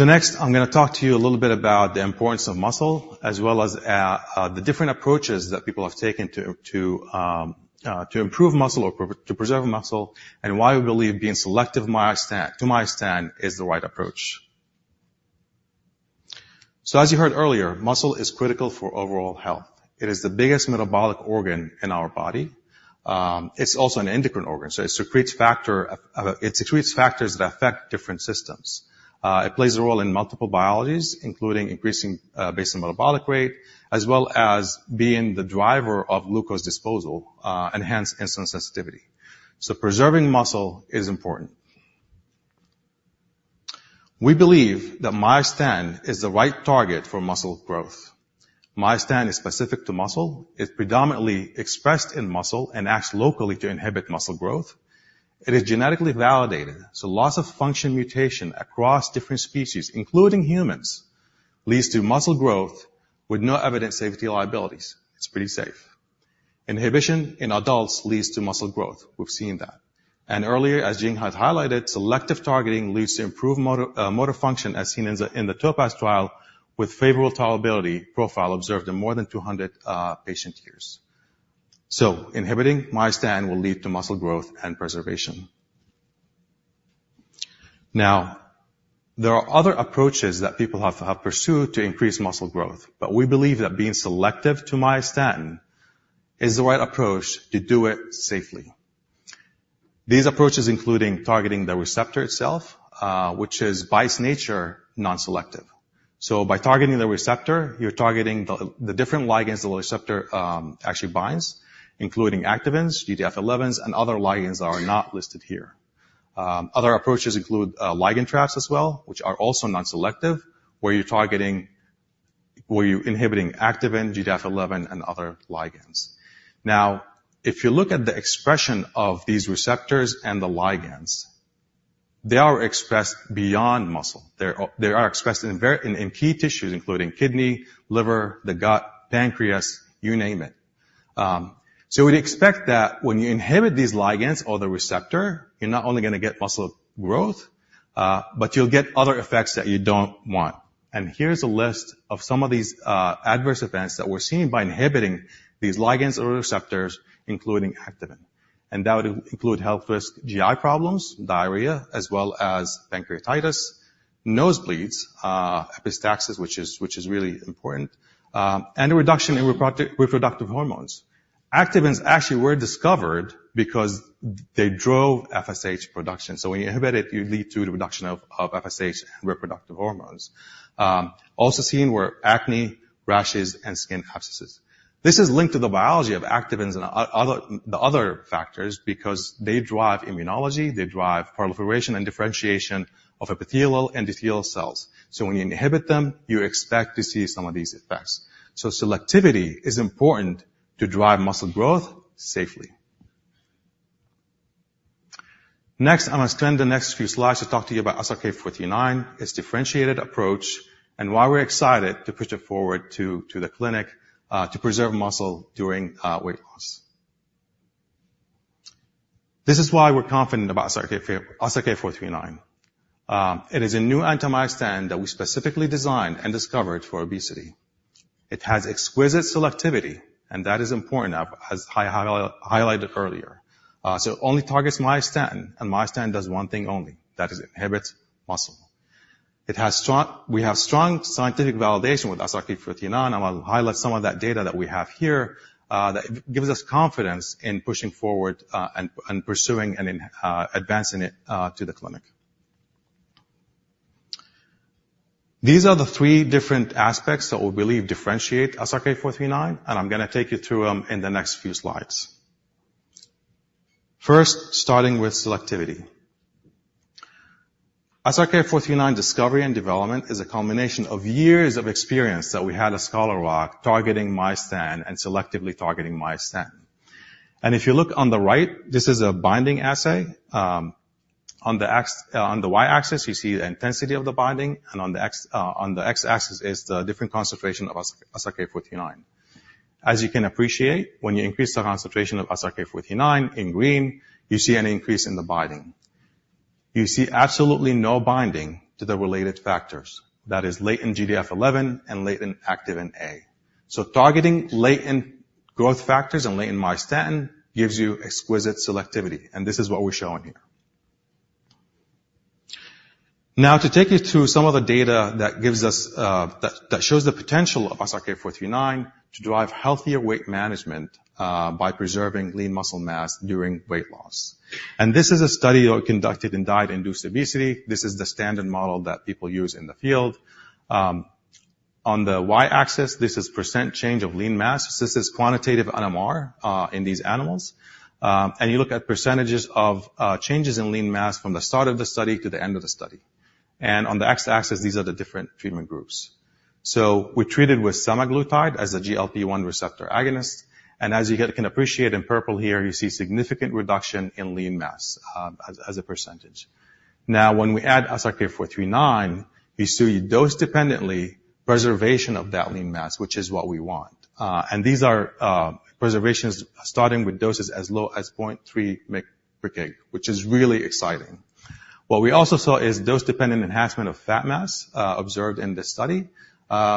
Next, I'm gonna talk to you a little bit about the importance of muscle, as well as the different approaches that people have taken to improve muscle or to preserve muscle, and why we believe being selective to myostatin is the right approach. As you heard earlier, muscle is critical for overall health. It is the biggest metabolic organ in our body. It's also an endocrine organ, so it secretes factor of It secretes factors that affect different systems. It plays a role in multiple biologies, including increasing basic metabolic rate, as well as being the driver of glucose disposal and hence insulin sensitivity. So preserving muscle is important. We believe that myostatin is the right target for muscle growth. Myostatin is specific to muscle, is predominantly expressed in muscle and acts locally to inhibit muscle growth. It is genetically validated, so loss of function mutation across different species, including humans, leads to muscle growth with no evident safety liabilities. It's pretty safe. Inhibition in adults leads to muscle growth. We've seen that. And earlier, as Jing had highlighted, selective targeting leads to improved motor function, as seen in the TOPAZ trial, with favorable tolerability profile observed in more than 200 patient years. So inhibiting myostatin will lead to muscle growth and preservation.... Now, there are other approaches that people have pursued to increase muscle growth, but we believe that being selective to myostatin is the right approach to do it safely. These approaches, including targeting the receptor itself, which is by its nature, non-selective. So by targeting the receptor, you're targeting the different ligands the receptor actually binds, including activins, GDF11s, and other ligands that are not listed here. Other approaches include ligand traps as well, which are also non-selective, where you're inhibiting activin, GDF11, and other ligands. Now, if you look at the expression of these receptors and the ligands, they are expressed beyond muscle. They are expressed in key tissues, including kidney, liver, the gut, pancreas, you name it. So we'd expect that when you inhibit these ligands or the receptor, you're not only gonna get muscle growth, but you'll get other effects that you don't want. And here's a list of some of these adverse events that we're seeing by inhibiting these ligands or receptors, including activin. And that would include health risk, GI problems, diarrhea, as well as pancreatitis, nosebleeds, epistaxis, which is really important, and a reduction in reproductive hormones. activins actually were discovered because they drove FSH production. So when you inhibit it, you lead to the reduction of FSH and reproductive hormones. Also seen were acne, rashes, and skin abscesses. This is linked to the biology of activins and other factors because they drive immunology, they drive proliferation and differentiation of epithelial and endothelial cells. So when you inhibit them, you expect to see some of these effects. So selectivity is important to drive muscle growth safely. Next, I'm going to spend the next few slides to talk to you about SRK-439, its differentiated approach, and why we're excited to push it forward to the clinic to preserve muscle during weight loss. This is why we're confident about SRK-439. It is a new anti-myostatin that we specifically designed and discovered for obesity. It has exquisite selectivity, and that is important, as I highlighted earlier. So it only targets myostatin, and myostatin does one thing only: that is, inhibits muscle. It has strong... We have strong scientific validation with SRK-439, and I'll highlight some of that data that we have here, that gives us confidence in pushing forward, and pursuing and advancing it to the clinic. These are the three different aspects that we believe differentiate SRK-439, and I'm gonna take you through them in the next few slides. First, starting with selectivity. SRK-439 discovery and development is a combination of years of experience that we had at Scholar Rock, targeting myostatin and selectively targeting myostatin. And if you look on the right, this is a binding assay. On the y-axis, you see the intensity of the binding, and on the x-axis is the different concentration of SRK-439. As you can appreciate, when you increase the concentration of SRK-439 in green, you see an increase in the binding. You see absolutely no binding to the related factors. That is latent GDF11 and latent activin A. So targeting latent growth factors and latent myostatin gives you exquisite selectivity, and this is what we're showing here. Now, to take you through some of the data that gives us, that shows the potential of SRK-439 to drive healthier weight management, by preserving lean muscle mass during weight loss. And this is a study conducted in diet-induced obesity. This is the standard model that people use in the field. On the y-axis, this is % change of lean mass. This is quantitative NMR, in these animals. And you look at percentages of changes in lean mass from the start of the study to the end of the study. And on the x-axis, these are the different treatment groups. So we treated with semaglutide as a GLP-1 receptor agonist, and as you can appreciate in purple here, you see significant reduction in lean mass as a percentage. Now, when we add SRK-439, you see dose-dependently preservation of that lean mass, which is what we want. And these are preservations starting with doses as low as 0.3 mg per kg, which is really exciting. What we also saw is dose-dependent enhancement of fat mass observed in this study,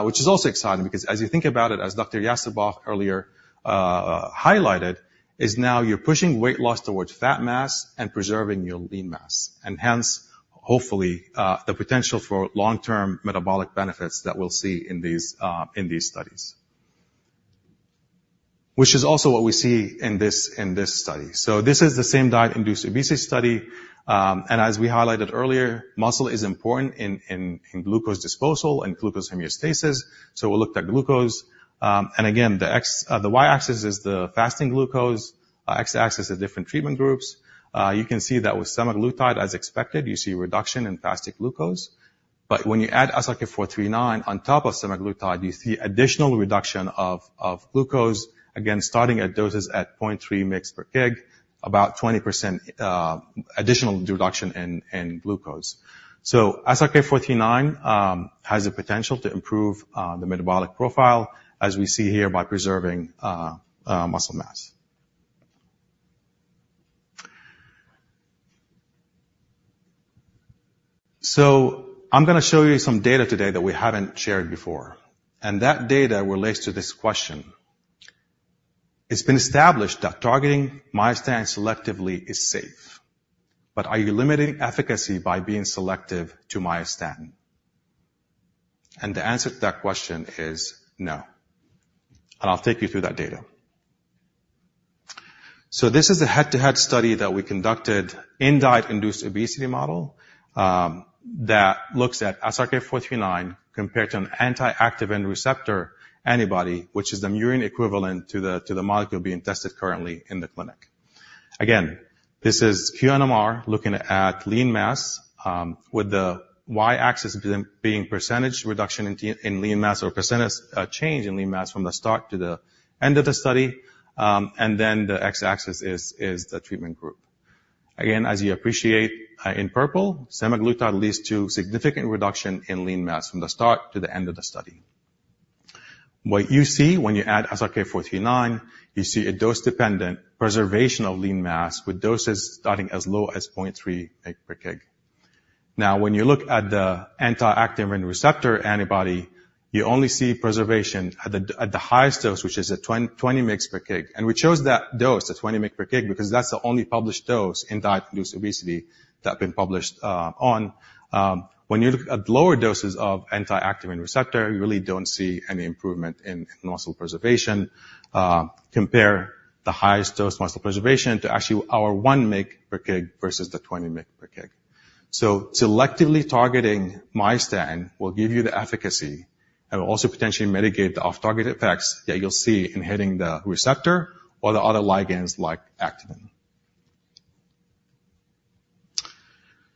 which is also exciting because as you think about it, as Dr. Jastreboff earlier highlighted, now you're pushing weight loss towards fat mass and preserving your lean mass, and hence, hopefully, the potential for long-term metabolic benefits that we'll see in these in these studies. Which is also what we see in this study. So this is the same diet-induced obesity study, and as we highlighted earlier, muscle is important in glucose disposal and glucose homeostasis, so we looked at glucose. And again, the y-axis is the fasting glucose, x-axis is the different treatment groups. You can see that with semaglutide, as expected, you see a reduction in fasting glucose. But when you add SRK-439 on top of semaglutide, you see additional reduction of glucose, again, starting at doses at 0.3 mg per kg, about 20% additional reduction in glucose. So SRK-439 has the potential to improve the metabolic profile, as we see here, by preserving muscle mass. So I'm gonna show you some data today that we haven't shared before, and that data relates to this question.... It's been established that targeting myostatin selectively is safe, but are you limiting efficacy by being selective to myostatin? And the answer to that question is no, and I'll take you through that data. So this is a head-to-head study that we conducted in diet-induced obesity model that looks at SRK-439 compared to an anti-activin receptor antibody, which is the murine equivalent to the, to the molecule being tested currently in the clinic. Again, this is QNMR, looking at lean mass, with the y-axis being percentage reduction in in lean mass or percentage change in lean mass from the start to the end of the study. And then the x-axis is the treatment group. Again, as you appreciate, in purple, semaglutide leads to significant reduction in lean mass from the start to the end of the study. What you see when you add SRK-439, you see a dose-dependent preservation of lean mass with doses starting as low as 0.3 mg per kg. Now, when you look at the anti-activin receptor antibody, you only see preservation at the highest dose, which is at 20 mg per kg. We chose that dose, the 20 mg per kg, because that's the only published dose in diet-induced obesity that been published on. When you look at lower doses of anti-activin receptor, you really don't see any improvement in muscle preservation. Compare the highest dose muscle preservation to actually our 1 mg per kg versus the 20 mg per kg. Selectively targeting myostatin will give you the efficacy and will also potentially mitigate the off-target effects that you'll see in hitting the receptor or the other ligands like activin.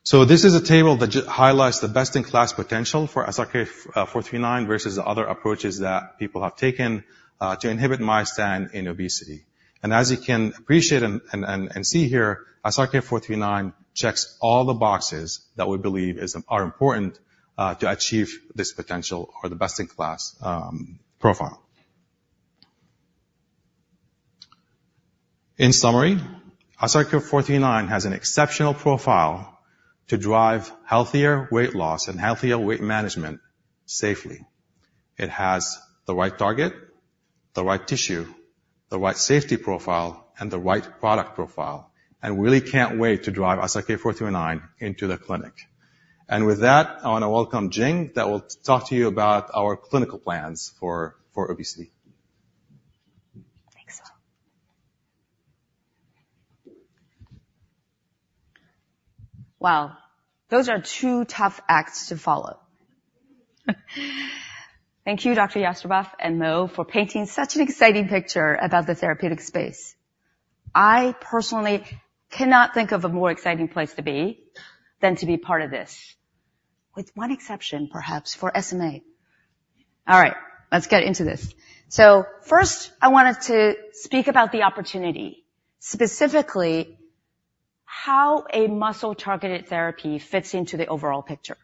So this is a table that highlights the best-in-class potential for SRK-439 versus the other approaches that people have taken to inhibit myostatin in obesity. And as you can appreciate and see here, SRK-439 checks all the boxes that we believe is, are important to achieve this potential or the best-in-class profile. In summary, SRK-439 has an exceptional profile to drive healthier weight loss and healthier weight management safely. It has the right target, the right tissue, the right safety profile, and the right product profile, and we really can't wait to drive SRK-439 into the clinic. And with that, I want to welcome Jing that will talk to you about our clinical plans for obesity. Thanks. Wow! Those are two tough acts to follow. Thank you, Dr. Jastreboff and Mo, for painting such an exciting picture about the therapeutic space. I personally cannot think of a more exciting place to be than to be part of this, with one exception, perhaps for SMA. All right, let's get into this. So first, I wanted to speak about the opportunity, specifically how a muscle-targeted therapy fits into the overall picture.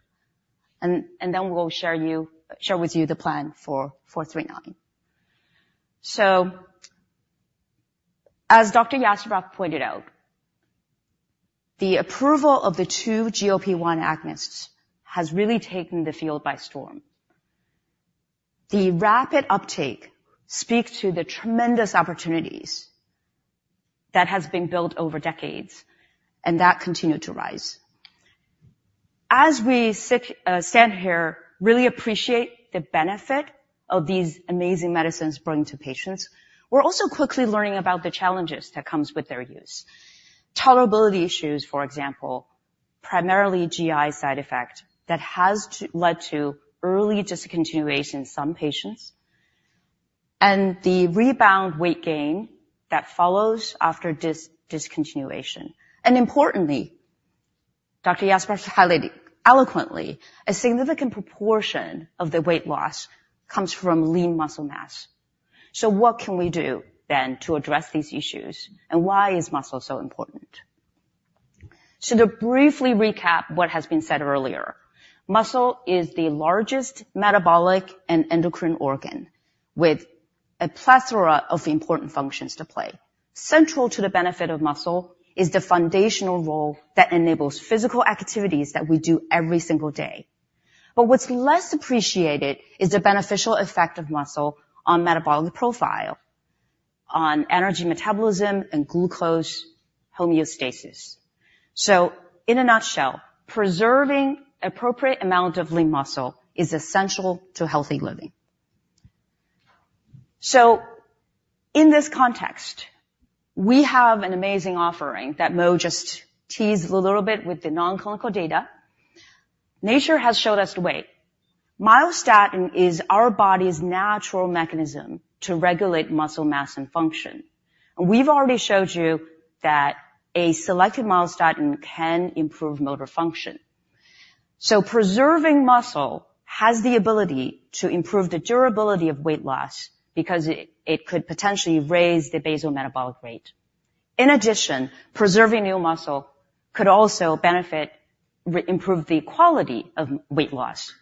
And then we'll share with you the plan for 439. So as Dr. Jastreboff pointed out, the approval of the two GLP-1 agonists has really taken the field by storm. The rapid uptake speaks to the tremendous opportunities that has been built over decades, and that continued to rise. As we sit, stand here, really appreciate the benefit of these amazing medicines bringing to patients, we're also quickly learning about the challenges that comes with their use. Tolerability issues, for example, primarily GI side effect, that has led to early discontinuation in some patients, and the rebound weight gain that follows after discontinuation. And importantly, Dr. Jastreboff highlighted eloquently, a significant proportion of the weight loss comes from lean muscle mass. So what can we do then, to address these issues, and why is muscle so important? So to briefly recap what has been said earlier, muscle is the largest metabolic and endocrine organ, with a plethora of important functions to play. Central to the benefit of muscle is the foundational role that enables physical activities that we do every single day. But what's less appreciated is the beneficial effect of muscle on metabolic profile, on energy metabolism, and glucose homeostasis. So in a nutshell, preserving appropriate amount of lean muscle is essential to healthy living. So in this context, we have an amazing offering that Mo just teased a little bit with the non-clinical data. Nature has showed us the way. Myostatin is our body's natural mechanism to regulate muscle mass and function. We've already showed you that a selective myostatin can improve motor function. So preserving muscle has the ability to improve the durability of weight loss because it could potentially raise the basal metabolic rate. In addition, preserving new muscle could also benefit, improve the quality of weight loss.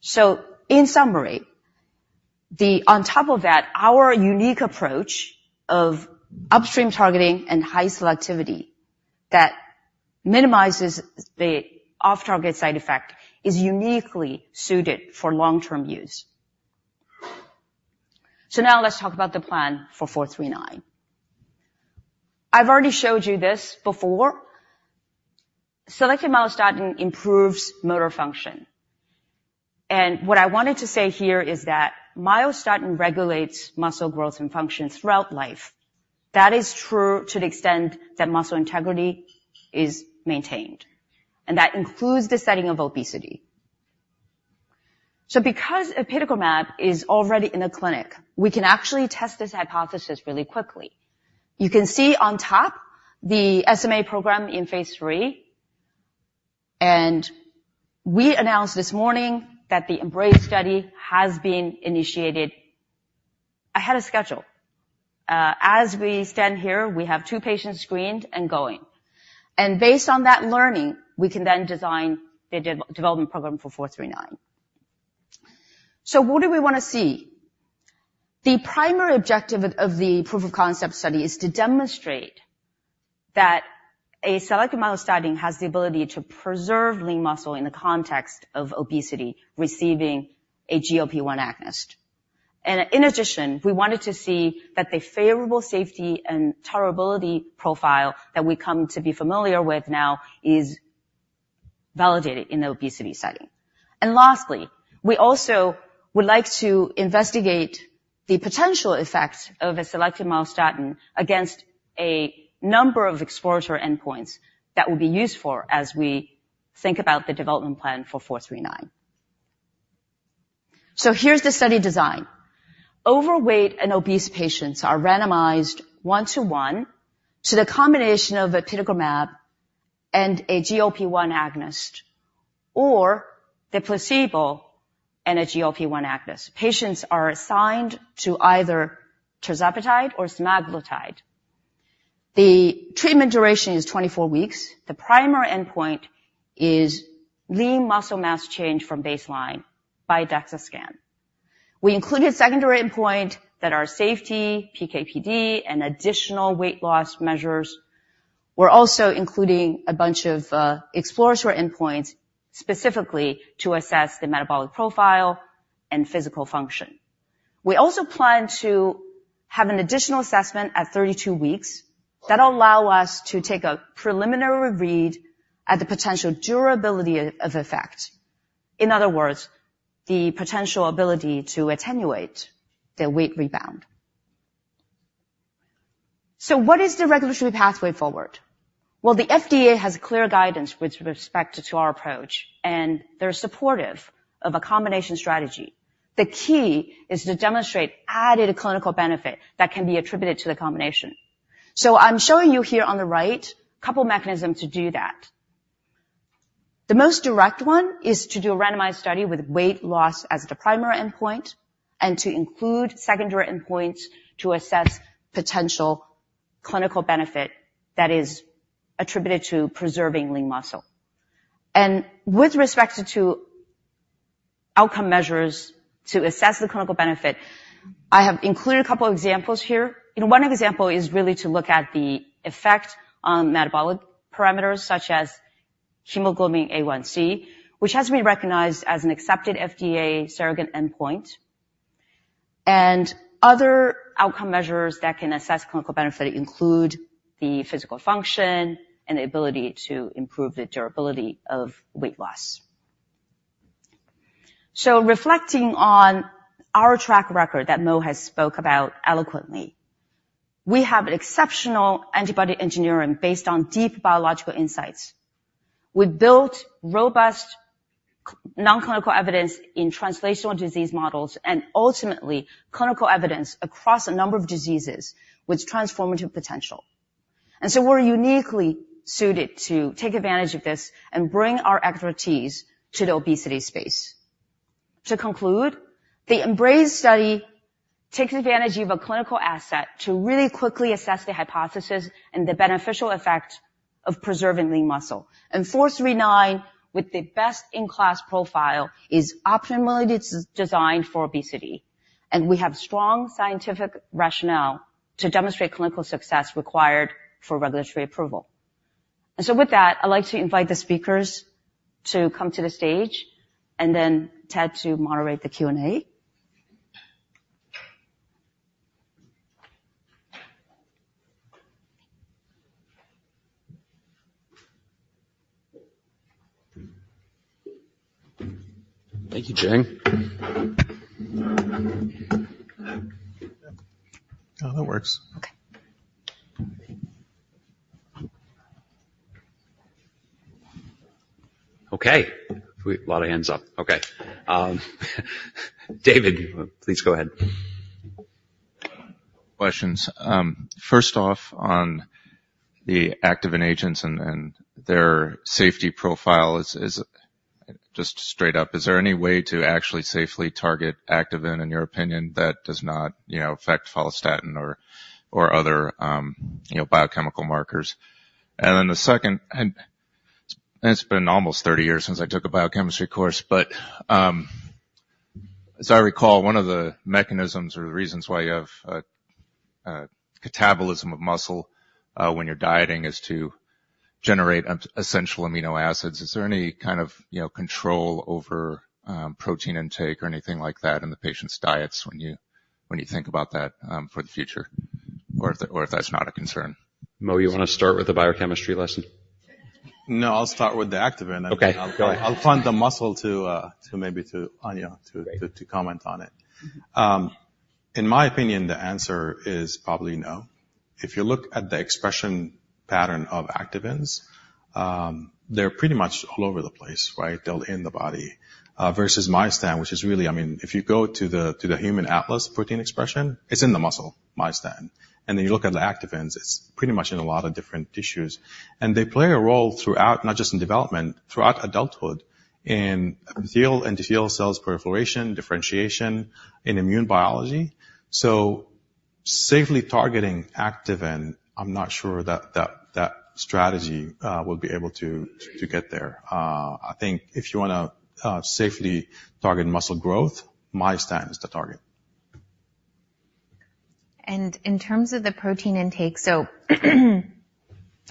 So in summary. On top of that, our unique approach of upstream targeting and high selectivity that minimizes the off-target side effect is uniquely suited for long-term use. So now let's talk about the plan for 439. I've already showed you this before. Selective myostatin improves motor function, and what I wanted to say here is that myostatin regulates muscle growth and function throughout life. That is true to the extent that muscle integrity is maintained, and that includes the setting of obesity. So because apitegromab is already in the clinic, we can actually test this hypothesis really quickly. You can see on top the SMA program in phase 3, and we announced this morning that the EMBRAZE study has been initiated ahead of schedule. As we stand here, we have 2 patients screened and going, and based on that learning, we can then design the development program for 439. So what do we want to see? The primary objective of the proof of concept study is to demonstrate that a selective myostatin has the ability to preserve lean muscle in the context of obesity, receiving a GLP-1 agonist. In addition, we wanted to see that the favorable safety and tolerability profile that we come to be familiar with now is validated in the obesity setting. Lastly, we also would like to investigate the potential effects of a selective myostatin against a number of exploratory endpoints that will be used for as we think about the development plan for SRK-439. Here's the study design. Overweight and obese patients are randomized 1:1 to the combination of apitegromab and a GLP-1 agonist, or the placebo and a GLP-1 agonist. Patients are assigned to either tirzepatide or semaglutide. The treatment duration is 24 weeks. The primary endpoint is lean muscle mass change from baseline by DEXA scan. We included secondary endpoint that are safety, PK/PD, and additional weight loss measures. We're also including a bunch of exploratory endpoints, specifically to assess the metabolic profile and physical function. We also plan to have an additional assessment at 32 weeks that will allow us to take a preliminary read at the potential durability of effect. In other words, the potential ability to attenuate the weight rebound. So what is the regulatory pathway forward? Well, the FDA has clear guidance with respect to our approach, and they're supportive of a combination strategy. The key is to demonstrate added clinical benefit that can be attributed to the combination. So I'm showing you here on the right, a couple mechanisms to do that. The most direct one is to do a randomized study with weight loss as the primary endpoint, and to include secondary endpoints to assess potential clinical benefit that is attributed to preserving lean muscle. With respect to outcome measures to assess the clinical benefit, I have included a couple of examples here. You know, one example is really to look at the effect on metabolic parameters, such as hemoglobin A1C, which has been recognized as an accepted FDA surrogate endpoint. Other outcome measures that can assess clinical benefit include the physical function and the ability to improve the durability of weight loss. Reflecting on our track record that Mo has spoke about eloquently, we have exceptional antibody engineering based on deep biological insights. We've built robust nonclinical evidence in translational disease models and ultimately clinical evidence across a number of diseases with transformative potential. And so we're uniquely suited to take advantage of this and bring our expertise to the obesity space. To conclude, the EMBRAZE study takes advantage of a clinical asset to really quickly assess the hypothesis and the beneficial effect of preserving lean muscle. And SRK-439, with the best-in-class profile, is optimally designed for obesity, and we have strong scientific rationale to demonstrate clinical success required for regulatory approval. And so with that, I'd like to invite the speakers to come to the stage and then Ted to moderate the Q&A. Thank you, Jing. Oh, that works. Okay, we have a lot of hands up. Okay, David, please go ahead. Questions. First off, on the activin agents and their safety profile, is—Just straight up, is there any way to actually safely target activin, in your opinion, that does not, you know, affect follistatin or other, you know, biochemical markers? And then the second, and it's been almost 30 years since I took a biochemistry course, but.... As I recall, one of the mechanisms or the reasons why you have a catabolism of muscle when you're dieting is to generate essential amino acids. Is there any kind of, you know, control over protein intake or anything like that in the patient's diets when you think about that for the future? Or if that's not a concern. Mo, you want to start with the biochemistry lesson? No, I'll start with the activin. Okay, go ahead. I'll find the muscle to maybe to Ania to comment on it. In my opinion, the answer is probably no. If you look at the expression pattern of activins, they're pretty much all over the place, right? They're in the body versus myostatin, which is really I mean, if you go to the Human Protein Atlas, it's in the muscle, myostatin. And then you look at the activins, it's pretty much in a lot of different tissues. And they play a role throughout, not just in development, throughout adulthood, in endothelial cells, proliferation, differentiation, in immune biology. So safely targeting activin, I'm not sure that strategy will be able to get there. I think if you want to safely target muscle growth, myostatin is the target. In terms of the protein intake,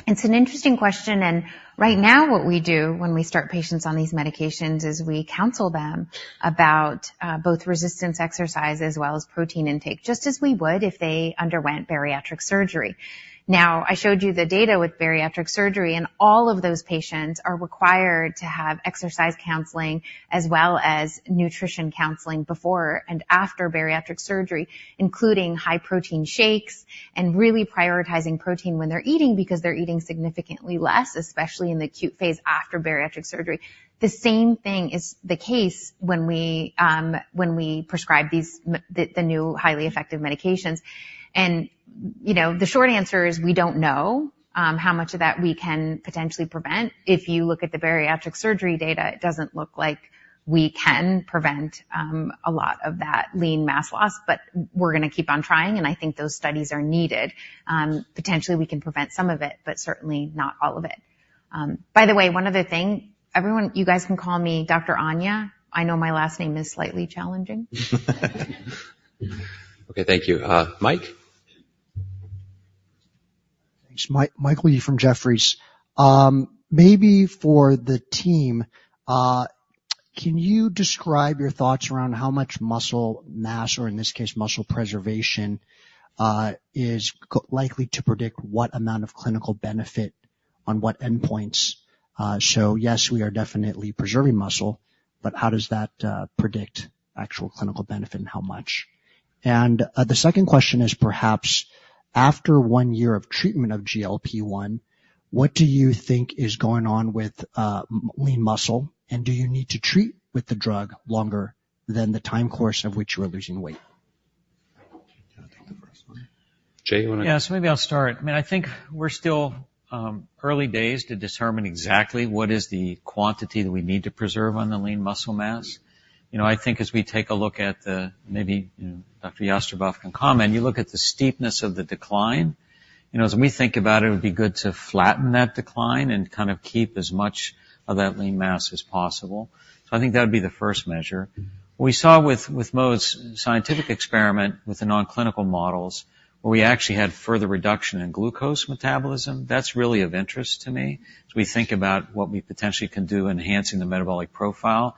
it's an interesting question, and right now, what we do when we start patients on these medications is we counsel them about both resistance exercise as well as protein intake, just as we would if they underwent bariatric surgery. Now, I showed you the data with bariatric surgery, and all of those patients are required to have exercise counseling as well as nutrition counseling before and after bariatric surgery, including high-protein shakes and really prioritizing protein when they're eating because they're eating significantly less, especially in the acute phase after bariatric surgery. The same thing is the case when we prescribe these new, highly effective medications. And, you know, the short answer is we don't know how much of that we can potentially prevent. If you look at the bariatric surgery data, it doesn't look like we can prevent a lot of that lean mass loss, but we're going to keep on trying, and I think those studies are needed. Potentially we can prevent some of it, but certainly not all of it. By the way, one other thing, everyone, you guys can call me Dr. Ania. I know my last name is slightly challenging. Okay, thank you. Mike? Thanks. Michael Yee from Jefferies. Maybe for the team, can you describe your thoughts around how much muscle mass, or in this case, muscle preservation, is likely to predict what amount of clinical benefit on what endpoints? So yes, we are definitely preserving muscle, but how does that predict actual clinical benefit, and how much? The second question is, perhaps after one year of treatment of GLP-1, what do you think is going on with lean muscle? And do you need to treat with the drug longer than the time course of which you are losing weight? Do you want to take the first one? Jay, you want to- Yes, maybe I'll start. I mean, I think we're still early days to determine exactly what is the quantity that we need to preserve on the lean muscle mass. You know, I think as we take a look at the... maybe, you know, Dr. Jastreboff can comment, you look at the steepness of the decline. You know, as we think about it, it would be good to flatten that decline and kind of keep as much of that lean mass as possible. So I think that would be the first measure. We saw with Mo's scientific experiment with the nonclinical models, where we actually had further reduction in glucose metabolism. That's really of interest to me, as we think about what we potentially can do enhancing the metabolic profile.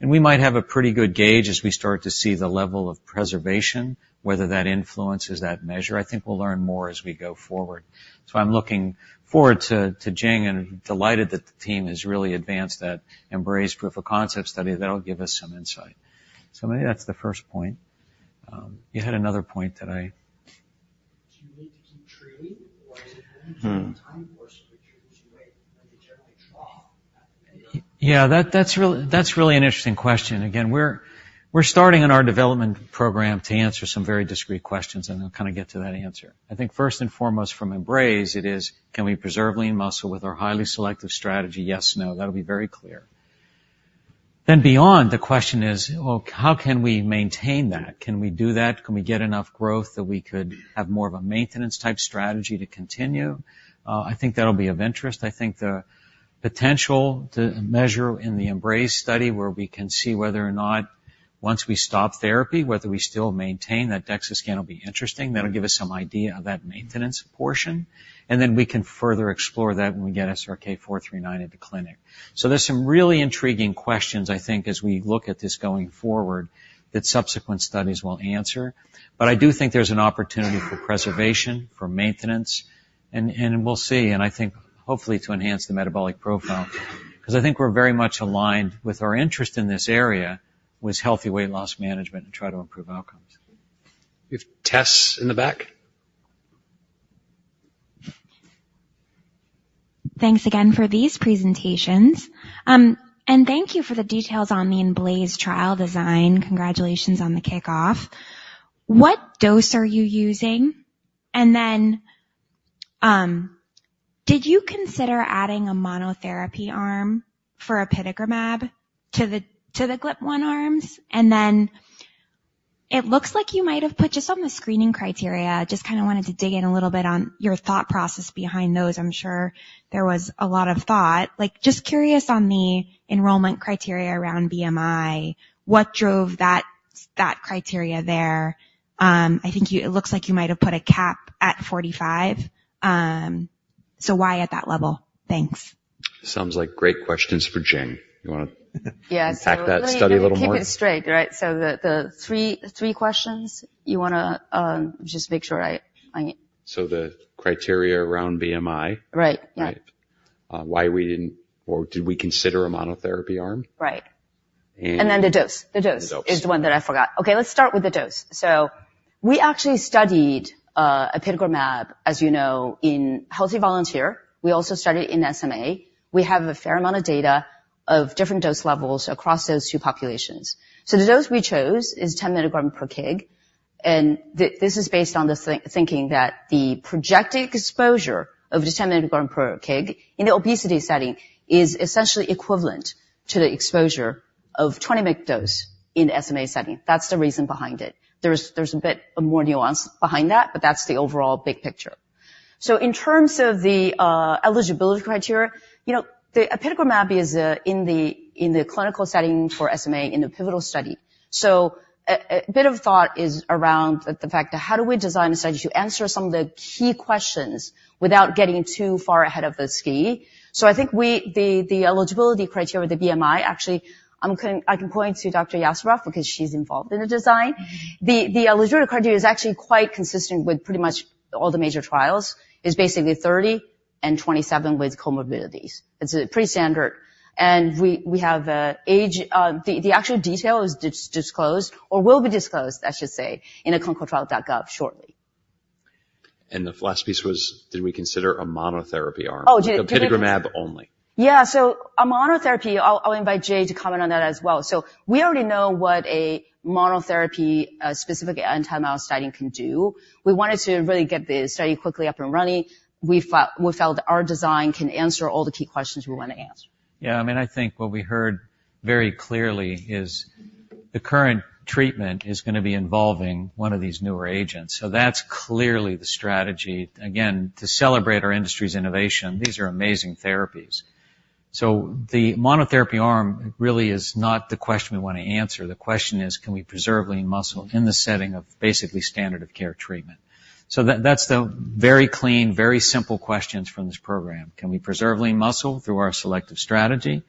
And we might have a pretty good gauge as we start to see the level of preservation, whether that influences that measure. I think we'll learn more as we go forward. So I'm looking forward to, to Jing and delighted that the team has really advanced that EMBRAZE proof of concept study. That'll give us some insight. So maybe that's the first point. You had another point that I- Do you need to keep treating, or is it? Hmm. The time course, which you wait, like, they generally trough? Yeah, that's really an interesting question. Again, we're starting in our development program to answer some very discrete questions, and I'll kind of get to that answer. I think first and foremost, from EMBRAZE, it is, can we preserve lean muscle with our highly selective strategy? Yes, no. That'll be very clear. Then beyond, the question is, well, how can we maintain that? Can we do that? Can we get enough growth that we could have more of a maintenance-type strategy to continue? I think that'll be of interest. I think the potential to measure in the EMBRAZE study, where we can see whether or not once we stop therapy, whether we still maintain that DEXA scan, will be interesting. That'll give us some idea of that maintenance portion, and then we can further explore that when we get SRK-439 at the clinic. There's some really intriguing questions, I think, as we look at this going forward, that subsequent studies will answer. But I do think there's an opportunity for preservation, for maintenance, and, and we'll see, and I think hopefully to enhance the metabolic profile. Because I think we're very much aligned with our interest in this area, with healthy weight loss management and try to improve outcomes. We have Tess in the back. Thanks again for these presentations. And thank you for the details on the EMBRAZE trial design. Congratulations on the kickoff. What dose are you using? And then, did you consider adding a monotherapy arm for apitegromab to the GLP-1 arms? And then- It looks like you might have put just on the screening criteria. Just kind of wanted to dig in a little bit on your thought process behind those. I'm sure there was a lot of thought. Like, just curious on the enrollment criteria around BMI, what drove that, that criteria there? I think it looks like you might have put a cap at 45. So why at that level? Thanks. Sounds like great questions for Jing. You wanna pack that study a little more? Yeah, so let me keep it straight, right? So the three questions you wanna just make sure I- The criteria around BMI. Right, right. Why we didn't or did we consider a monotherapy arm? Right. And- And then the dose. The dose. - is the one that I forgot. Okay, let's start with the dose. So we actually studied apitegromab, as you know, in healthy volunteer. We also studied it in SMA. We have a fair amount of data of different dose levels across those two populations. So the dose we chose is 10 mg/kg, and this is based on the thinking that the projected exposure of this 10 mg/kg in the obesity setting is essentially equivalent to the exposure of 20 mg dose in SMA setting. That's the reason behind it. There's a bit of more nuance behind that, but that's the overall big picture. So in terms of the eligibility criteria, you know, the apitegromab is in the clinical setting for SMA in the pivotal study. So a bit of thought is around the fact that how do we design a study to answer some of the key questions without getting too far ahead of the ski? So I think we... The eligibility criteria with the BMI, actually, I'm gonna—I can point to Dr. Jastreboff, because she's involved in the design. The eligibility criteria is actually quite consistent with pretty much all the major trials, is basically 30 and 27 with comorbidities. It's pretty standard. And we have age... The actual detail is disclosed, or will be disclosed, I should say, in the ClinicalTrials.gov shortly. The last piece was, did we consider a monotherapy arm? Oh, did- apitegromab only. Yeah, so a monotherapy. I'll invite Jay to comment on that as well. So we already know what a monotherapy, specific anti-myostatin study can do. We wanted to really get the study quickly up and running. We felt our design can answer all the key questions we want to answer. Yeah, I mean, I think what we heard very clearly is the current treatment is gonna be involving one of these newer agents, so that's clearly the strategy. Again, to celebrate our industry's innovation, these are amazing therapies. So the monotherapy arm really is not the question we want to answer. The question is: Can we preserve lean muscle in the setting of basically standard of care treatment? So that, that's the very clean, very simple questions from this program. Can we preserve lean muscle through our selective strategy?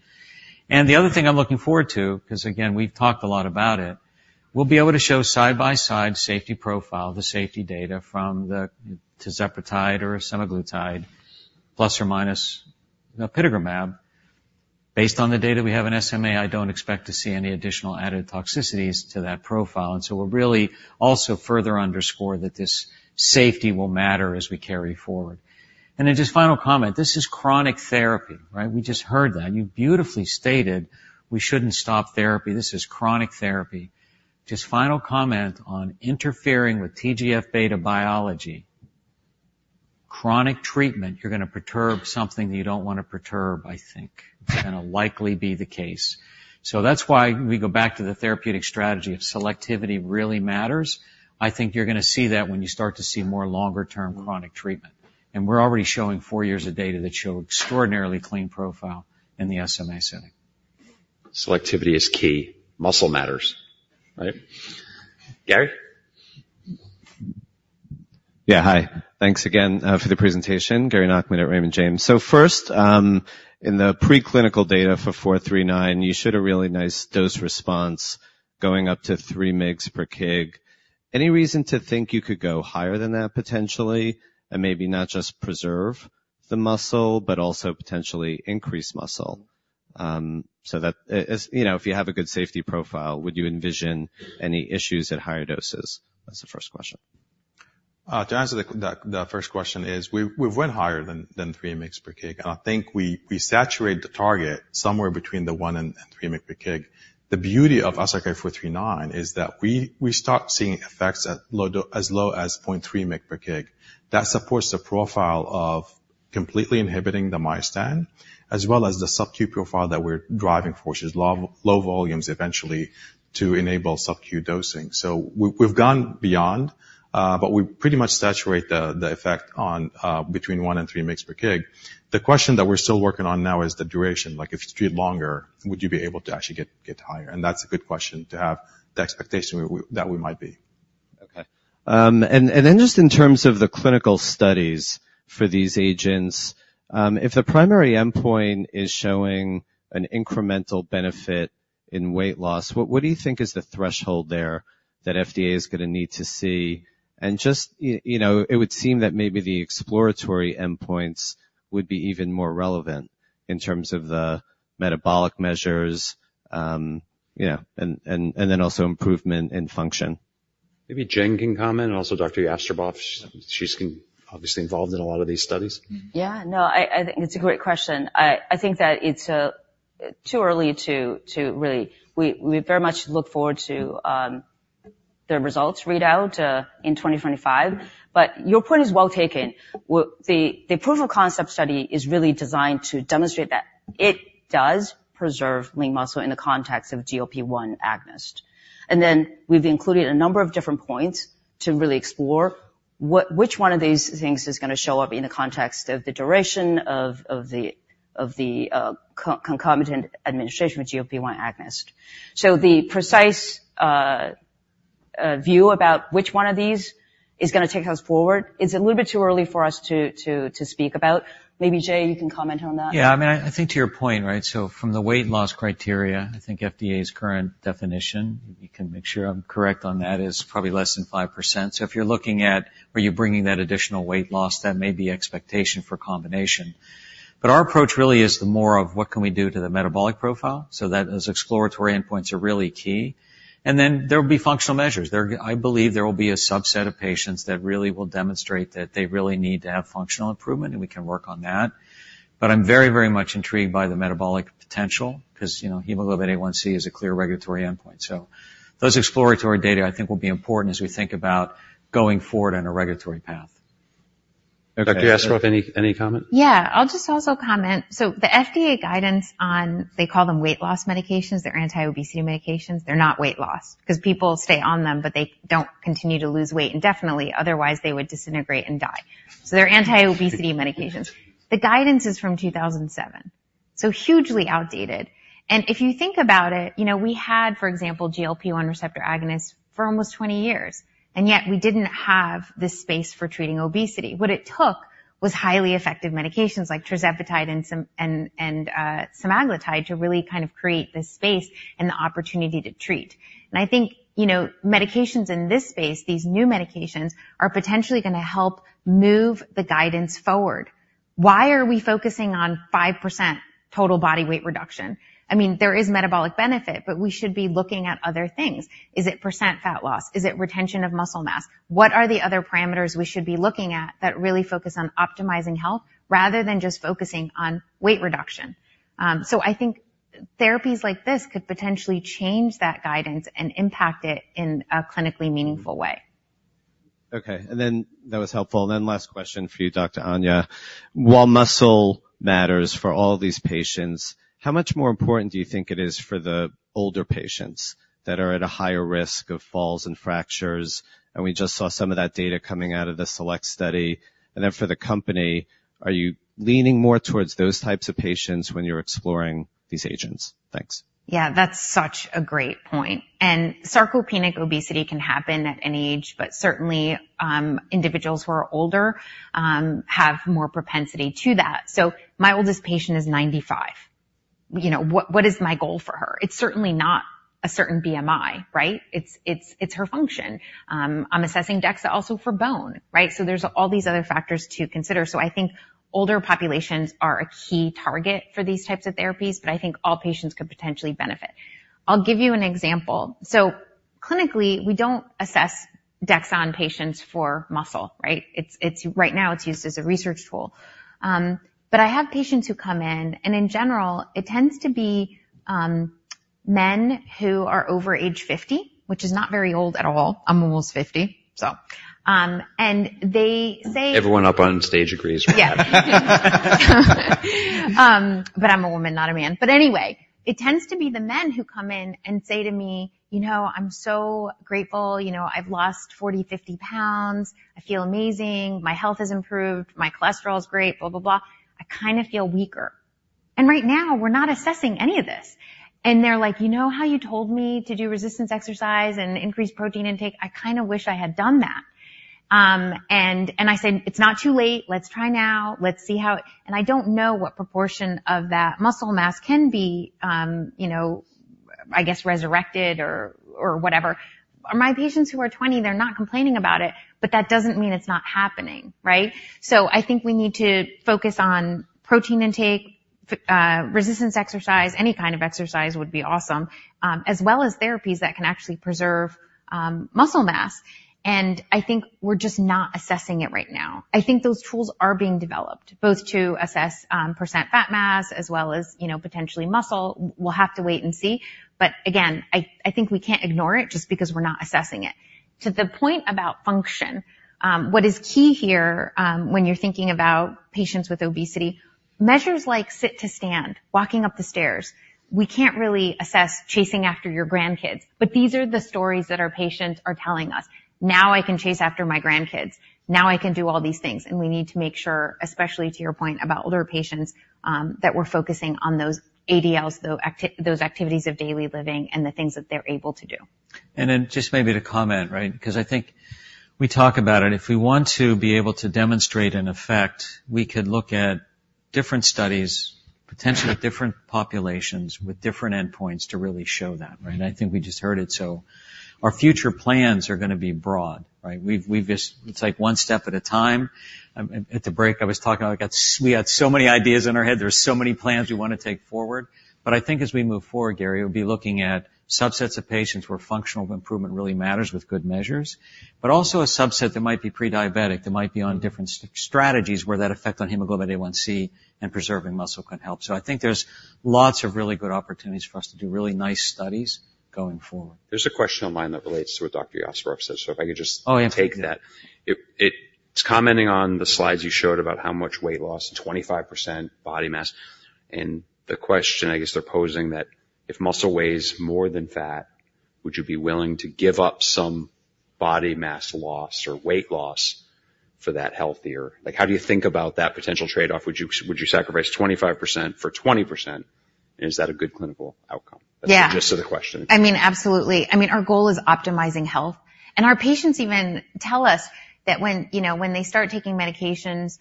And the other thing I'm looking forward to, 'cause again, we've talked a lot about it, we'll be able to show side-by-side safety profile, the safety data from the tirzepatide or semaglutide, plus or minus the apitegromab. Based on the data we have in SMA, I don't expect to see any additional added toxicities to that profile, and so we'll really also further underscore that this safety will matter as we carry forward. Then just final comment, this is chronic therapy, right? We just heard that. You beautifully stated, we shouldn't stop therapy. This is chronic therapy. Just final comment on interfering with TGF-beta biology. Chronic treatment, you're gonna perturb something you don't want to perturb, I think. It's gonna likely be the case. So that's why we go back to the therapeutic strategy of selectivity really matters. I think you're gonna see that when you start to see more longer-term chronic treatment. And we're already showing four years of data that show extraordinarily clean profile in the SMA setting. Selectivity is key. Muscle matters, right? Gary? Yeah. Hi. Thanks again for the presentation. Gary Nachman at Raymond James. So first, in the preclinical data for 439, you showed a really nice dose response going up to 3 mg per kg. Any reason to think you could go higher than that, potentially, and maybe not just preserve the muscle, but also potentially increase muscle? So that, as you know, if you have a good safety profile, would you envision any issues at higher doses? That's the first question. To answer the first question is we've went higher than three mg per kg, and I think we saturate the target somewhere between 1 and 3 mg per kg. The beauty of SRK-439 is that we start seeing effects at low as low as 0.3 mg per kg. That supports the profile of completely inhibiting the myostatin, as well as the sub-Q profile that we're driving towards, is low, low volumes eventually to enable sub-Q dosing. So we've gone beyond, but we pretty much saturate the effect on between 1 and 3 mg per kg. The question that we're still working on now is the duration. Like, if you treat longer, would you be able to actually get higher? That's a good question to have the expectation that we might be. Okay. And then just in terms of the clinical studies for these agents, if the primary endpoint is showing an incremental benefit in weight loss, what do you think is the threshold there that FDA is gonna need to see? And just, you know, it would seem that maybe the exploratory endpoints would be even more relevant in terms of the metabolic measures, and then also improvement in function. Maybe Jing can comment, and also Dr. Jastreboff. She's obviously involved in a lot of these studies. Yeah. No, I think it's a great question. I think that it's too early to really... We very much look forward to the results readout in 2025, but your point is well taken. The proof of concept study is really designed to demonstrate that it does preserve lean muscle in the context of GLP-1 agonist. And then we've included a number of different points to really explore which one of these things is going to show up in the context of the duration of the concomitant administration with GLP-1 agonist? So the precise view about which one of these is going to take us forward is a little bit too early for us to speak about. Maybe, Jay, you can comment on that. Yeah, I mean, I think to your point, right, so from the weight loss criteria, I think FDA's current definition, you can make sure I'm correct on that, is probably less than 5%. So if you're looking at are you bringing that additional weight loss, that may be expectation for combination. But our approach really is the more of what can we do to the metabolic profile, so that those exploratory endpoints are really key. And then there will be functional measures. I believe there will be a subset of patients that really will demonstrate that they really need to have functional improvement, and we can work on that. But I'm very, very much intrigued by the metabolic potential, 'cause, you know, hemoglobin A1C is a clear regulatory endpoint. So those exploratory data, I think, will be important as we think about going forward on a regulatory path. Dr. Jastreboff, any comment? Yeah. I'll just also comment. So the FDA guidance on, they call them weight loss medications, they're anti-obesity medications. They're not weight loss, 'cause people stay on them, but they don't continue to lose weight indefinitely, otherwise they would disintegrate and die. So they're anti-obesity medications. The guidance is from 2007, so hugely outdated. And if you think about it, you know, we had, for example, GLP-1 receptor agonists for almost 20 years, and yet we didn't have the space for treating obesity. What it took was highly effective medications like tirzepatide and semaglutide to really kind of create this space and the opportunity to treat. And I think, you know, medications in this space, these new medications, are potentially going to help move the guidance forward. Why are we focusing on 5% total body weight reduction? I mean, there is metabolic benefit, but we should be looking at other things. Is it % fat loss? Is it retention of muscle mass? What are the other parameters we should be looking at that really focus on optimizing health rather than just focusing on weight reduction? So I think therapies like this could potentially change that guidance and impact it in a clinically meaningful way. Okay, and then that was helpful. Then last question for you, Dr. Ania. While muscle matters for all these patients, how much more important do you think it is for the older patients that are at a higher risk of falls and fractures? And we just saw some of that data coming out of the SELECT study. And then for the company, are you leaning more towards those types of patients when you're exploring these agents? Thanks. Yeah, that's such a great point. Sarcopenic obesity can happen at any age, but certainly individuals who are older have more propensity to that. So my oldest patient is 95. You know, what, what is my goal for her? It's certainly not a certain BMI, right? It's her function. I'm assessing DEXA also for bone, right? So there's all these other factors to consider. So I think older populations are a key target for these types of therapies, but I think all patients could potentially benefit. I'll give you an example. So clinically, we don't assess DEXA on patients for muscle, right? It's... Right now, it's used as a research tool. But I have patients who come in, and in general, it tends to be men who are over age 50, which is not very old at all. I'm almost 50, so, and they say- Everyone up on stage agrees with that. But I'm a woman, not a man. But anyway, it tends to be the men who come in and say to me, "You know, I'm so grateful, you know, I've lost 40, 50 pounds. I feel amazing, my health has improved, my cholesterol is great, blah, blah, blah. I kind of feel weaker." And right now, we're not assessing any of this. And they're like: "You know how you told me to do resistance exercise and increase protein intake? I kinda wish I had done that." And I said, "It's not too late. Let's try now. Let's see how..." And I don't know what proportion of that muscle mass can be, you know, I guess, resurrected or, or whatever. My patients who are 20, they're not complaining about it, but that doesn't mean it's not happening, right? I think we need to focus on protein intake, resistance exercise, any kind of exercise would be awesome, as well as therapies that can actually preserve muscle mass. I think we're just not assessing it right now. I think those tools are being developed, both to assess percent fat mass as well as, you know, potentially muscle. We'll have to wait and see. Again, I think we can't ignore it just because we're not assessing it. To the point about function, what is key here, when you're thinking about patients with obesity, measures like sit to stand, walking up the stairs. We can't really assess chasing after your grandkids, but these are the stories that our patients are telling us. "Now I can chase after my grandkids. Now I can do all these things." And we need to make sure, especially to your point about older patients, that we're focusing on those ADLs, those activities of daily living and the things that they're able to do. And then just maybe to comment, right? Because I think we talk about it. If we want to be able to demonstrate an effect, we could look at different studies, potentially different populations with different endpoints to really show that, right? I think we just heard it, so our future plans are going to be broad, right? We've just. It's like one step at a time. At the break, I was talking, like, we had so many ideas in our head. There are so many plans we want to take forward. But I think as we move forward, Gary, it'll be looking at subsets of patients where functional improvement really matters with good measures, but also a subset that might be pre-diabetic, that might be on different strategies where that effect on hemoglobin A1c and preserving muscle can help. I think there's lots of really good opportunities for us to do really nice studies going forward. There's a question of mine that relates to what Dr. Jastreboff said. If I could just- Oh, yeah. Take that. It... It's commenting on the slides you showed about how much weight loss, 25% body mass. The question, I guess, they're posing that if muscle weighs more than fat, would you be willing to give up some body mass loss or weight loss for that healthier—like, how do you think about that potential trade-off? Would you, would you sacrifice 25% for 20%? Is that a good clinical outcome? Yeah. That's the gist of the question. I mean, absolutely. I mean, our goal is optimizing health, and our patients even tell us that when, you know, when they start taking medications,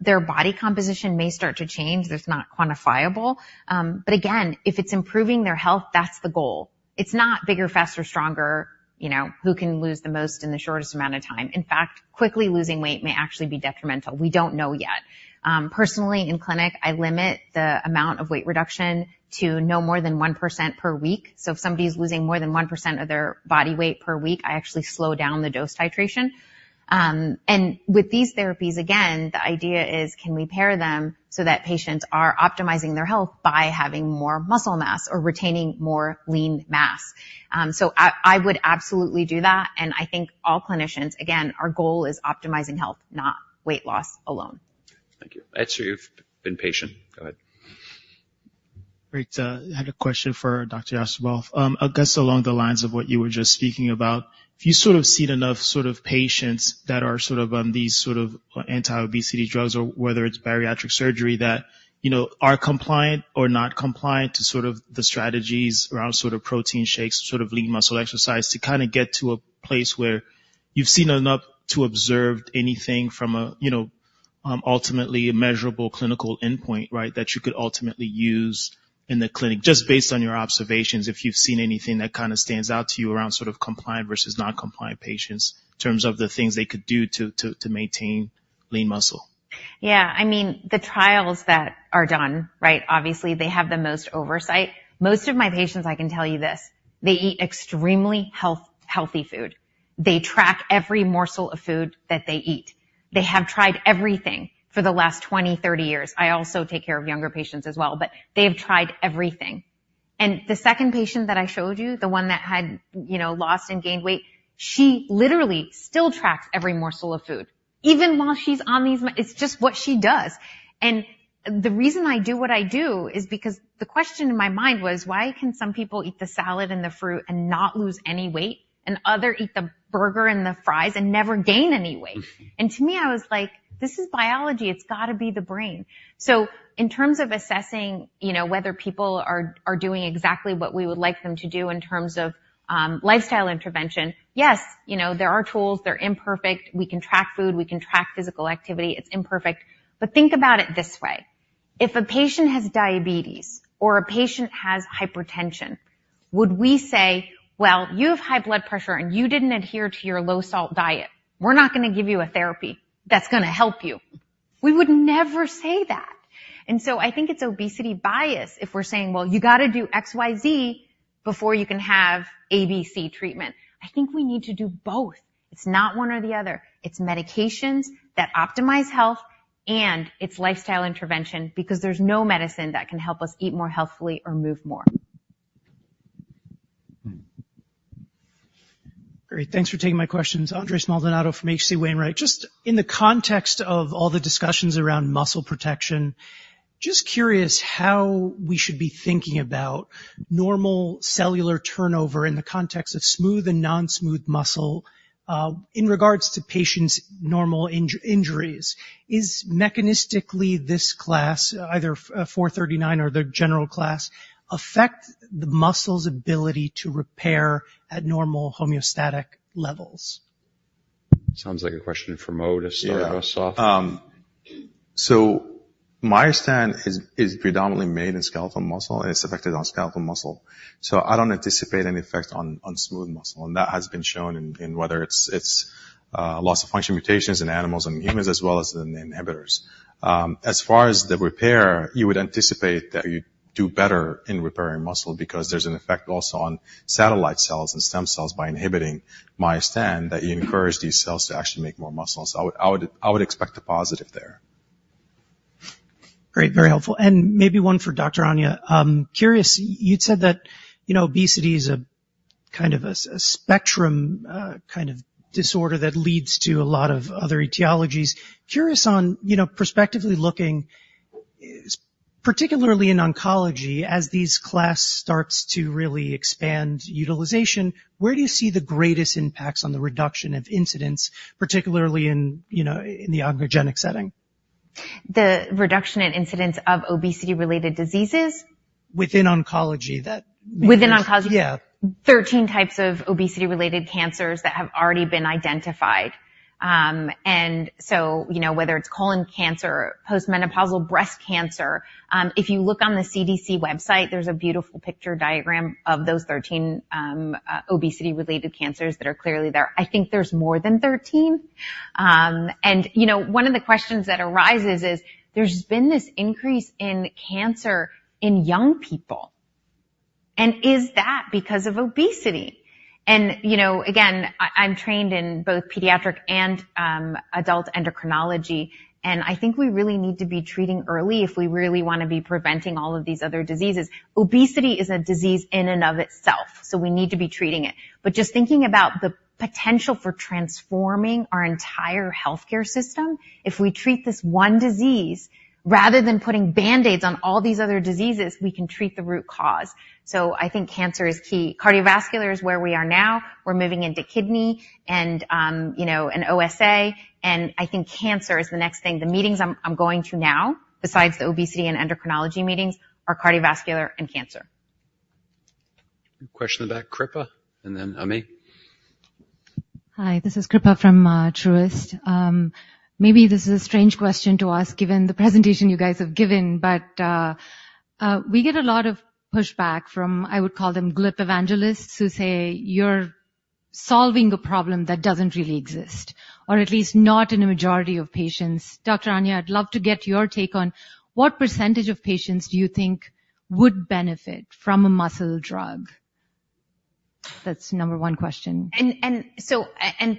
their body composition may start to change, that's not quantifiable. But again, if it's improving their health, that's the goal. It's not bigger, faster, stronger, you know, who can lose the most in the shortest amount of time. In fact, quickly losing weight may actually be detrimental. We don't know yet. Personally, in clinic, I limit the amount of weight reduction to no more than 1% per week. So if somebody's losing more than 1% of their body weight per week, I actually slow down the dose titration. And with these therapies, again, the idea is can we pair them so that patients are optimizing their health by having more muscle mass or retaining more lean mass? So, I would absolutely do that, and I think all clinicians, again, our goal is optimizing health, not weight loss alone. Thank you. Ed, you've been patient. Go ahead. Great, I had a question for Dr. Jastreboff. I guess along the lines of what you were just speaking about, if you sort of seen enough sort of patients that are sort of on these sort of anti-obesity drugs, or whether it's bariatric surgery, that, you know, are compliant or not compliant to sort of the strategies around sort of protein shakes, sort of lean muscle exercise, to kinda get to a place where you've seen enough to observe anything from a, you know, ultimately measurable clinical endpoint, right? That you could ultimately use in the clinic, just based on your observations, if you've seen anything that kinda stands out to you around sort of compliant versus noncompliant patients, in terms of the things they could do to maintain lean muscle. Yeah, I mean, the trials that are done, right? Obviously, they have the most oversight. Most of my patients, I can tell you this: they eat extremely healthy food. They track every morsel of food that they eat. They have tried everything for the last 20, 30 years. I also take care of younger patients as well, but they have tried everything. And the second patient that I showed you, the one that had, you know, lost and gained weight, she literally still tracks every morsel of food, even while she's on these meds. It's just what she does. And the reason I do what I do is because the question in my mind was, why can some people eat the salad and the fruit and not lose any weight, and others eat the burger and the fries and never gain any weight? Mm-hmm. To me, I was like, "This is biology. It's gotta be the brain." In terms of assessing, you know, whether people are, are doing exactly what we would like them to do in terms of lifestyle intervention, yes, you know, there are tools. They're imperfect. We can track food, we can track physical activity. It's imperfect. But think about it this way: if a patient has diabetes or a patient has hypertension, would we say, "Well, you have high blood pressure, and you didn't adhere to your low-salt diet. We're not gonna give you a therapy that's gonna help you"? We would never say that. So I think it's obesity bias if we're saying, "Well, you gotta do XYZ before you can have ABC treatment." I think we need to do both. It's not one or the other. It's medications that optimize health and it's lifestyle intervention, because there's no medicine that can help us eat more healthfully or move more. Hmm. Great. Thanks for taking my questions. Andres Maldonado from H.C. Wainwright. Just in the context of all the discussions around muscle protection, just curious how we should be thinking about normal cellular turnover in the context of smooth and non-smooth muscle, in regards to patients' normal injuries. Is mechanistically this class, either, 439 or their general class, affect the muscle's ability to repair at normal homeostatic levels? Sounds like a question for Mo to start us off. Yeah, so myostatin is predominantly made in skeletal muscle, and it's affected on skeletal muscle. So I don't anticipate any effect on smooth muscle, and that has been shown in whether it's loss of function mutations in animals and humans, as well as in the inhibitors. As far as the repair, you would anticipate that you'd do better in repairing muscle because there's an effect also on satellite cells and stem cells by inhibiting myostatin, that you encourage these cells to actually make more muscle. So I would expect a positive there. Great, very helpful. And maybe one for Dr. Ania, Curious, you'd said that, you know, obesity is a kind of a spectrum, kind of disorder that leads to a lot of other etiologies. Curious on, you know, prospectively looking, particularly in oncology, as these class starts to really expand utilization, where do you see the greatest impacts on the reduction of incidence, particularly in, you know, in the oncogenic setting? The reduction in incidence of obesity-related diseases? Within oncology, that- Within oncology? Yeah. 13 types of obesity-related cancers that have already been identified. And so, you know, whether it's colon cancer, post-menopausal breast cancer, if you look on the CDC website, there's a beautiful picture diagram of those 13 obesity-related cancers that are clearly there. I think there's more than 13. And, you know, one of the questions that arises is, there's been this increase in cancer in young people, and is that because of obesity? And, you know, again, I, I'm trained in both pediatric and adult endocrinology, and I think we really need to be treating early if we really wanna be preventing all of these other diseases. Obesity is a disease in and of itself, so we need to be treating it.... but just thinking about the potential for transforming our entire healthcare system, if we treat this one disease, rather than putting Band-Aids on all these other diseases, we can treat the root cause. So I think cancer is key. Cardiovascular is where we are now. We're moving into kidney and, you know, and OSA, and I think cancer is the next thing. The meetings I'm going to now, besides the obesity and endocrinology meetings, are cardiovascular and cancer. Question in the back, Kripa, and then Ami. Hi, this is Kripa from Truist. Maybe this is a strange question to ask, given the presentation you guys have given, but we get a lot of pushback from, I would call them GLP evangelists, who say you're solving a problem that doesn't really exist, or at least not in a majority of patients. Dr. Ania, I'd love to get your take on what percentage of patients do you think would benefit from a muscle drug? That's the number one question. So,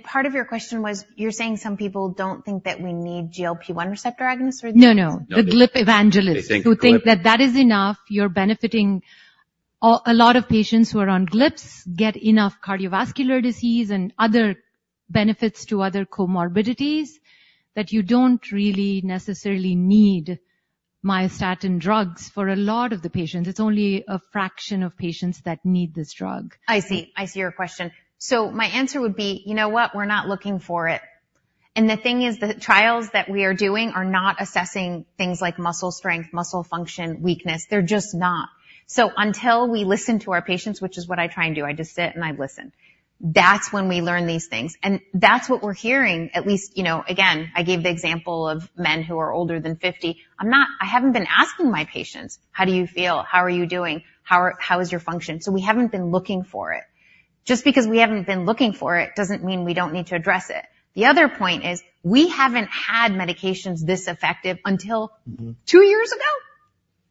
part of your question was, you're saying some people don't think that we need GLP-1 receptor agonists or- No, no. No. The GLP evangelists- They think GLP- who think that that is enough. You're benefiting a lot of patients who are on GLPs, get enough cardiovascular disease and other benefits to other comorbidities, that you don't really necessarily need myostatin drugs for a lot of the patients. It's only a fraction of patients that need this drug. I see. I see your question. So my answer would be, you know what? We're not looking for it. And the thing is, the trials that we are doing are not assessing things like muscle strength, muscle function, weakness. They're just not. So until we listen to our patients, which is what I try and do, I just sit and I listen. That's when we learn these things, and that's what we're hearing, at least, you know... Again, I gave the example of men who are older than 50. I'm not—I haven't been asking my patients: How do you feel? How are you doing? How are—How is your function? So we haven't been looking for it. Just because we haven't been looking for it, doesn't mean we don't need to address it. The other point is, we haven't had medications this effective until- Mm-hmm. Two years ago,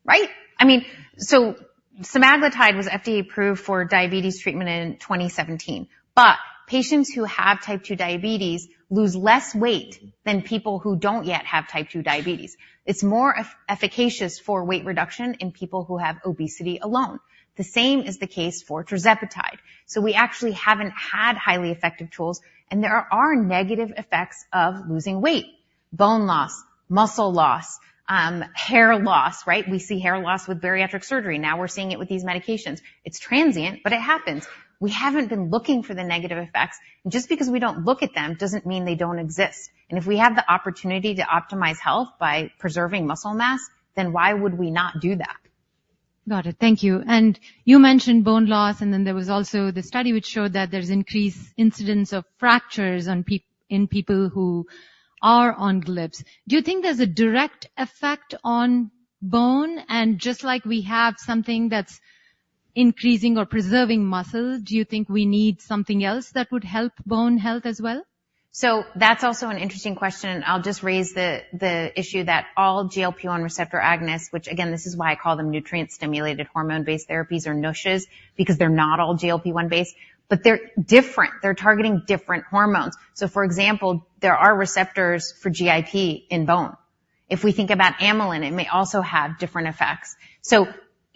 right? I mean, so semaglutide was FDA approved for diabetes treatment in 2017, but patients who have type 2 diabetes lose less weight than people who don't yet have type 2 diabetes. It's more efficacious for weight reduction in people who have obesity alone. The same is the case for tirzepatide. So we actually haven't had highly effective tools, and there are negative effects of losing weight, bone loss, muscle loss, hair loss, right? We see hair loss with bariatric surgery. Now we're seeing it with these medications. It's transient, but it happens. We haven't been looking for the negative effects. Just because we don't look at them, doesn't mean they don't exist. And if we have the opportunity to optimize health by preserving muscle mass, then why would we not do that? Got it. Thank you. And you mentioned bone loss, and then there was also the study which showed that there's increased incidence of fractures in people who are on GLPs. Do you think there's a direct effect on bone? And just like we have something that's increasing or preserving muscle, do you think we need something else that would help bone health as well? So that's also an interesting question. I'll just raise the issue that all GLP-1 receptor agonists, which again, this is why I call them nutrient-stimulated hormone-based therapies or NuSHs, because they're not all GLP-1 based, but they're different. They're targeting different hormones. So for example, there are receptors for GIP in bone. If we think about amylin, it may also have different effects.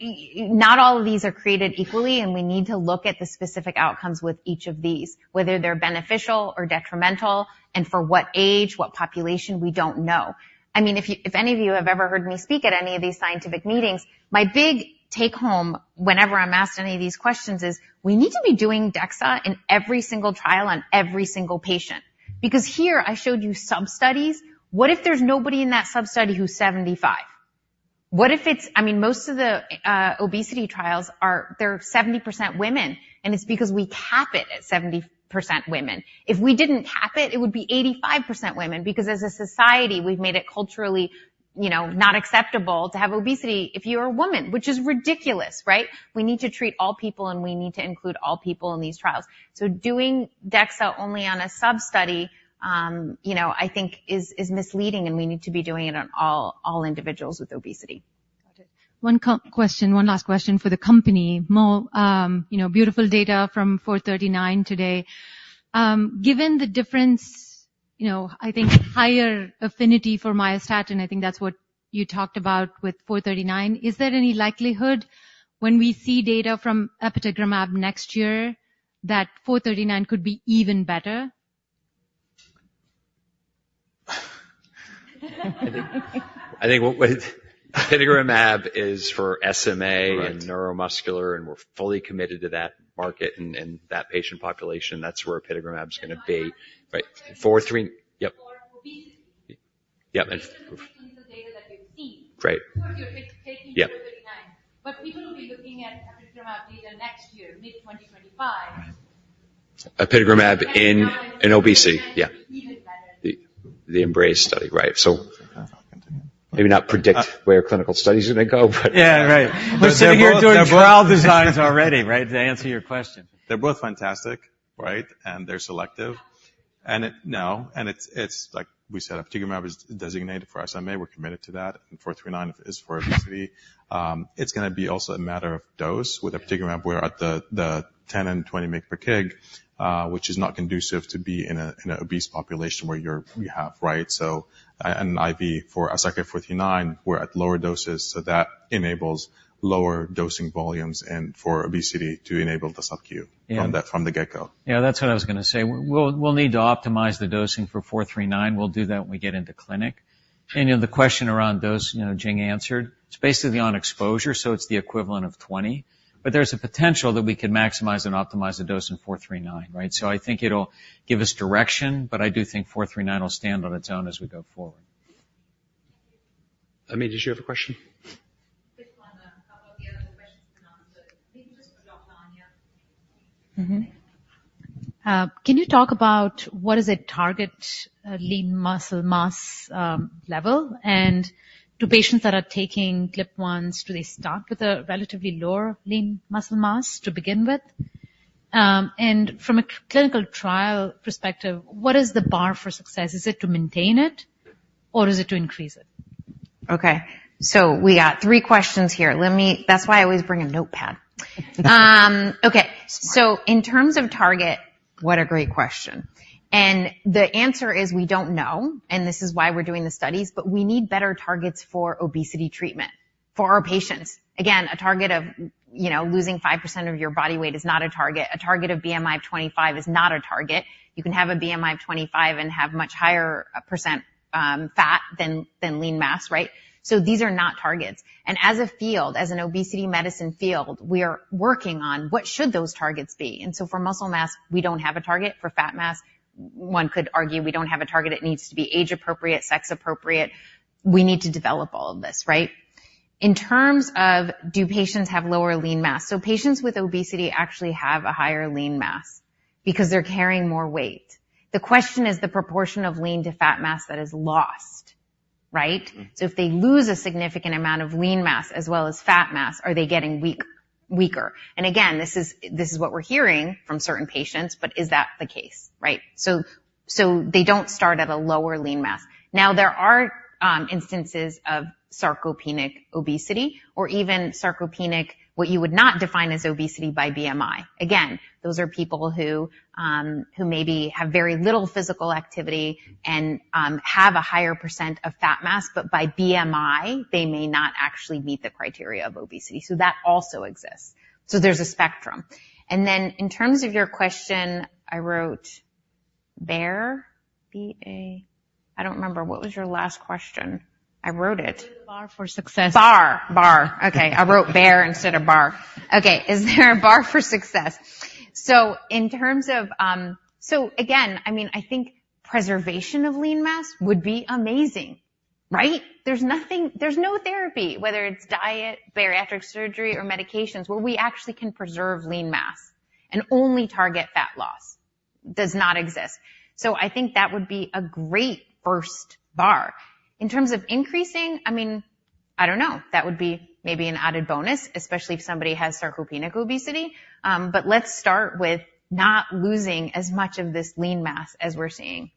So yeah, not all of these are created equally, and we need to look at the specific outcomes with each of these, whether they're beneficial or detrimental, and for what age, what population, we don't know. I mean, if any of you have ever heard me speak at any of these scientific meetings, my big take-home whenever I'm asked any of these questions is: We need to be doing DEXA in every single trial on every single patient. Because here, I showed you substudies. What if there's nobody in that substudy who's 75? What if it's... I mean, most of the obesity trials are, they're 70% women, and it's because we cap it at 70% women. If we didn't cap it, it would be 85% women, because as a society, we've made it culturally, you know, not acceptable to have obesity if you're a woman, which is ridiculous, right? We need to treat all people, and we need to include all people in these trials. So doing DEXA only on a substudy, you know, I think is misleading, and we need to be doing it on all individuals with obesity. Got it. One question, one last question for the company. Mo, you know, beautiful data from 439 today. Given the difference, you know, I think higher affinity for myostatin, I think that's what you talked about with 439, is there any likelihood when we see data from apitegromab next year, that 439 could be even better? I think what apitegromab is for SMA. Correct. And neuromuscular, and we're fully committed to that market and that patient population. That's where apitegromab is gonna be. Right. 43... Yep. For obesity. Yep, and- Based on the data that we've seen. Great. Of course, you're taking 439- Yep. People will be looking at apitegromab data next year, mid-2025. Apitegromab in obesity, yeah. Even better. The EMBRAZE study, right. So maybe not predict where clinical studies are gonna go, but—yeah, right. We're sitting here doing trial designs already, right? To answer your question. They're both fantastic, right? And they're selective. And it's like we said, apitegromab is designated for SMA. We're committed to that, and SRK-439 is for obesity. It's gonna be also a matter of dose. With apitegromab, we're at the 10 and 20 mg per kg. ... which is not conducive to be in an obese population where you're, we have, right? So, and IV for SRK-439, we're at lower doses, so that enables lower dosing volumes and for obesity to enable the sub-Q- Yeah. from the get-go. Yeah, that's what I was gonna say. We'll need to optimize the dosing for 439. We'll do that when we get into clinic. And, you know, the question around dose, you know, Jing answered, it's basically on exposure, so it's the equivalent of 20. But there's a potential that we could maximize and optimize the dose in 439, right? So I think it'll give us direction, but I do think 439 will stand on its own as we go forward. Amy, did you have a question? Quick one. A couple of the other questions were answered. Maybe just for Dr. Ania. Mm-hmm. Can you talk about what is a target lean muscle mass level? And do patients that are taking GLP-1s, do they start with a relatively lower lean muscle mass to begin with? And from a clinical trial perspective, what is the bar for success? Is it to maintain it or is it to increase it? Okay, so we got three questions here. Let me... That's why I always bring a notepad. Okay. Smart. In terms of target, what a great question! The answer is, we don't know, and this is why we're doing the studies. We need better targets for obesity treatment for our patients. Again, a target of, you know, losing 5% of your body weight is not a target. A target of BMI of 25 is not a target. You can have a BMI of 25 and have much higher % fat than lean mass, right? These are not targets. As a field, as an obesity medicine field, we are working on what should those targets be? So for muscle mass, we don't have a target. For fat mass, one could argue we don't have a target that needs to be age appropriate, sex appropriate. We need to develop all of this, right? In terms of, do patients have lower lean mass? So patients with obesity actually have a higher lean mass because they're carrying more weight. The question is the proportion of lean to fat mass that is lost, right? Mm. So if they lose a significant amount of lean mass as well as fat mass, are they getting weak, weaker? And again, this is, this is what we're hearing from certain patients, but is that the case, right? So, so they don't start at a lower lean mass. Now, there are instances of sarcopenic obesity or even sarcopenic, what you would not define as obesity by BMI. Again, those are people who maybe have very little physical activity and have a higher percent of fat mass, but by BMI, they may not actually meet the criteria of obesity. So that also exists. So there's a spectrum. And then in terms of your question, I wrote bear, B-A... I don't remember. What was your last question? I wrote it. What is the bar for success? Bar. Bar. Okay. I wrote bear instead of bar. Okay, is there a bar for success? So in terms of, So again, I mean, I think preservation of lean mass would be amazing, right? There's nothing. There's no therapy, whether it's diet, bariatric surgery, or medications, where we actually can preserve lean mass, and only target fat loss, does not exist. So I think that would be a great first bar. In terms of increasing, I mean, I don't know. That would be maybe an added bonus, especially if somebody has sarcopenic obesity. But let's start with not losing as much of this lean mass as we're seeing.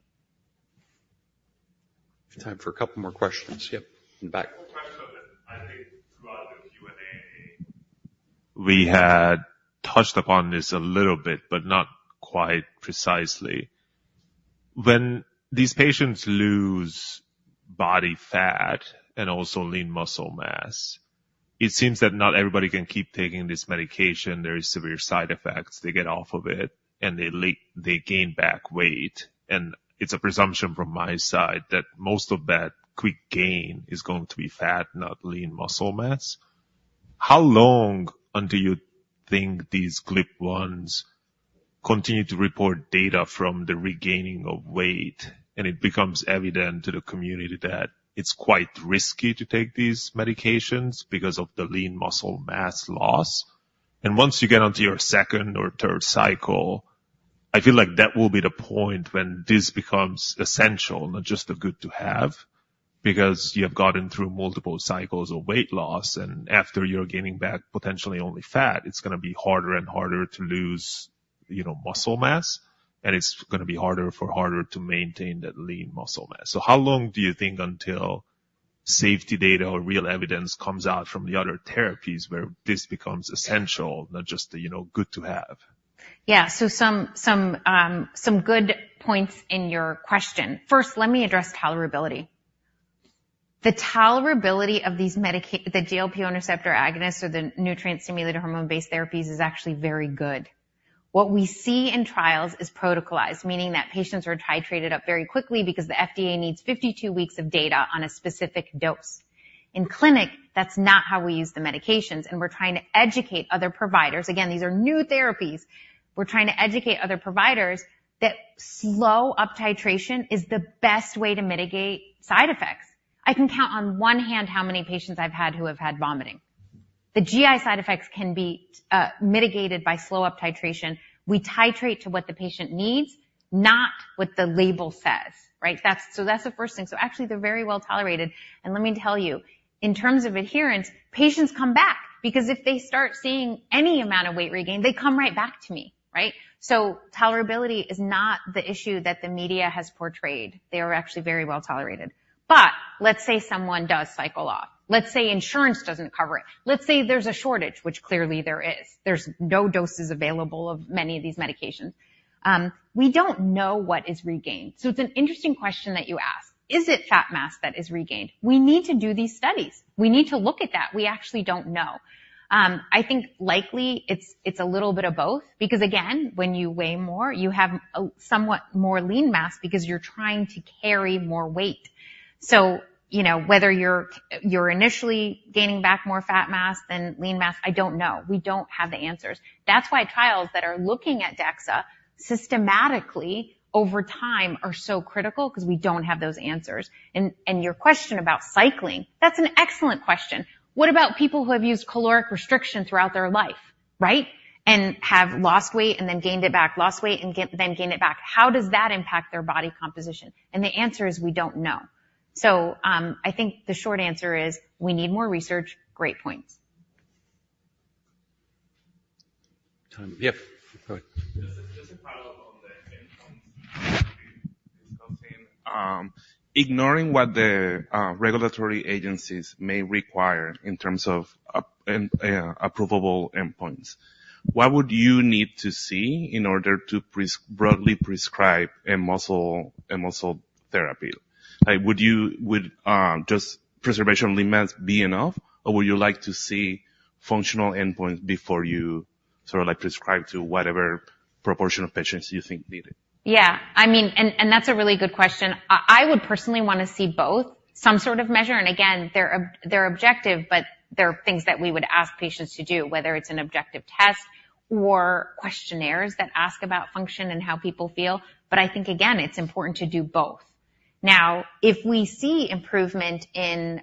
Time for a couple more questions. Yep, in the back. Quick question of it. I think throughout this Q&A, we had touched upon this a little bit, but not quite precisely. When these patients lose body fat and also lean muscle mass, it seems that not everybody can keep taking this medication. There is severe side effects. They get off of it, and they gain back weight. And it's a presumption from my side that most of that quick gain is going to be fat, not lean muscle mass. How long until you think these GLP-1s continue to report data from the regaining of weight, and it becomes evident to the community that it's quite risky to take these medications because of the lean muscle mass loss? And once you get onto your second or third cycle, I feel like that will be the point when this becomes essential, not just a good to have. Because you have gotten through multiple cycles of weight loss, and after you're gaining back potentially only fat, it's gonna be harder and harder to lose, you know, muscle mass, and it's gonna be harder to maintain that lean muscle mass. So how long do you think until safety data or real evidence comes out from the other therapies where this becomes essential, not just a, you know, good to have? Yeah. So some good points in your question. First, let me address tolerability. The tolerability of these medications, the GLP-1 receptor agonists or the nutrient-sensing hormone-based therapies, is actually very good. What we see in trials is protocolized, meaning that patients are titrated up very quickly because the FDA needs 52 weeks of data on a specific dose. In clinic, that's not how we use the medications, and we're trying to educate other providers. Again, these are new therapies. We're trying to educate other providers that slow uptitration is the best way to mitigate side effects. I can count on one hand how many patients I've had who have had vomiting. The GI side effects can be mitigated by slow up titration. We titrate to what the patient needs, not what the label says, right? That's, so that's the first thing. So actually, they're very well tolerated. And let me tell you, in terms of adherence, patients come back, because if they start seeing any amount of weight regain, they come right back to me, right? So tolerability is not the issue that the media has portrayed. They are actually very well tolerated. But let's say someone does cycle off. Let's say insurance doesn't cover it. Let's say there's a shortage, which clearly there is. There's no doses available of many of these medications. We don't know what is regained. So it's an interesting question that you ask. Is it fat mass that is regained? We need to do these studies. We need to look at that. We actually don't know. I think likely it's, it's a little bit of both, because, again, when you weigh more, you have a somewhat more lean mass because you're trying to carry more weight. So, you know, whether you're, you're initially gaining back more fat mass than lean mass, I don't know. We don't have the answers. That's why trials that are looking at DEXA systematically over time are so critical, 'cause we don't have those answers. And your question about cycling, that's an excellent question. What about people who have used caloric restriction throughout their life, right? And have lost weight and then gained it back, lost weight, and then gained it back. How does that impact their body composition? And the answer is, we don't know. So, I think the short answer is, we need more research. Great points. Time. Yep, go ahead. Just, just to follow up on the endpoints, ignoring what the regulatory agencies may require in terms of approvable endpoints, what would you need to see in order to broadly prescribe a muscle therapy? Like, would just preservation of lean mass be enough, or would you like to see functional endpoints before you sort of, like, prescribe to whatever proportion of patients you think need it? Yeah, I mean, that's a really good question. I would personally want to see both some sort of measure. And again, they're objective, but there are things that we would ask patients to do, whether it's an objective test or questionnaires that ask about function and how people feel. But I think, again, it's important to do both. Now, if we see improvement in,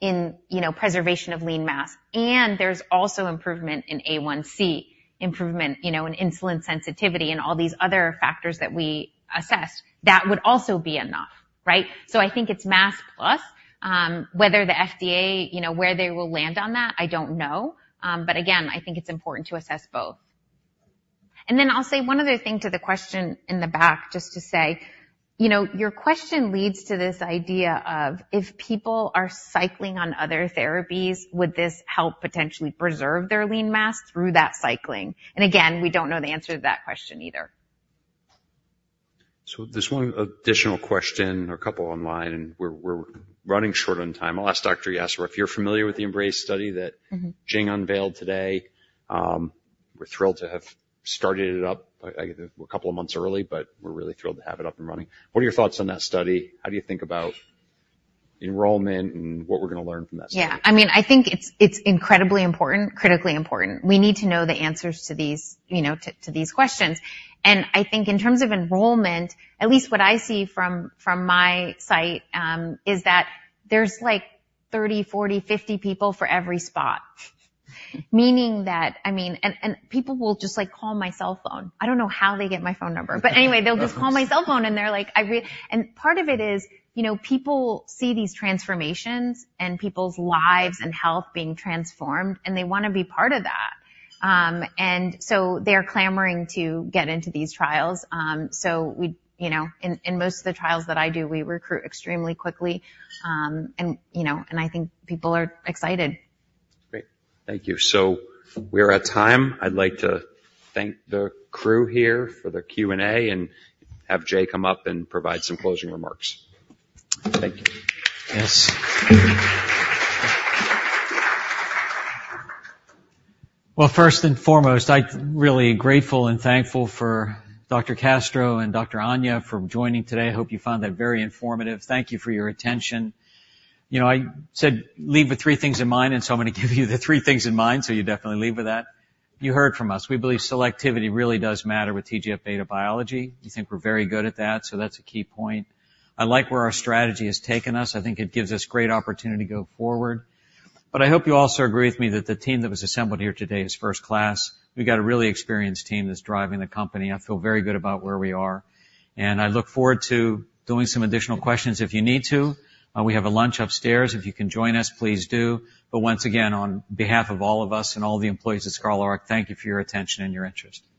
you know, preservation of lean mass, and there's also improvement in A1C, improvement, you know, in insulin sensitivity and all these other factors that we assessed, that would also be enough, right? So I think it's mass plus. Whether the FDA, you know, where they will land on that, I don't know. But again, I think it's important to assess both. And then I'll say one other thing to the question in the back, just to say, you know, your question leads to this idea of if people are cycling on other therapies, would this help potentially preserve their lean mass through that cycling? And again, we don't know the answer to that question either. So there's one additional question or a couple online, and we're running short on time. I'll ask Dr. Jastreboff, if you're familiar with the EMBRAZE study that- Mm-hmm. Jing unveiled today. We're thrilled to have started it up, like, a couple of months early, but we're really thrilled to have it up and running. What are your thoughts on that study? How do you think about enrollment and what we're going to learn from that study? Yeah, I mean, I think it's, it's incredibly important, critically important. We need to know the answers to these, you know, to, to these questions. And I think in terms of enrollment, at least what I see from, from my site, is that there's like 30, 40, 50 people for every spot. Meaning that... I mean, and, and people will just, like, call my cell phone. I don't know how they get my phone number, but anyway, they'll just call my cell phone, and they're like, and part of it is, you know, people see these transformations and people's lives and health being transformed, and they wanna be part of that. And so they're clamoring to get into these trials. So we, you know, in, in most of the trials that I do, we recruit extremely quickly. You know, and I think people are excited. Great. Thank you. We are at time. I'd like to thank the crew here for the Q&A, and have Jay come up and provide some closing remarks. Thank you. Yes. Well, first and foremost, I'm really grateful and thankful for Dr. Castro and Dr. Ania for joining today. I hope you found that very informative. Thank you for your attention. You know, I said, "Leave with three things in mind," and so I'm gonna give you the three things in mind, so you definitely leave with that. You heard from us. We believe selectivity really does matter with TGF-beta biology. We think we're very good at that, so that's a key point. I like where our strategy has taken us. I think it gives us great opportunity to go forward. But I hope you also agree with me that the team that was assembled here today is first class. We've got a really experienced team that's driving the company. I feel very good about where we are, and I look forward to doing some additional questions if you need to. We have a lunch upstairs. If you can join us, please do. But once again, on behalf of all of us and all the employees at Scholar Rock, thank you for your attention and your interest.